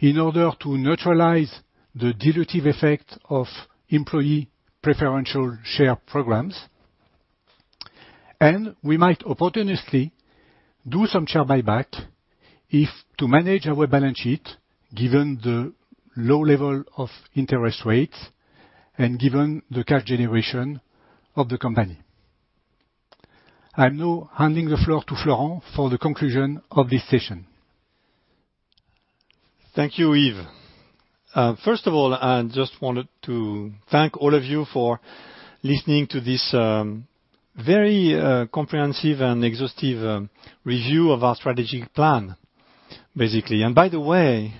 in order to neutralize the dilutive effect of employee preferential share programs, and we might opportunistically do some share buyback if to manage our balance sheet, given the low level of interest rates and given the cash generation of the company. I'm now handing the floor to Florent for the conclusion of this session. Thank you, Yves. First of all, I just wanted to thank all of you for listening to this very comprehensive and exhaustive review of our strategic plan, basically. By the way,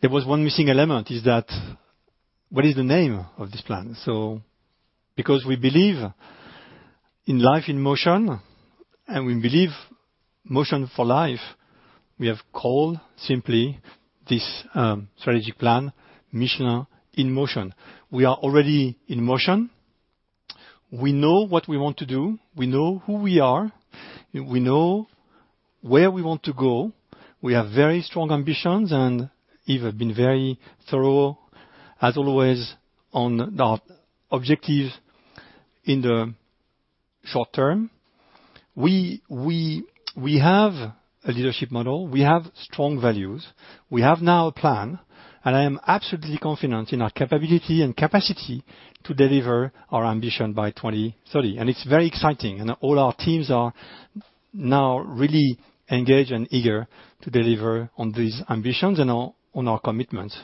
there was one missing element: what is the name of this plan? Because we believe in life in motion, and we believe motion for life, we have called simply this strategic plan, Michelin in Motion. We are already in motion. We know what we want to do. We know who we are. We know where we want to go. We have very strong ambitions, and Yves has been very thorough, as always, on our objectives in the short term. We have a leadership model. We have strong values. We have now a plan, and I am absolutely confident in our capability and capacity to deliver our ambition by 2030. It's very exciting, and all our teams are now really engaged and eager to deliver on these ambitions and on our commitments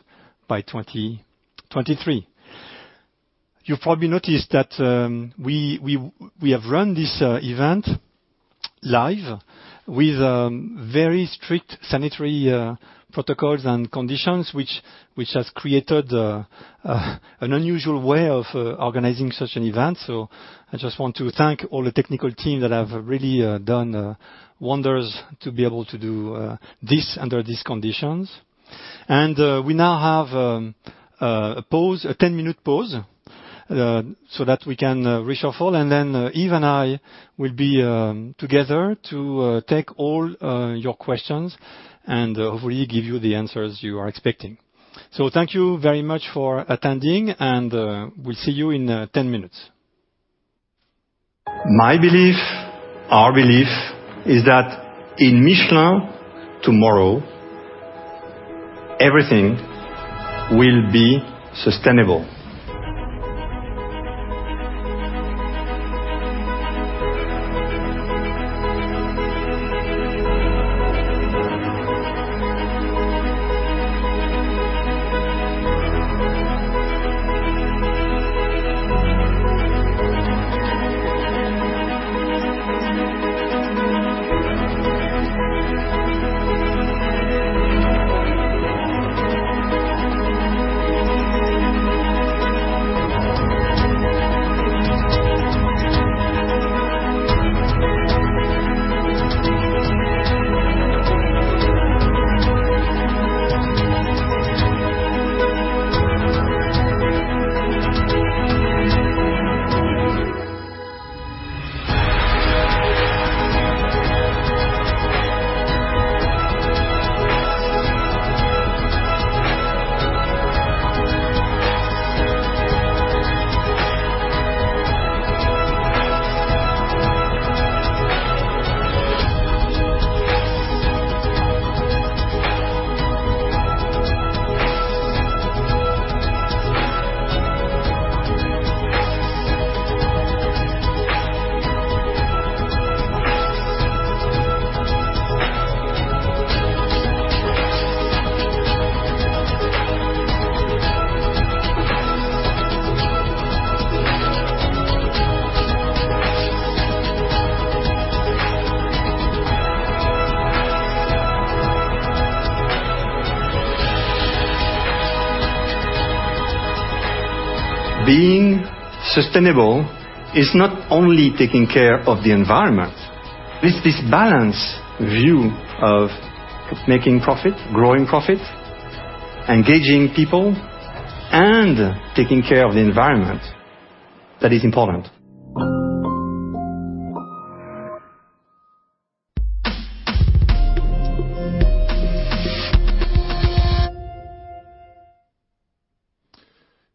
by 2023. You've probably noticed that we have run this event live with very strict sanitary protocols and conditions, which has created an unusual way of organizing such an event. So I just want to thank all the technical team that have really done wonders to be able to do this under these conditions. And we now have a 10-minute pause so that we can reach our phone, and then Yves and I will be together to take all your questions and hopefully give you the answers you are expecting. So thank you very much for attending, and we'll see you in 10 minutes.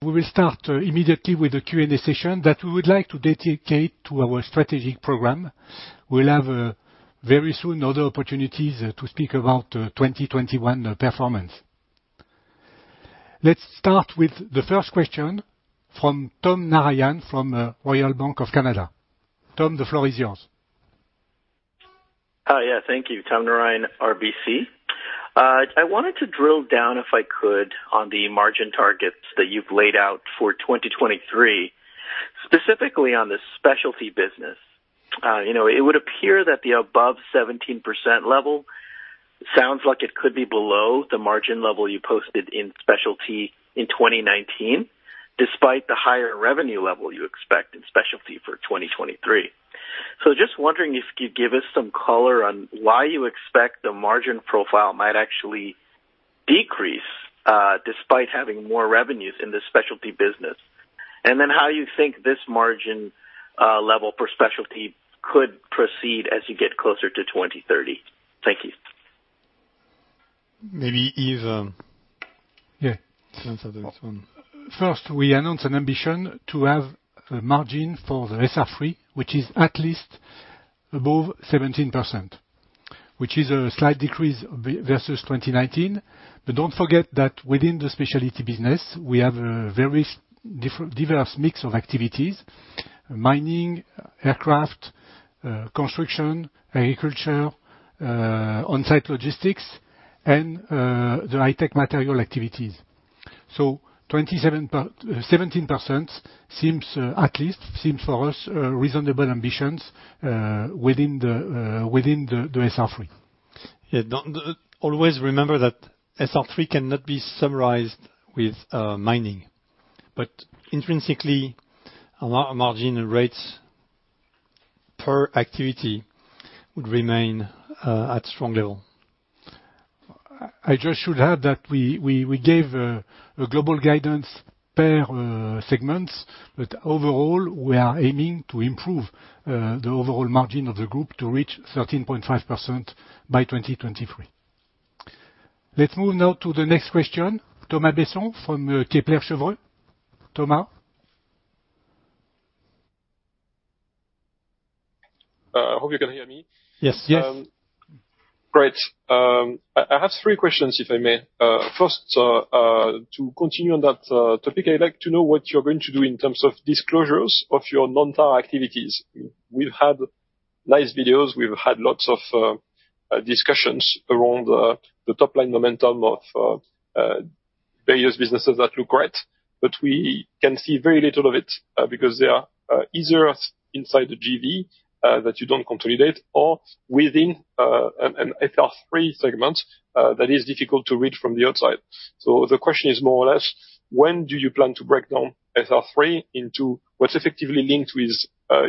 We will start immediately with the Q&A session that we would like to dedicate to our strategic program. We'll have very soon other opportunities to speak about 2021 performance. Let's start with the first question from Tom Narayan from Royal Bank of Canada. Tom, the floor is yours. Oh, yeah. Thank you, Tom Narayan, RBC. I wanted to drill down, if I could, on the margin targets that you've laid out for 2023, specifically on the specialty business. It would appear that the above 17% level sounds like it could be below the margin level you posted in specialty in 2019, despite the higher revenue level you expect in specialty for 2023. So just wondering if you'd give us some color on why you expect the margin profile might actually decrease despite having more revenues in the specialty business, and then how you think this margin level for specialty could proceed as you get closer to 2030? Thank you. Maybe Yves. Yeah, answer this one. First, we announced an ambition to have a margin for the SR3, which is at least above 17%, which is a slight decrease versus 2019. But don't forget that within the specialty business, we have a very diverse mix of activities: mining, aircraft, construction, agriculture, on-site logistics, and the high-tech material activities. So 17% seems, at least, seems for us, reasonable ambitions within the SR3. Yeah. Always remember that SR3 cannot be summarized with mining, but intrinsically, our margin rates per activity would remain at a strong level. I just should add that we gave a global guidance per segment, but overall, we are aiming to improve the overall margin of the group to reach 13.5% by 2023. Let's move now to the next question, Thomas Besson from Kepler Cheuvreux. Thomas. I hope you can hear me. Yes. Yes. Great. I have three questions, if I may. First, to continue on that topic, I'd like to know what you're going to do in terms of disclosures of your non-tire activities. We've had nice videos. We've had lots of discussions around the top-line momentum of various businesses that look great, but we can see very little of it because they are either inside the JV that you don't consolidate or within an SR3 segment that is difficult to read from the outside. So the question is more or less, when do you plan to break down SR3 into what's effectively linked with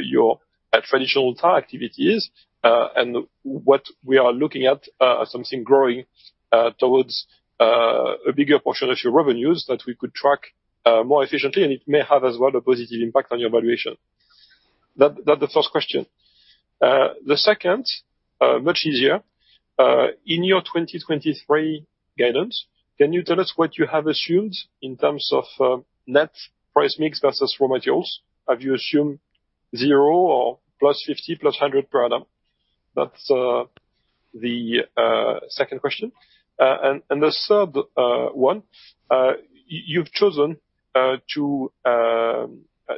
your traditional tire activities and what we are looking at, something growing towards a bigger portion of your revenues that we could track more efficiently, and it may have as well a positive impact on your valuation? That's the first question. The second, much easier. In your 2023 guidance, can you tell us what you have assumed in terms of net price mix versus raw materials? Have you assumed zero or plus 50, plus 100 per annum? That's the second question. And the third one, you've chosen to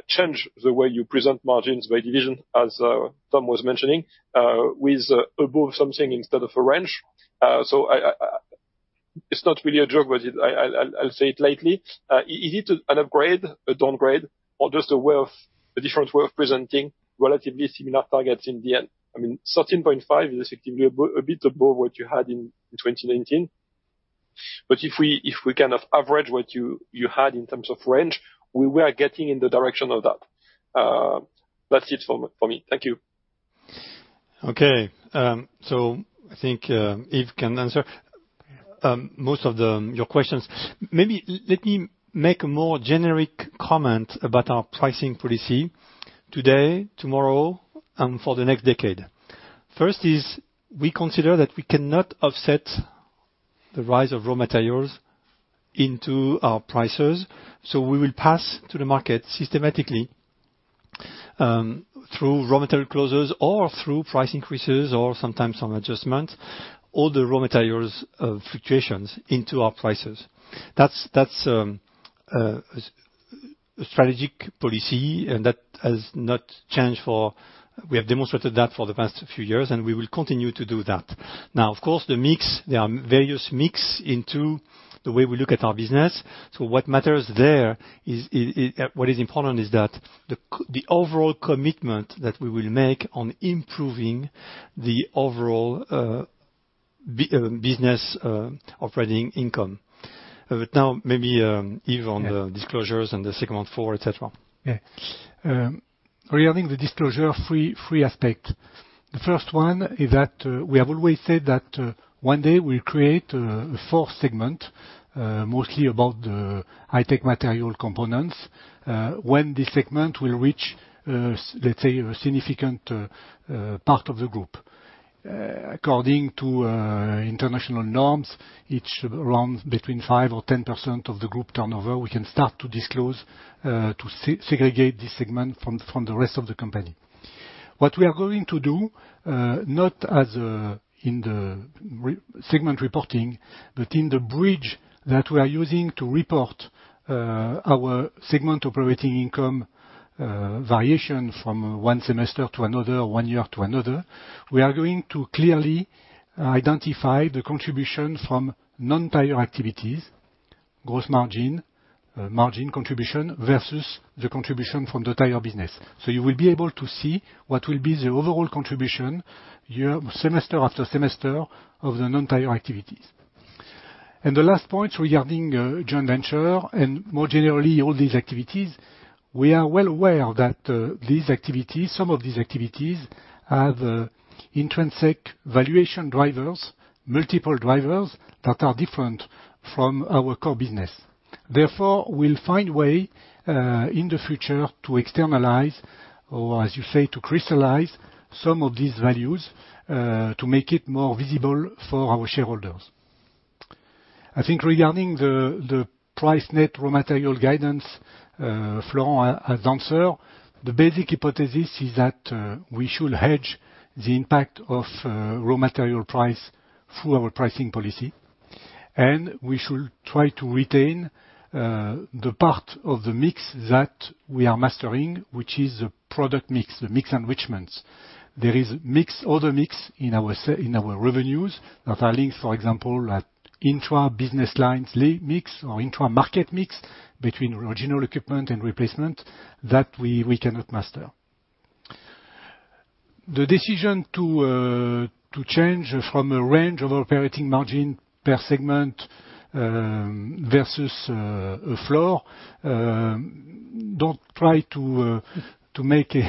change the way you present margins by division, as Tom was mentioning, with above something instead of a range. So it's not really a joke, but I'll say it lightly. Is it an upgrade, a downgrade, or just a different way of presenting relatively similar targets in the end? I mean, 13.5 is effectively a bit above what you had in 2019. But if we kind of average what you had in terms of range, we were getting in the direction of that. That's it for me. Thank you. Okay. So I think Yves can answer most of your questions. Maybe let me make a more generic comment about our pricing policy today, tomorrow, and for the next decade. First is we consider that we cannot offset the rise of raw materials into our prices, so we will pass to the market systematically through raw material clauses or through price increases or sometimes some adjustments, all the raw materials fluctuations into our prices. That's a strategic policy, and that has not changed for we have demonstrated that for the past few years, and we will continue to do that. Now, of course, there are various mix into the way we look at our business. So what matters there, what is important, is that the overall commitment that we will make on improving the overall business operating income. But now, maybe Yves on the disclosures and the fourth segment, etc. Yeah. Regarding the disclosures, three aspects, the first one is that we have always said that one day we'll create a fourth segment, mostly about the high-tech materials components, when this segment will reach, let's say, a significant part of the group. According to international norms, it runs between five or 10% of the group turnover. We can start to disclose to segregate this segment from the rest of the company. What we are going to do, not as in the segment reporting, but in the bridge that we are using to report our segment operating income variation from one semester to another, one year to another, we are going to clearly identify the contribution from non-tire activities, gross margin, margin contribution versus the contribution from the tire business. So you will be able to see what will be the overall contribution year semester after semester of the non-tire activities. And the last point regarding joint venture and more generally all these activities, we are well aware that some of these activities have intrinsic valuation drivers, multiple drivers that are different from our core business. Therefore, we'll find a way in the future to externalize or, as you say, to crystallize some of these values to make it more visible for our shareholders. I think regarding the price net raw material guidance, Florent has answered. The basic hypothesis is that we should hedge the impact of raw material price through our pricing policy, and we should try to retain the part of the mix that we are mastering, which is the product mix, the mix enrichments. There is mixed order mix in our revenues that are linked, for example, at intra-business lines mix or intra-market mix between original equipment and replacement that we cannot master. The decision to change from a range of operating margin per segment versus a floor, don't try to make it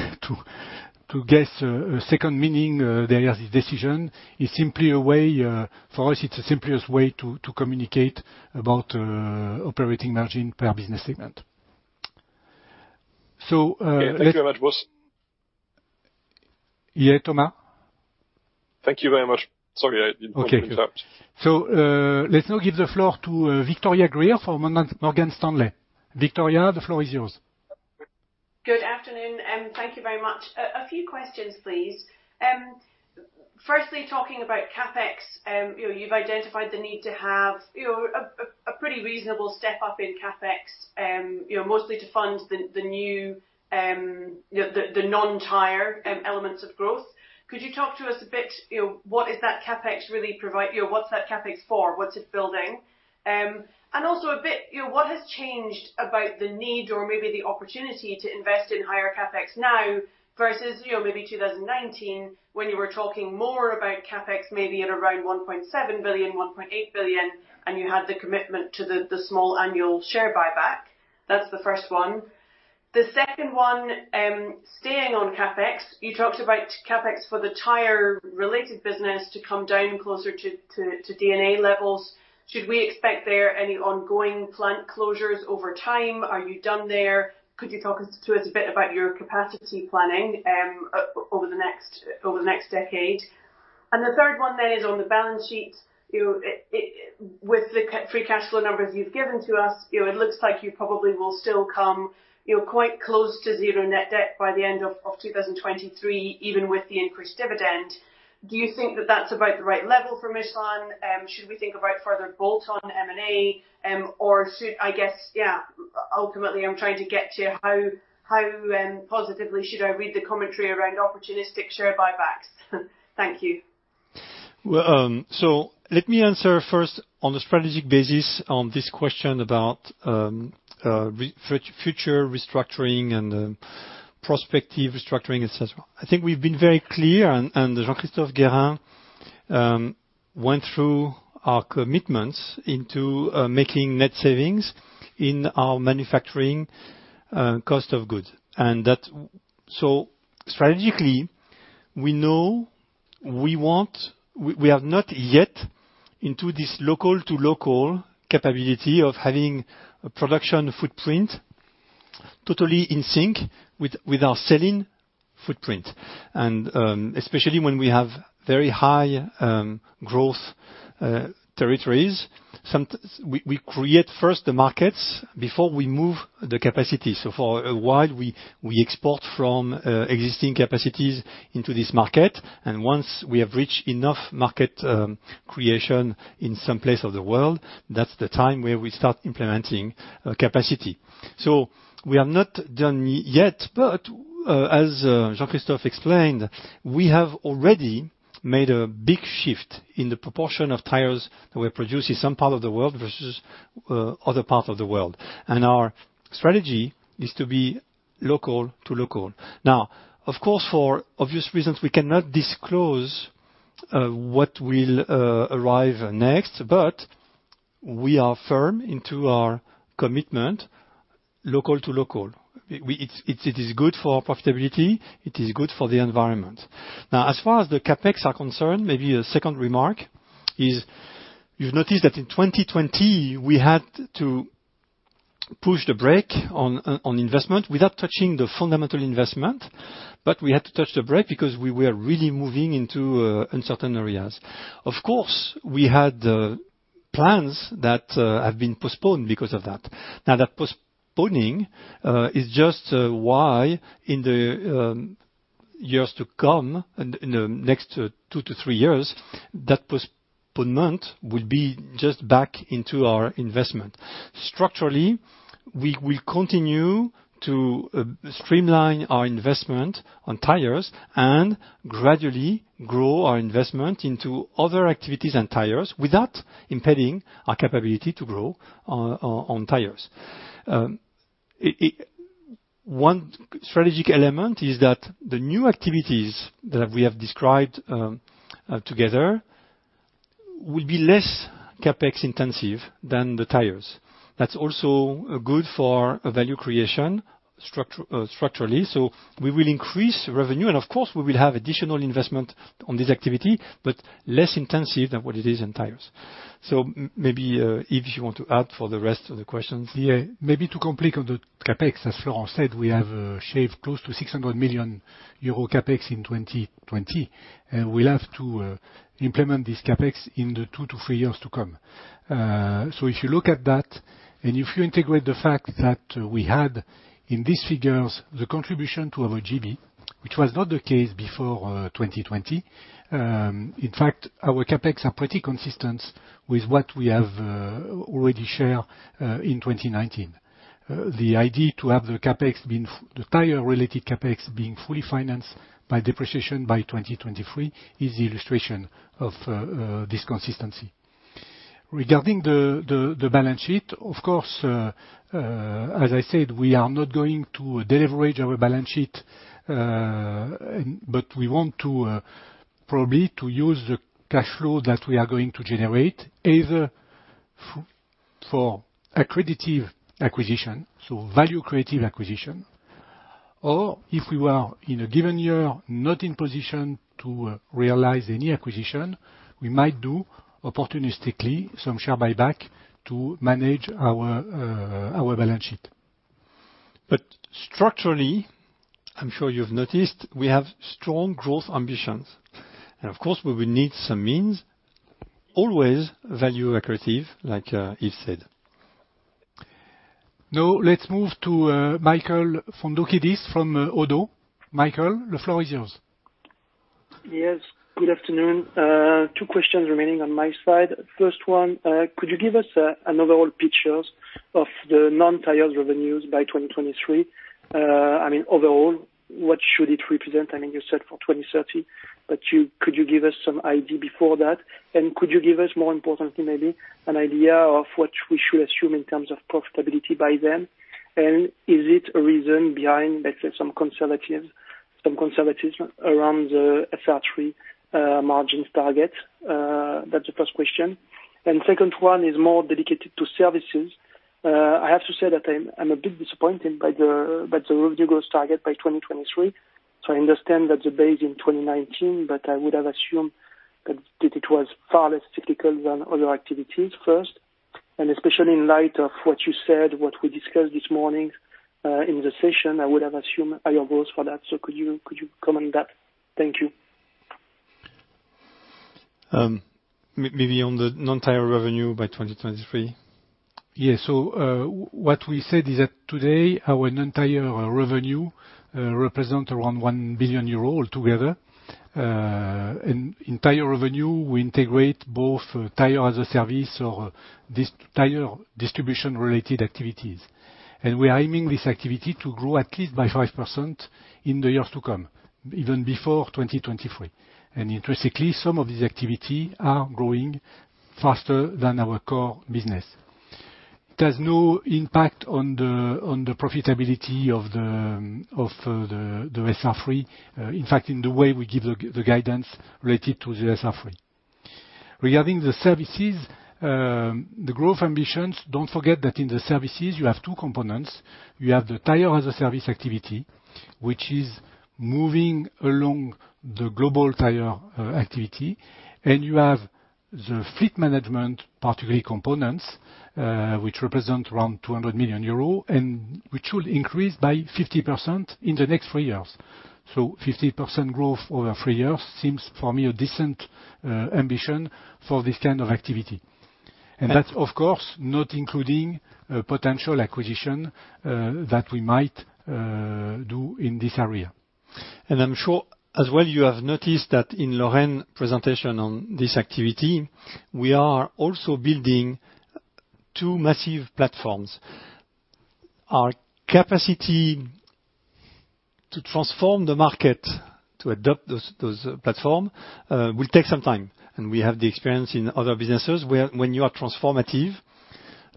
to guess a second meaning there as a decision. It's simply a way for us. It's the simplest way to communicate about operating margin per business segment. So thank you very much. Yeah, Thomas? Thank you very much. Sorry, I didn't want to interrupt. So let's now give the floor to Victoria Greer for Morgan Stanley. Victoria, the floor is yours. Good afternoon, and thank you very much. A few questions, please. Firstly, talking about CapEx, you've identified the need to have a pretty reasonable step-up in CapEx, mostly to fund the non-tire elements of growth. Could you talk to us a bit? What is that CapEx really provide? What's that CapEx for? What's it building? And also a bit, what has changed about the need or maybe the opportunity to invest in higher CapEx now versus maybe 2019 when you were talking more about CapEx maybe at around 1.7 billion, 1.8 billion, and you had the commitment to the small annual share buyback? That's the first one. The second one, staying on CapEx, you talked about CapEx for the tire-related business to come down closer to DNA levels. Should we expect there any ongoing plant closures over time? Are you done there? Could you talk to us a bit about your capacity planning over the next decade? And the third one then is on the balance sheet. With the free cash flow numbers you've given to us, it looks like you probably will still come quite close to zero net debt by the end of 2023, even with the increased dividend. Do you think that that's about the right level for Michelin? Should we think about further bolt-on M&A? Or should, I guess, yeah, ultimately, I'm trying to get to how positively should I read the commentary around opportunistic share buybacks? Thank you. So let me answer first on a strategic basis on this question about future restructuring and prospective restructuring, etc. I think we've been very clear, and Jean-Christophe Guérin went through our commitments into making net savings in our manufacturing cost of goods. And so strategically, we know we have not yet into this local-to-local capability of having a production footprint totally in sync with our selling footprint. And especially when we have very high growth territories, we create first the markets before we move the capacity. So for a while, we export from existing capacities into this market. And once we have reached enough market creation in some place of the world, that's the time where we start implementing capacity. So we are not done yet, but as Jean-Christophe explained, we have already made a big shift in the proportion of tires that we produce in some part of the world versus other parts of the world. And our strategy is to be local-to-local. Now, of course, for obvious reasons, we cannot disclose what will arrive next, but we are firm into our commitment local-to-local. It is good for profitability. It is good for the environment. Now, as far as the CapEx are concerned, maybe a second remark is you've noticed that in 2020, we had to push the brake on investment without touching the fundamental investment, but we had to touch the brake because we were really moving into uncertain areas. Of course, we had plans that have been postponed because of that. Now, that postponing is just why in the years to come, in the next two to three years, that postponement will be just back into our investment. Structurally, we will continue to streamline our investment on tires and gradually grow our investment into other activities and tires without impeding our capability to grow on tires. One strategic element is that the new activities that we have described together will be less CapEx intensive than the tires. That's also good for value creation structurally. So we will increase revenue, and of course, we will have additional investment on this activity, but less intensive than what it is in tires. So maybe if you want to add for the rest of the questions. Yeah. Maybe to complete on the CapEx, as Florent said, we have shaved close to 600 million euro CapEx in 2020, and we'll have to implement this CapEx in the two to three years to come. So if you look at that, and if you integrate the fact that we had in these figures the contribution to our GV, which was not the case before 2020, in fact, our CapEx are pretty consistent with what we have already shared in 2019. The idea to have the tire-related CapEx being fully financed by depreciation by 2023 is the illustration of this consistency. Regarding the balance sheet, of course, as I said, we are not going to deleverage our balance sheet, but we want to probably use the cash flow that we are going to generate either for accretive acquisition, so value-accretive acquisition, or if we were in a given year not in position to realize any acquisition, we might do opportunistically some share buyback to manage our balance sheet. But structurally, I'm sure you've noticed we have strong growth ambitions. And of course, we will need some means, always value-accretive, like Yves said. Now, let's move to Michael Foundoukidis from ODDO. Michael, the floor is yours. Yes. Good afternoon. Two questions remaining on my side. First one, could you give us an overall picture of the non-tires revenues by 2023? I mean, overall, what should it represent? I mean, you said for 2030, but could you give us some idea before that? And could you give us, more importantly, maybe an idea of what we should assume in terms of profitability by then? And is it a reason behind, let's say, some conservatives around the FR3 margins target? That's the first question. And second one is more dedicated to services. I have to say that I'm a bit disappointed by the revenue growth target by 2023. So I understand that the base in 2019, but I would have assumed that it was far less cyclical than other activities first. And especially in light of what you said, what we discussed this morning in the session, I would have assumed higher goals for that. So could you comment on that? Thank you. Maybe on the non-tire revenue by 2023. Yeah. So what we said is that today, our non-tire revenue represents around 1 billion euro altogether. And in tire revenue, we integrate both Tire-as-a-Service or these tire distribution-related activities. And we are aiming this activity to grow at least by 5% in the years to come, even before 2023. And intrinsically, some of these activities are growing faster than our core business. It has no impact on the profitability of the SR3, in fact, in the way we give the guidance related to the SR3. Regarding the services, the growth ambitions, don't forget that in the services, you have two components. You have the Tire-as-a-Service activity, which is moving along the global tire activity. And you have the fleet management, particularly components, which represent around 200 million euros, and which will increase by 50% in the next three years. 50% growth over three years seems for me a decent ambition for this kind of activity. And that's, of course, not including potential acquisition that we might do in this area. And I'm sure as well you have noticed that in Lorraine's presentation on this activity, we are also building two massive platforms. Our capacity to transform the market to adopt those platforms will take some time. And we have the experience in other businesses where when you are transformative,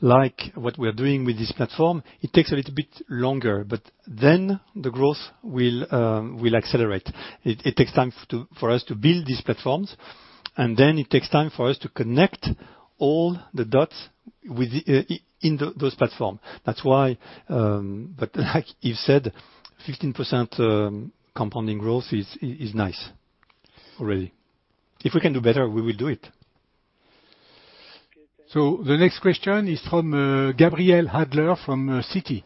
like what we are doing with this platform, it takes a little bit longer, but then the growth will accelerate. It takes time for us to build these platforms, and then it takes time for us to connect all the dots in those platforms. That's why, but like Yves said, 15% compounding growth is nice already. If we can do better, we will do it. So the next question is from Gabriel Adler from Citi.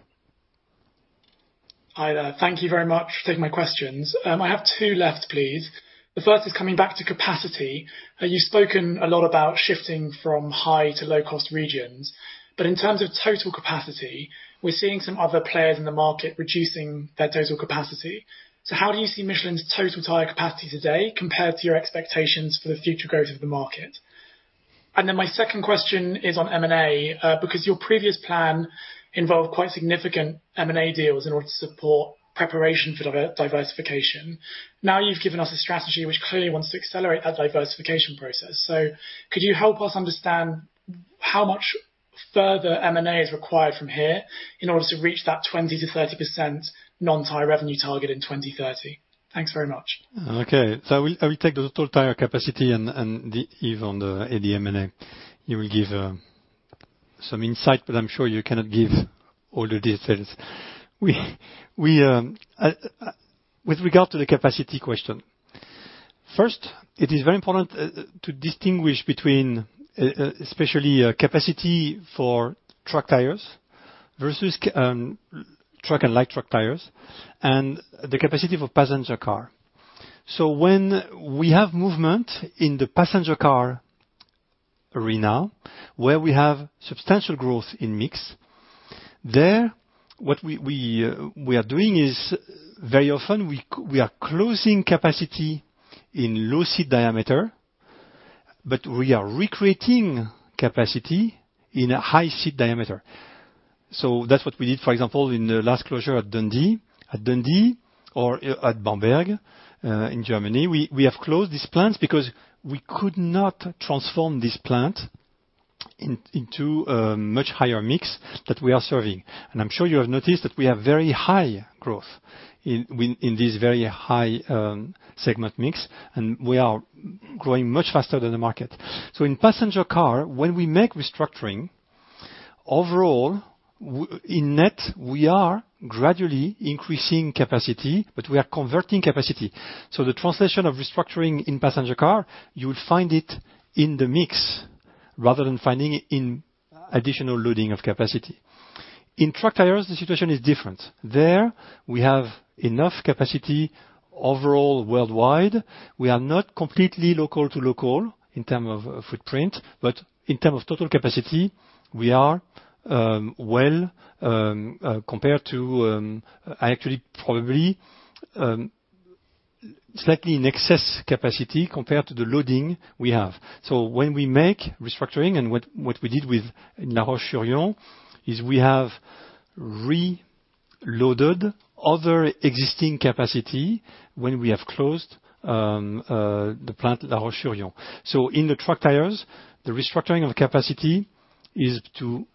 Hi there. Thank you very much for taking my questions. I have two left, please. The first is coming back to capacity. You've spoken a lot about shifting from high to low-cost regions. But in terms of total capacity, we're seeing some other players in the market reducing their total capacity. So how do you see Michelin's total tire capacity today compared to your expectations for the future growth of the market? And then my second question is on M&A because your previous plan involved quite significant M&A deals in order to support preparation for diversification. Now you've given us a strategy which clearly wants to accelerate that diversification process. So could you help us understand how much further M&A is required from here in order to reach that 20%-30% non-tire revenue target in 2030? Thanks very much. Okay. So I will take the total tire capacity and the Yves on the M&A. You will give some insight, but I'm sure you cannot give all the details. With regard to the capacity question, first, it is very important to distinguish between especially capacity for truck tires versus truck and light truck tires and the capacity for passenger car. So when we have movement in the passenger car arena where we have substantial growth in mix, there what we are doing is very often we are closing capacity in low seat diameter, but we are recreating capacity in a high seat diameter. So that's what we did, for example, in the last closure at Dundee. At Dundee or at Bamberg in Germany, we have closed these plants because we could not transform this plant into a much higher mix that we are serving. I'm sure you have noticed that we have very high growth in this very high segment mix, and we are growing much faster than the market. In passenger car, when we make restructuring, overall, in net, we are gradually increasing capacity, but we are converting capacity. The translation of restructuring in passenger car, you will find it in the mix rather than finding it in additional loading of capacity. In truck tires, the situation is different. There we have enough capacity overall worldwide. We are not completely local-to-local in terms of footprint, but in terms of total capacity, we are well compared to actually probably slightly in excess capacity compared to the loading we have. When we make restructuring, and what we did with La Roche-sur-Yon, is we have reloaded other existing capacity when we have closed the plant La Roche-sur-Yon. So in the truck tires, the restructuring of capacity is to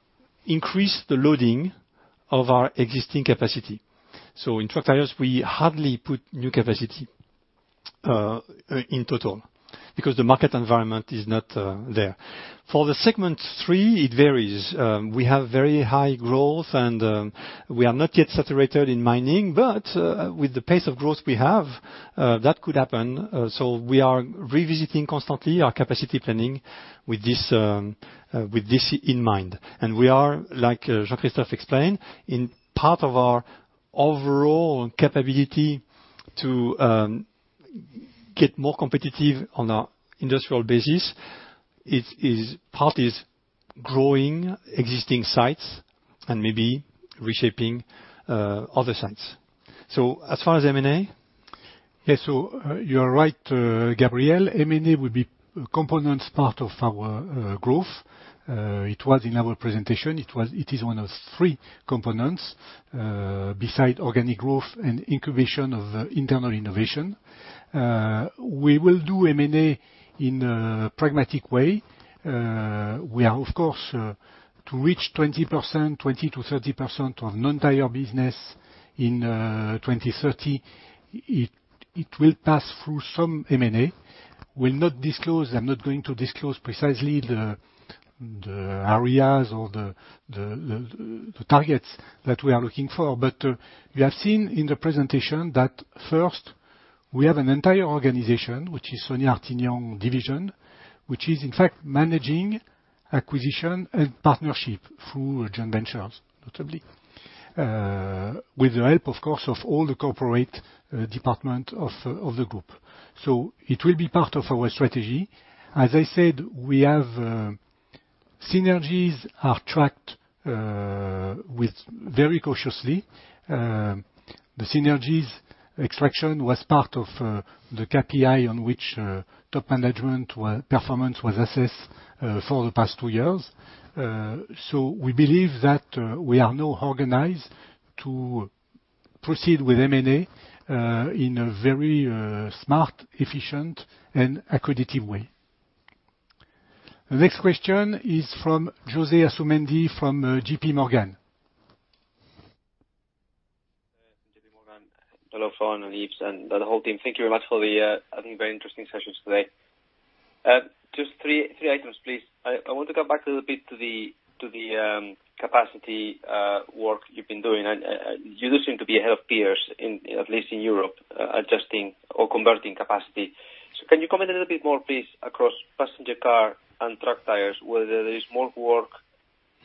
increase the loading of our existing capacity. So in truck tires, we hardly put new capacity in total because the market environment is not there. For the segment three, it varies. We have very high growth, and we are not yet saturated in mining, but with the pace of growth we have, that could happen. So we are revisiting constantly our capacity planning with this in mind. And we are, like Jean-Christophe explained, in part of our overall capability to get more competitive on an industrial basis. Part is growing existing sites and maybe reshaping other sites. So as far as M&A, yeah, so you're right, Gabriel. M&A will be a component part of our growth. It was in our presentation. It is one of three components besides organic growth and incubation of internal innovation. We will do M&A in a pragmatic way. We are, of course, to reach 20%-30% of non-tire business in 2030. It will pass through some M&A. We'll not disclose. I'm not going to disclose precisely the areas or the targets that we are looking for. But you have seen in the presentation that first, we have an entire organization, which is Sonia Artinian-Fredou division, which is in fact managing acquisition and partnership through joint ventures, notably, with the help, of course, of all the corporate departments of the group. So it will be part of our strategy. As I said, we have synergies are tracked very cautiously. The synergies extraction was part of the KPI on which top management performance was assessed for the past two years. So we believe that we are now organized to proceed with M&A in a very smart, efficient, and accretive way. The next question is from José Asumendi from J.P. Morgan. Hello Florent and Yves, and the whole team. Thank you very much for the, I think, very interesting sessions today. Just three items, please. I want to come back a little bit to the capacity work you've been doing. You do seem to be ahead of peers, at least in Europe, adjusting or converting capacity. So can you comment a little bit more, please, across passenger car and truck tires, whether there is more work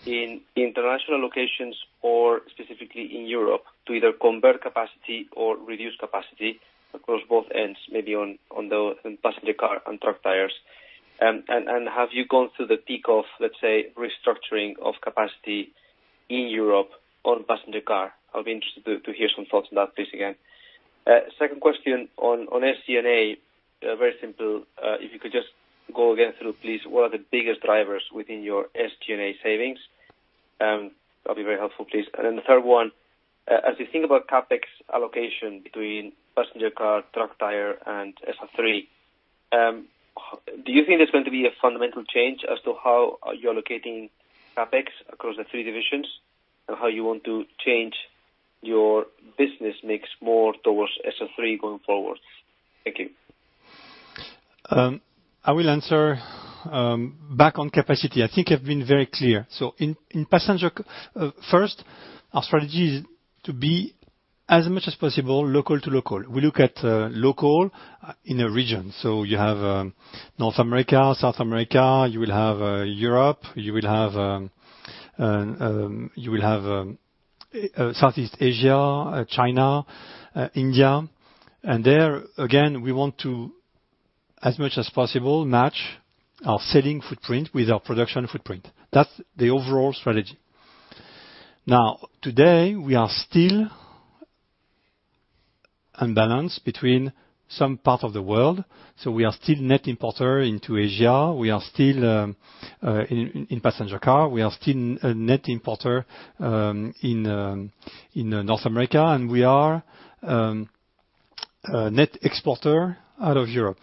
in international locations or specifically in Europe to either convert capacity or reduce capacity across both ends, maybe on the passenger car and truck tires? And have you gone through the peak of, let's say, restructuring of capacity in Europe on passenger car? I'll be interested to hear some thoughts on that, please, again. Second question on SG&A, very simple. If you could just go again through, please, what are the biggest drivers within your SG&A savings? That'll be very helpful, please. And then the third one, as you think about CapEx allocation between passenger car, truck tire, and SR3, do you think there's going to be a fundamental change as to how you're allocating CapEx across the three divisions and how you want to change your business mix more towards SR3 going forward? Thank you. I will answer back on capacity. I think I've been very clear. So in passenger first, our strategy is to be as much as possible local-to-local. We look at local in a region. So you have North America, South America, you will have Europe, you will have Southeast Asia, China, India. And there, again, we want to, as much as possible, match our selling footprint with our production footprint. That's the overall strategy. Now, today, we are still unbalanced between some part of the world. So we are still net importer into Asia. We are still in passenger car. We are still net importer in North America, and we are net exporter out of Europe.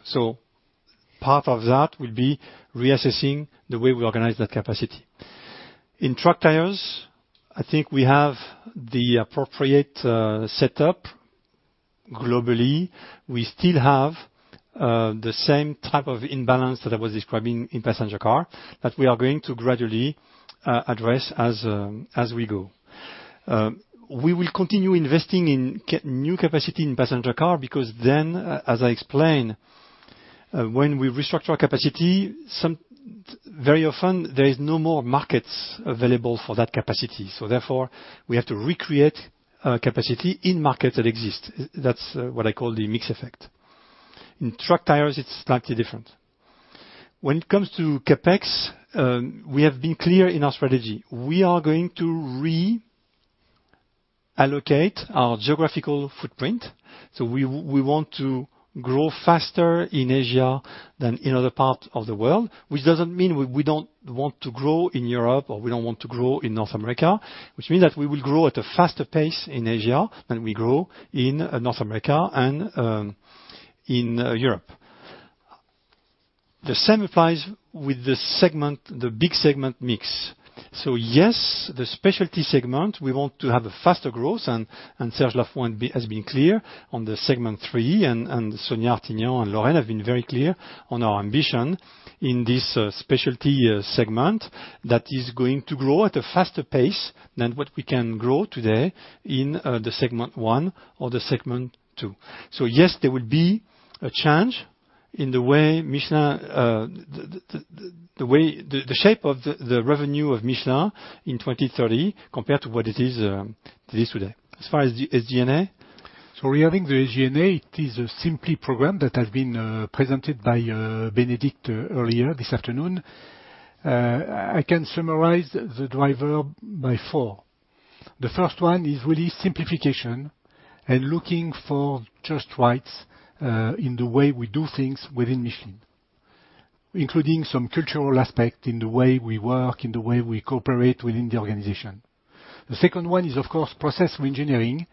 So part of that will be reassessing the way we organize that capacity. In truck tires, I think we have the appropriate setup globally. We still have the same type of imbalance that I was describing in passenger car that we are going to gradually address as we go. We will continue investing in new capacity in passenger car because then, as I explained, when we restructure capacity, very often, there is no more markets available for that capacity. So therefore, we have to recreate capacity in markets that exist. That's what I call the mix effect. In truck tires, it's slightly different. When it comes to CapEx, we have been clear in our strategy. We are going to reallocate our geographical footprint, so we want to grow faster in Asia than in other parts of the world, which doesn't mean we don't want to grow in Europe or we don't want to grow in North America, which means that we will grow at a faster pace in Asia than we grow in North America and in Europe. The same applies with the big segment mix, so yes, the specialty segment, we want to have a faster growth, and Serge Lafon has been clear on the segment three, and Sonia Artinian-Fredou and Lorraine Frega have been very clear on our ambition in this specialty segment that is going to grow at a faster pace than what we can grow today in the segment one or the segment two. So yes, there will be a change in the way the shape of the revenue of Michelin in 2030 compared to what it is today. As far as SG&A. So regarding the SG&A, it is a Simplexity program that has been presented by Bénédicte earlier this afternoon. I can summarize the drivers into four. The first one is really simplification and looking for shortcuts in the way we do things within Michelin, including some cultural aspects in the way we work, in the way we cooperate within the organization. The second one is, of course, process engineering,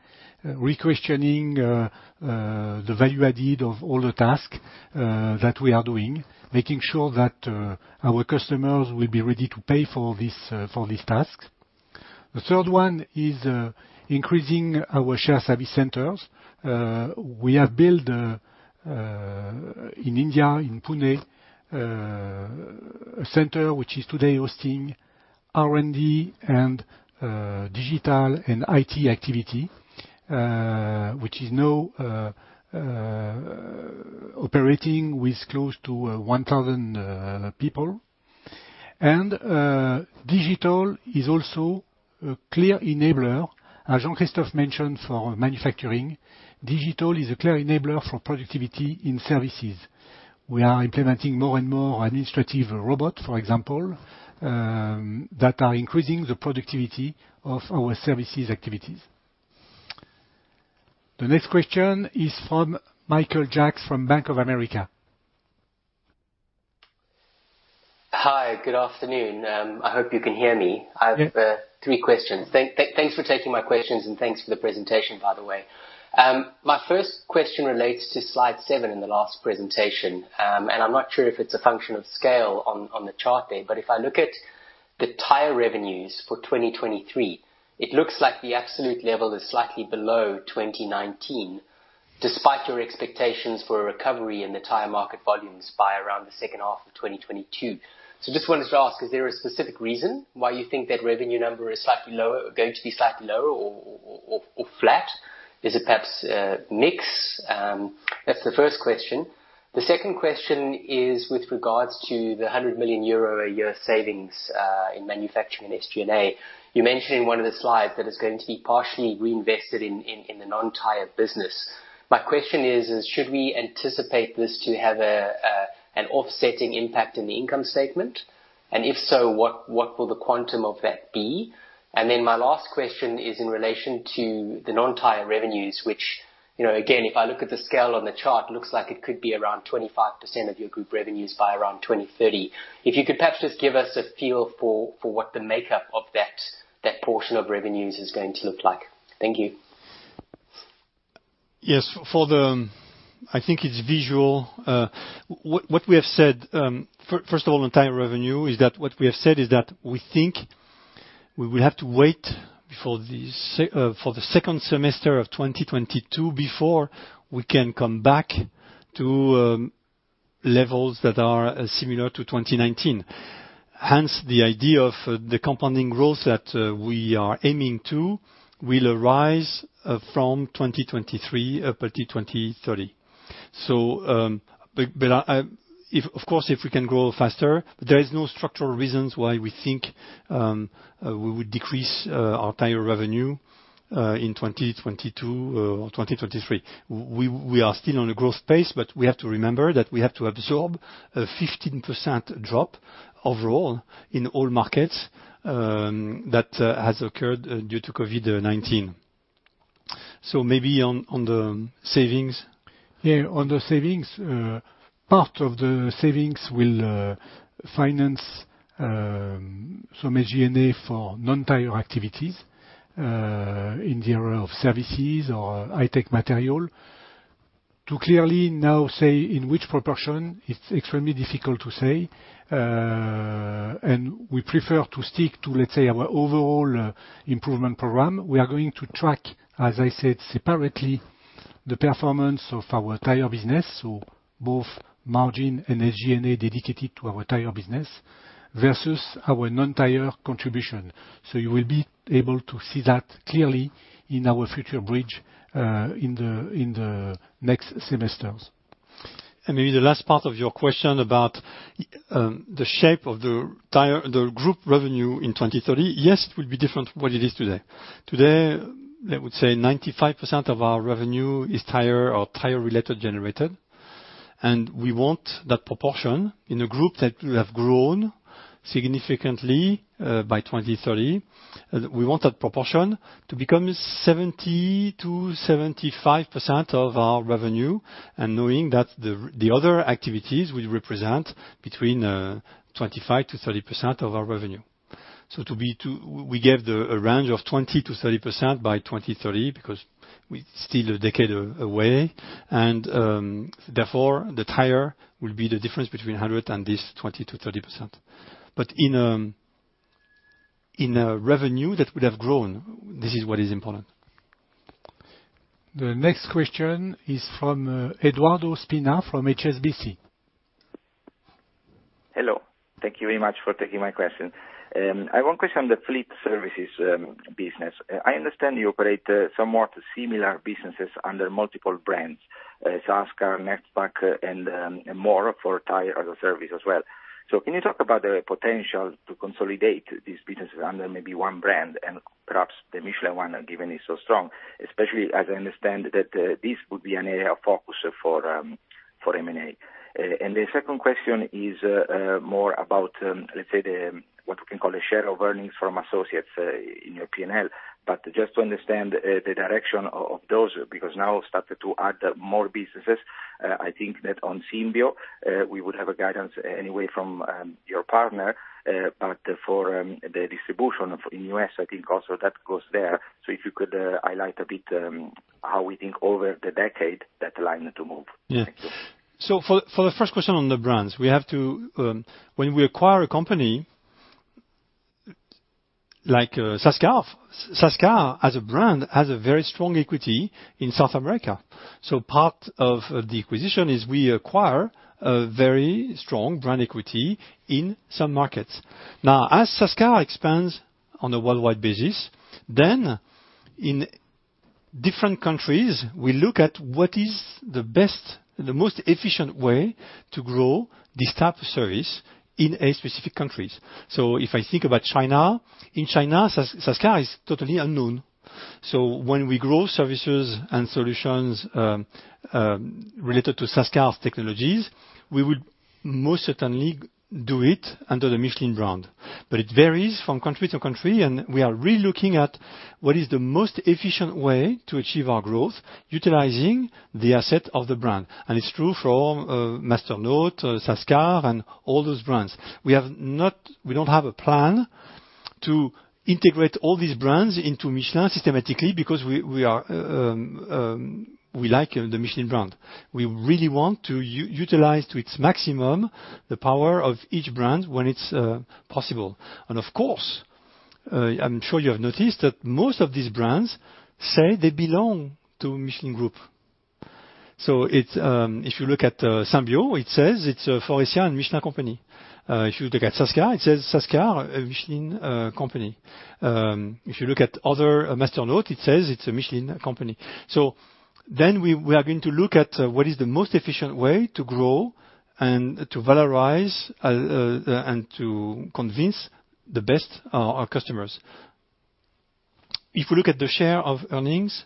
questioning the value added of all the tasks that we are doing, making sure that our customers will be ready to pay for this task. The third one is increasing our shared service centers. We have built in India, in Pune, a center which is today hosting R&D and digital and IT activity, which is now operating with close to 1,000 people. And digital is also a clear enabler. As Jean-Christophe mentioned for manufacturing, digital is a clear enabler for productivity in services. We are implementing more and more administrative robots, for example, that are increasing the productivity of our services activities. The next question is from Michael Jacks from Bank of America. Hi, good afternoon. I hope you can hear me. I have three questions. Thanks for taking my questions, and thanks for the presentation, by the way. My first question relates to slide seven in the last presentation, and I'm not sure if it's a function of scale on the chart there, but if I look at the tire revenues for 2023, it looks like the absolute level is slightly below 2019, despite your expectations for a recovery in the tire market volumes by around the second half of 2022. So I just wanted to ask, is there a specific reason why you think that revenue number is going to be slightly lower or flat? Is it perhaps mix? That's the first question. The second question is with regards to the 100 million euro a year savings in manufacturing and SG&A. You mentioned in one of the slides that it's going to be partially reinvested in the non-tire business. My question is, should we anticipate this to have an offsetting impact in the income statement? And if so, what will the quantum of that be? And then my last question is in relation to the non-tire revenues, which, again, if I look at the scale on the chart, it looks like it could be around 25% of your group revenues by around 2030. If you could perhaps just give us a feel for what the makeup of that portion of revenues is going to look like. Thank you. Yes, I think it's feasible. What we have said, first of all, on tire revenue, is that what we have said is that we think we will have to wait for the second semester of 2022 before we can come back to levels that are similar to 2019. Hence, the idea of the compounding growth that we are aiming to will arise from 2023 up until 2030. Of course, if we can grow faster, there is no structural reasons why we think we would decrease our tire revenue in 2022 or 2023. We are still on a growth pace, but we have to remember that we have to absorb a 15% drop overall in all markets that has occurred due to COVID-19. Maybe on the savings. Yeah, on the savings, part of the savings will finance some SG&A for non-tire activities in the area of services or high-tech material. To clearly now say in which proportion, it's extremely difficult to say, and we prefer to stick to, let's say, our overall improvement program. We are going to track, as I said, separately the performance of our tire business, so both margin and SG&A dedicated to our tire business versus our non-tire contribution. You will be able to see that clearly in our future bridge in the next semesters. And maybe the last part of your question about the shape of the group revenue in 2030, yes, it will be different from what it is today. Today, I would say 95% of our revenue is tire or tire-related generated, and we want that proportion in a group that will have grown significantly by 2030. We want that proportion to become 70%-75% of our revenue and knowing that the other activities will represent between 25%-30% of our revenue. We gave a range of 20%-30% by 2030 because we're still a decade away, and therefore, the tire will be the difference between 100% and this 20%-30%. But in revenue that would have grown, this is what is important. The next question is from Edoardo Spina from HSBC. Hello. Thank you very much for taking my question. I have one question on the fleet services business. I understand you operate somewhat similar businesses under multiple brands, Sascar, NexTraq, and more for Tire-as-a-Service as well. So can you talk about the potential to consolidate these businesses under maybe one brand and perhaps the Michelin one, given it's so strong, especially as I understand that this would be an area of focus for M&A? And the second question is more about, let's say, what we can call the share of earnings from associates in your P&L. But just to understand the direction of those, because now started to add more businesses, I think that on Symbio, we would have a guidance anyway from your partner. But for the distribution in the U.S., I think also that goes there. So if you could highlight a bit how we think over the decade that line to move. Thank you. So for the first question on the brands, we have to, when we acquire a company like Sascar, Sascar as a brand has a very strong equity in South America. So part of the acquisition is we acquire a very strong brand equity in some markets. Now, as Sascar expands on a worldwide basis, then in different countries, we look at what is the most efficient way to grow this type of service in specific countries. So if I think about China, in China, Sascar is totally unknown. So when we grow services and solutions related to Sascar's technologies, we would most certainly do it under the Michelin brand. But it varies from country to country, and we are really looking at what is the most efficient way to achieve our growth, utilizing the asset of the brand. And it's true for Masternaut, Sascar, and all those brands. We don't have a plan to integrate all these brands into Michelin systematically because we like the Michelin brand. We really want to utilize to its maximum the power of each brand when it's possible. And of course, I'm sure you have noticed that most of these brands say they belong to Michelin Group. So if you look at Symbio, it says it's a Faurecia and Michelin company. If you look at Sascar, it says Sascar, a Michelin company. If you look at other Masternaut, it says it's a Michelin company. So then we are going to look at what is the most efficient way to grow and to valorize and to convince the best of our customers. If we look at the share of earnings,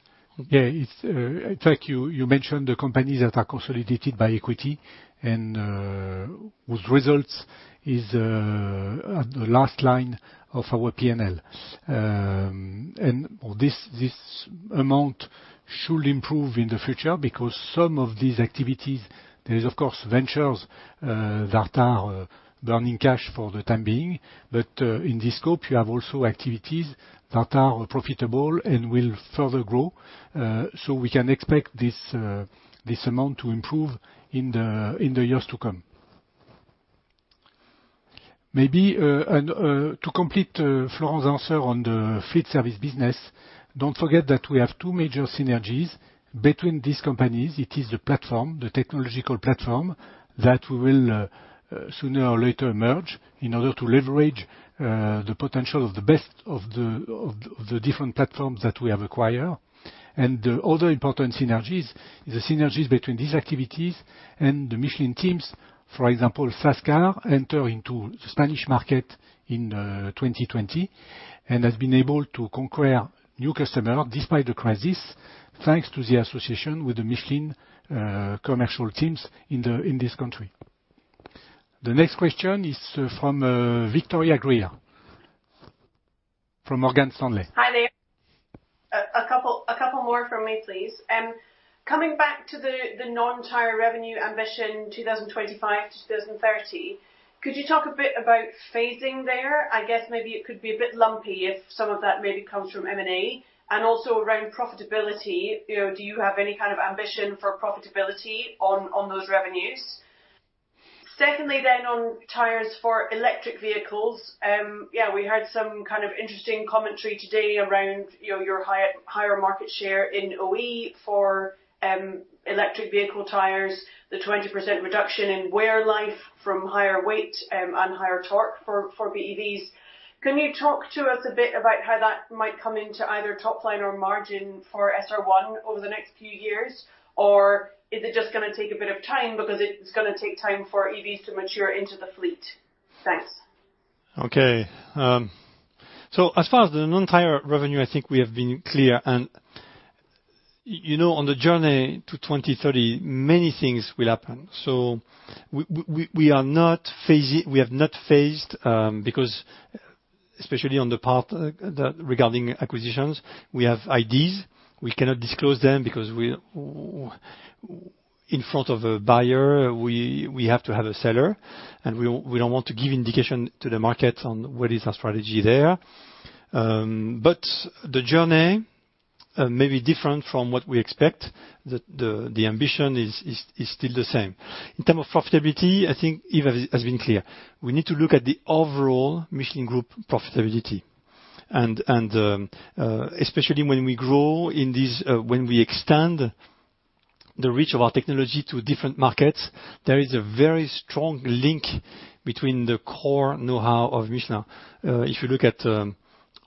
yeah, in fact, you mentioned the companies that are consolidated by equity, and with results is the last line of our P&L. And this amount should improve in the future because some of these activities, there is, of course, ventures that are burning cash for the time being. But in this scope, you have also activities that are profitable and will further grow. So we can expect this amount to improve in the years to come. Maybe to complete Florent's answer on the fleet service business, don't forget that we have two major synergies between these companies. It is the technological platform that we will sooner or later merge in order to leverage the potential of the best of the different platforms that we have acquired. And the other important synergy is the synergy between these activities and the Michelin teams. For example, Sascar entered into the Spanish market in 2020 and has been able to conquer new customers despite the crisis, thanks to the association with the Michelin commercial teams in this country. The nextquestion is from Victoria Greer from Morgan Stanley. Hi there. A couple more from me, please. Coming back to the non-tire revenue ambition 2025 to 2030, could you talk a bit about phasing there? I guess maybe it could be a bit lumpy if some of that maybe comes from M&A. And also around profitability, do you have any kind of ambition for profitability on those revenues? Secondly, then on tires for electric vehicles, yeah, we heard some kind of interesting commentary today around your higher market share in OE for electric vehicle tires, the 20% reduction in wear life from higher weight and higher torque for BEVs. Can you talk to us a bit about how that might come into either top line or margin for SR1 over the next few years, or is it just going to take a bit of time because it's going to take time for EVs to mature into the fleet? Thanks. Okay. So as far as the non-tire revenue, I think we have been clear. And on the journey to 2030, many things will happen. So we have not phased because, especially on the part regarding acquisitions, we have ideas. We cannot disclose them because in front of a buyer, we have to have a seller, and we don't want to give indication to the market on what is our strategy there. But the journey may be different from what we expect. The ambition is still the same. In terms of profitability, I think it has been clear. We need to look at the overall Michelin Group profitability. And especially when we grow in these, when we extend the reach of our technology to different markets, there is a very strong link between the core know-how of Michelin. If you look at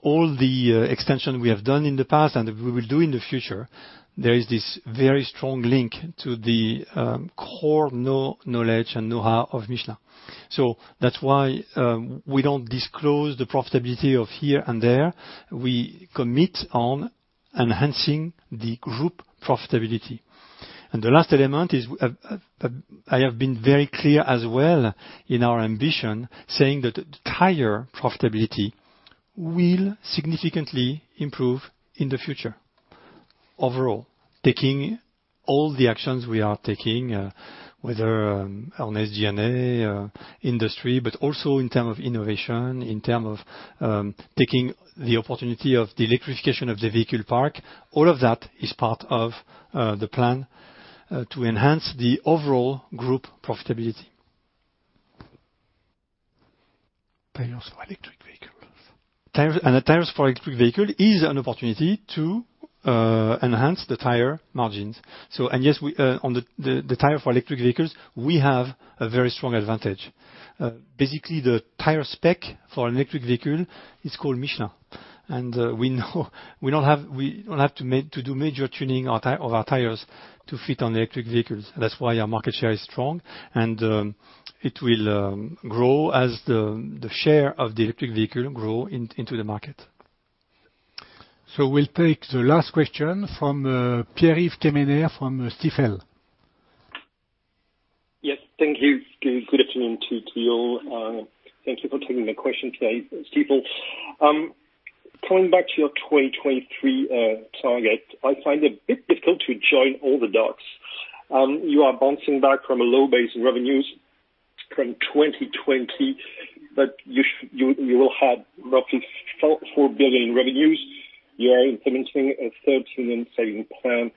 all the extension we have done in the past and we will do in the future, there is this very strong link to the core knowledge and know-how of Michelin. So that's why we don't disclose the profitability of here and there. We commit on enhancing the group profitability, and the last element is I have been very clear as well in our ambition, saying that tire profitability will significantly improve in the future overall, taking all the actions we are taking, whether on SG&A industry, but also in terms of innovation, in terms of taking the opportunity of the electrification of the vehicle park. All of that is part of the plan to enhance the overall group profitability. Tires for electric vehicles, and tires for electric vehicles is an opportunity to enhance the tire margins. Yes, on the tire for electric vehicles, we have a very strong advantage. Basically, the tire spec for an electric vehicle is called Michelin, and we don't have to do major tuning of our tires to fit on electric vehicles. That's why our market share is strong, and it will grow as the share of the electric vehicle grows into the market. So we'll take the last question from Pierre-Yves Quéméner from Stifel. Yes. Thank you. Good afternoon to you all. Thank you for taking the question today, Stifel. Coming back to your 2023 target, I find it a bit difficult to join all the dots. You are bouncing back from a low base in revenues from 2020, but you will have roughly 4 billion in revenues. You are implementing a 1.3 billion saving plan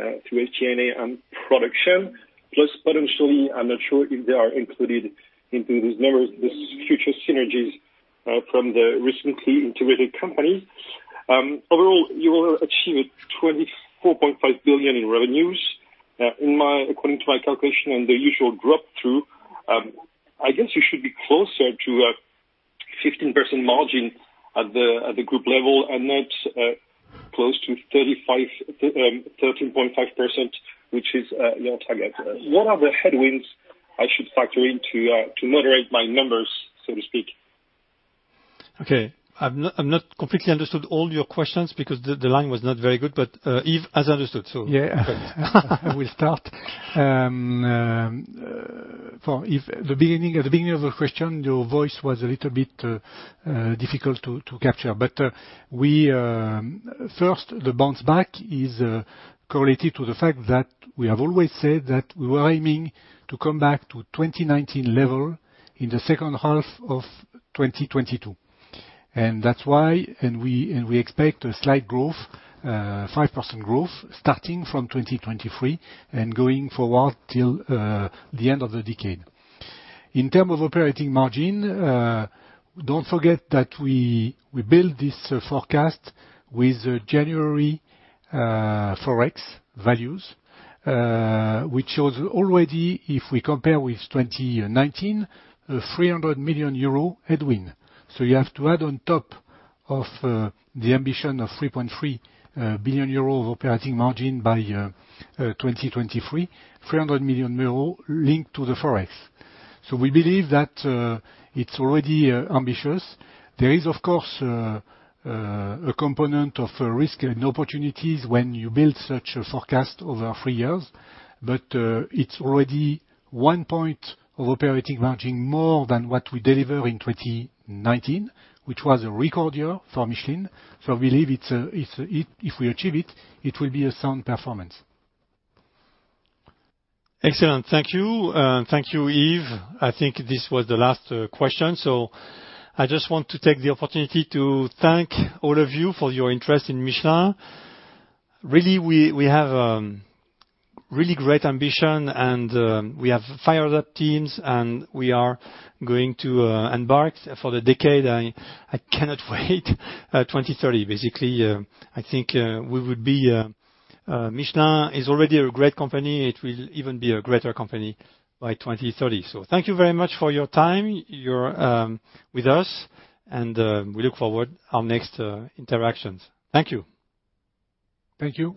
through SG&A and production, plus potentially, I'm not sure if they are included into these numbers, these future synergies from the recently integrated companies. Overall, you will achieve 24.5 billion in revenues. According to my calculation and the usual drop-through, I guess you should be closer to a 15% margin at the group level and not close to 13.5%, which is your target. What are the headwinds I should factor into to moderate my numbers, so to speak? Okay. I've not completely understood all your questions because the line was not very good, but Yves, as understood, so. Yeah. I will start. At the beginning of the question, your voice was a little bit difficult to capture. But first, the bounce back is correlated to the fact that we have always said that we were aiming to come back to 2019 level in the second half of 2022. And that's why we expect a slight growth, 5% growth, starting from 2023 and going forward till the end of the decade. In terms of operating margin, don't forget that we built this forecast with January Forex values, which shows already, if we compare with 2019, a 300 million euro headwind. So you have to add on top of the ambition of 3.3 billion euro of operating margin by 2023, 300 million euro linked to the Forex. So we believe that it's already ambitious. There is, of course, a component of risk and opportunities when you build such a forecast over three years, but it's already one point of operating margin more than what we delivered in 2019, which was a record year for Michelin. So we believe if we achieve it, it will be a sound performance. Excellent. Thank you. Thank you, Yves. I think this was the last question. So I just want to take the opportunity to thank all of you for your interest in Michelin. Really, we have really great ambition, and we have fired up teams, and we are going to embark for the decade. I cannot wait. 2030, basically. I think we would be. Michelin is already a great company. It will even be a greater company by 2030. So thank you very much for your time with us, and we look forward to our next interactions. Thank you. Thank you.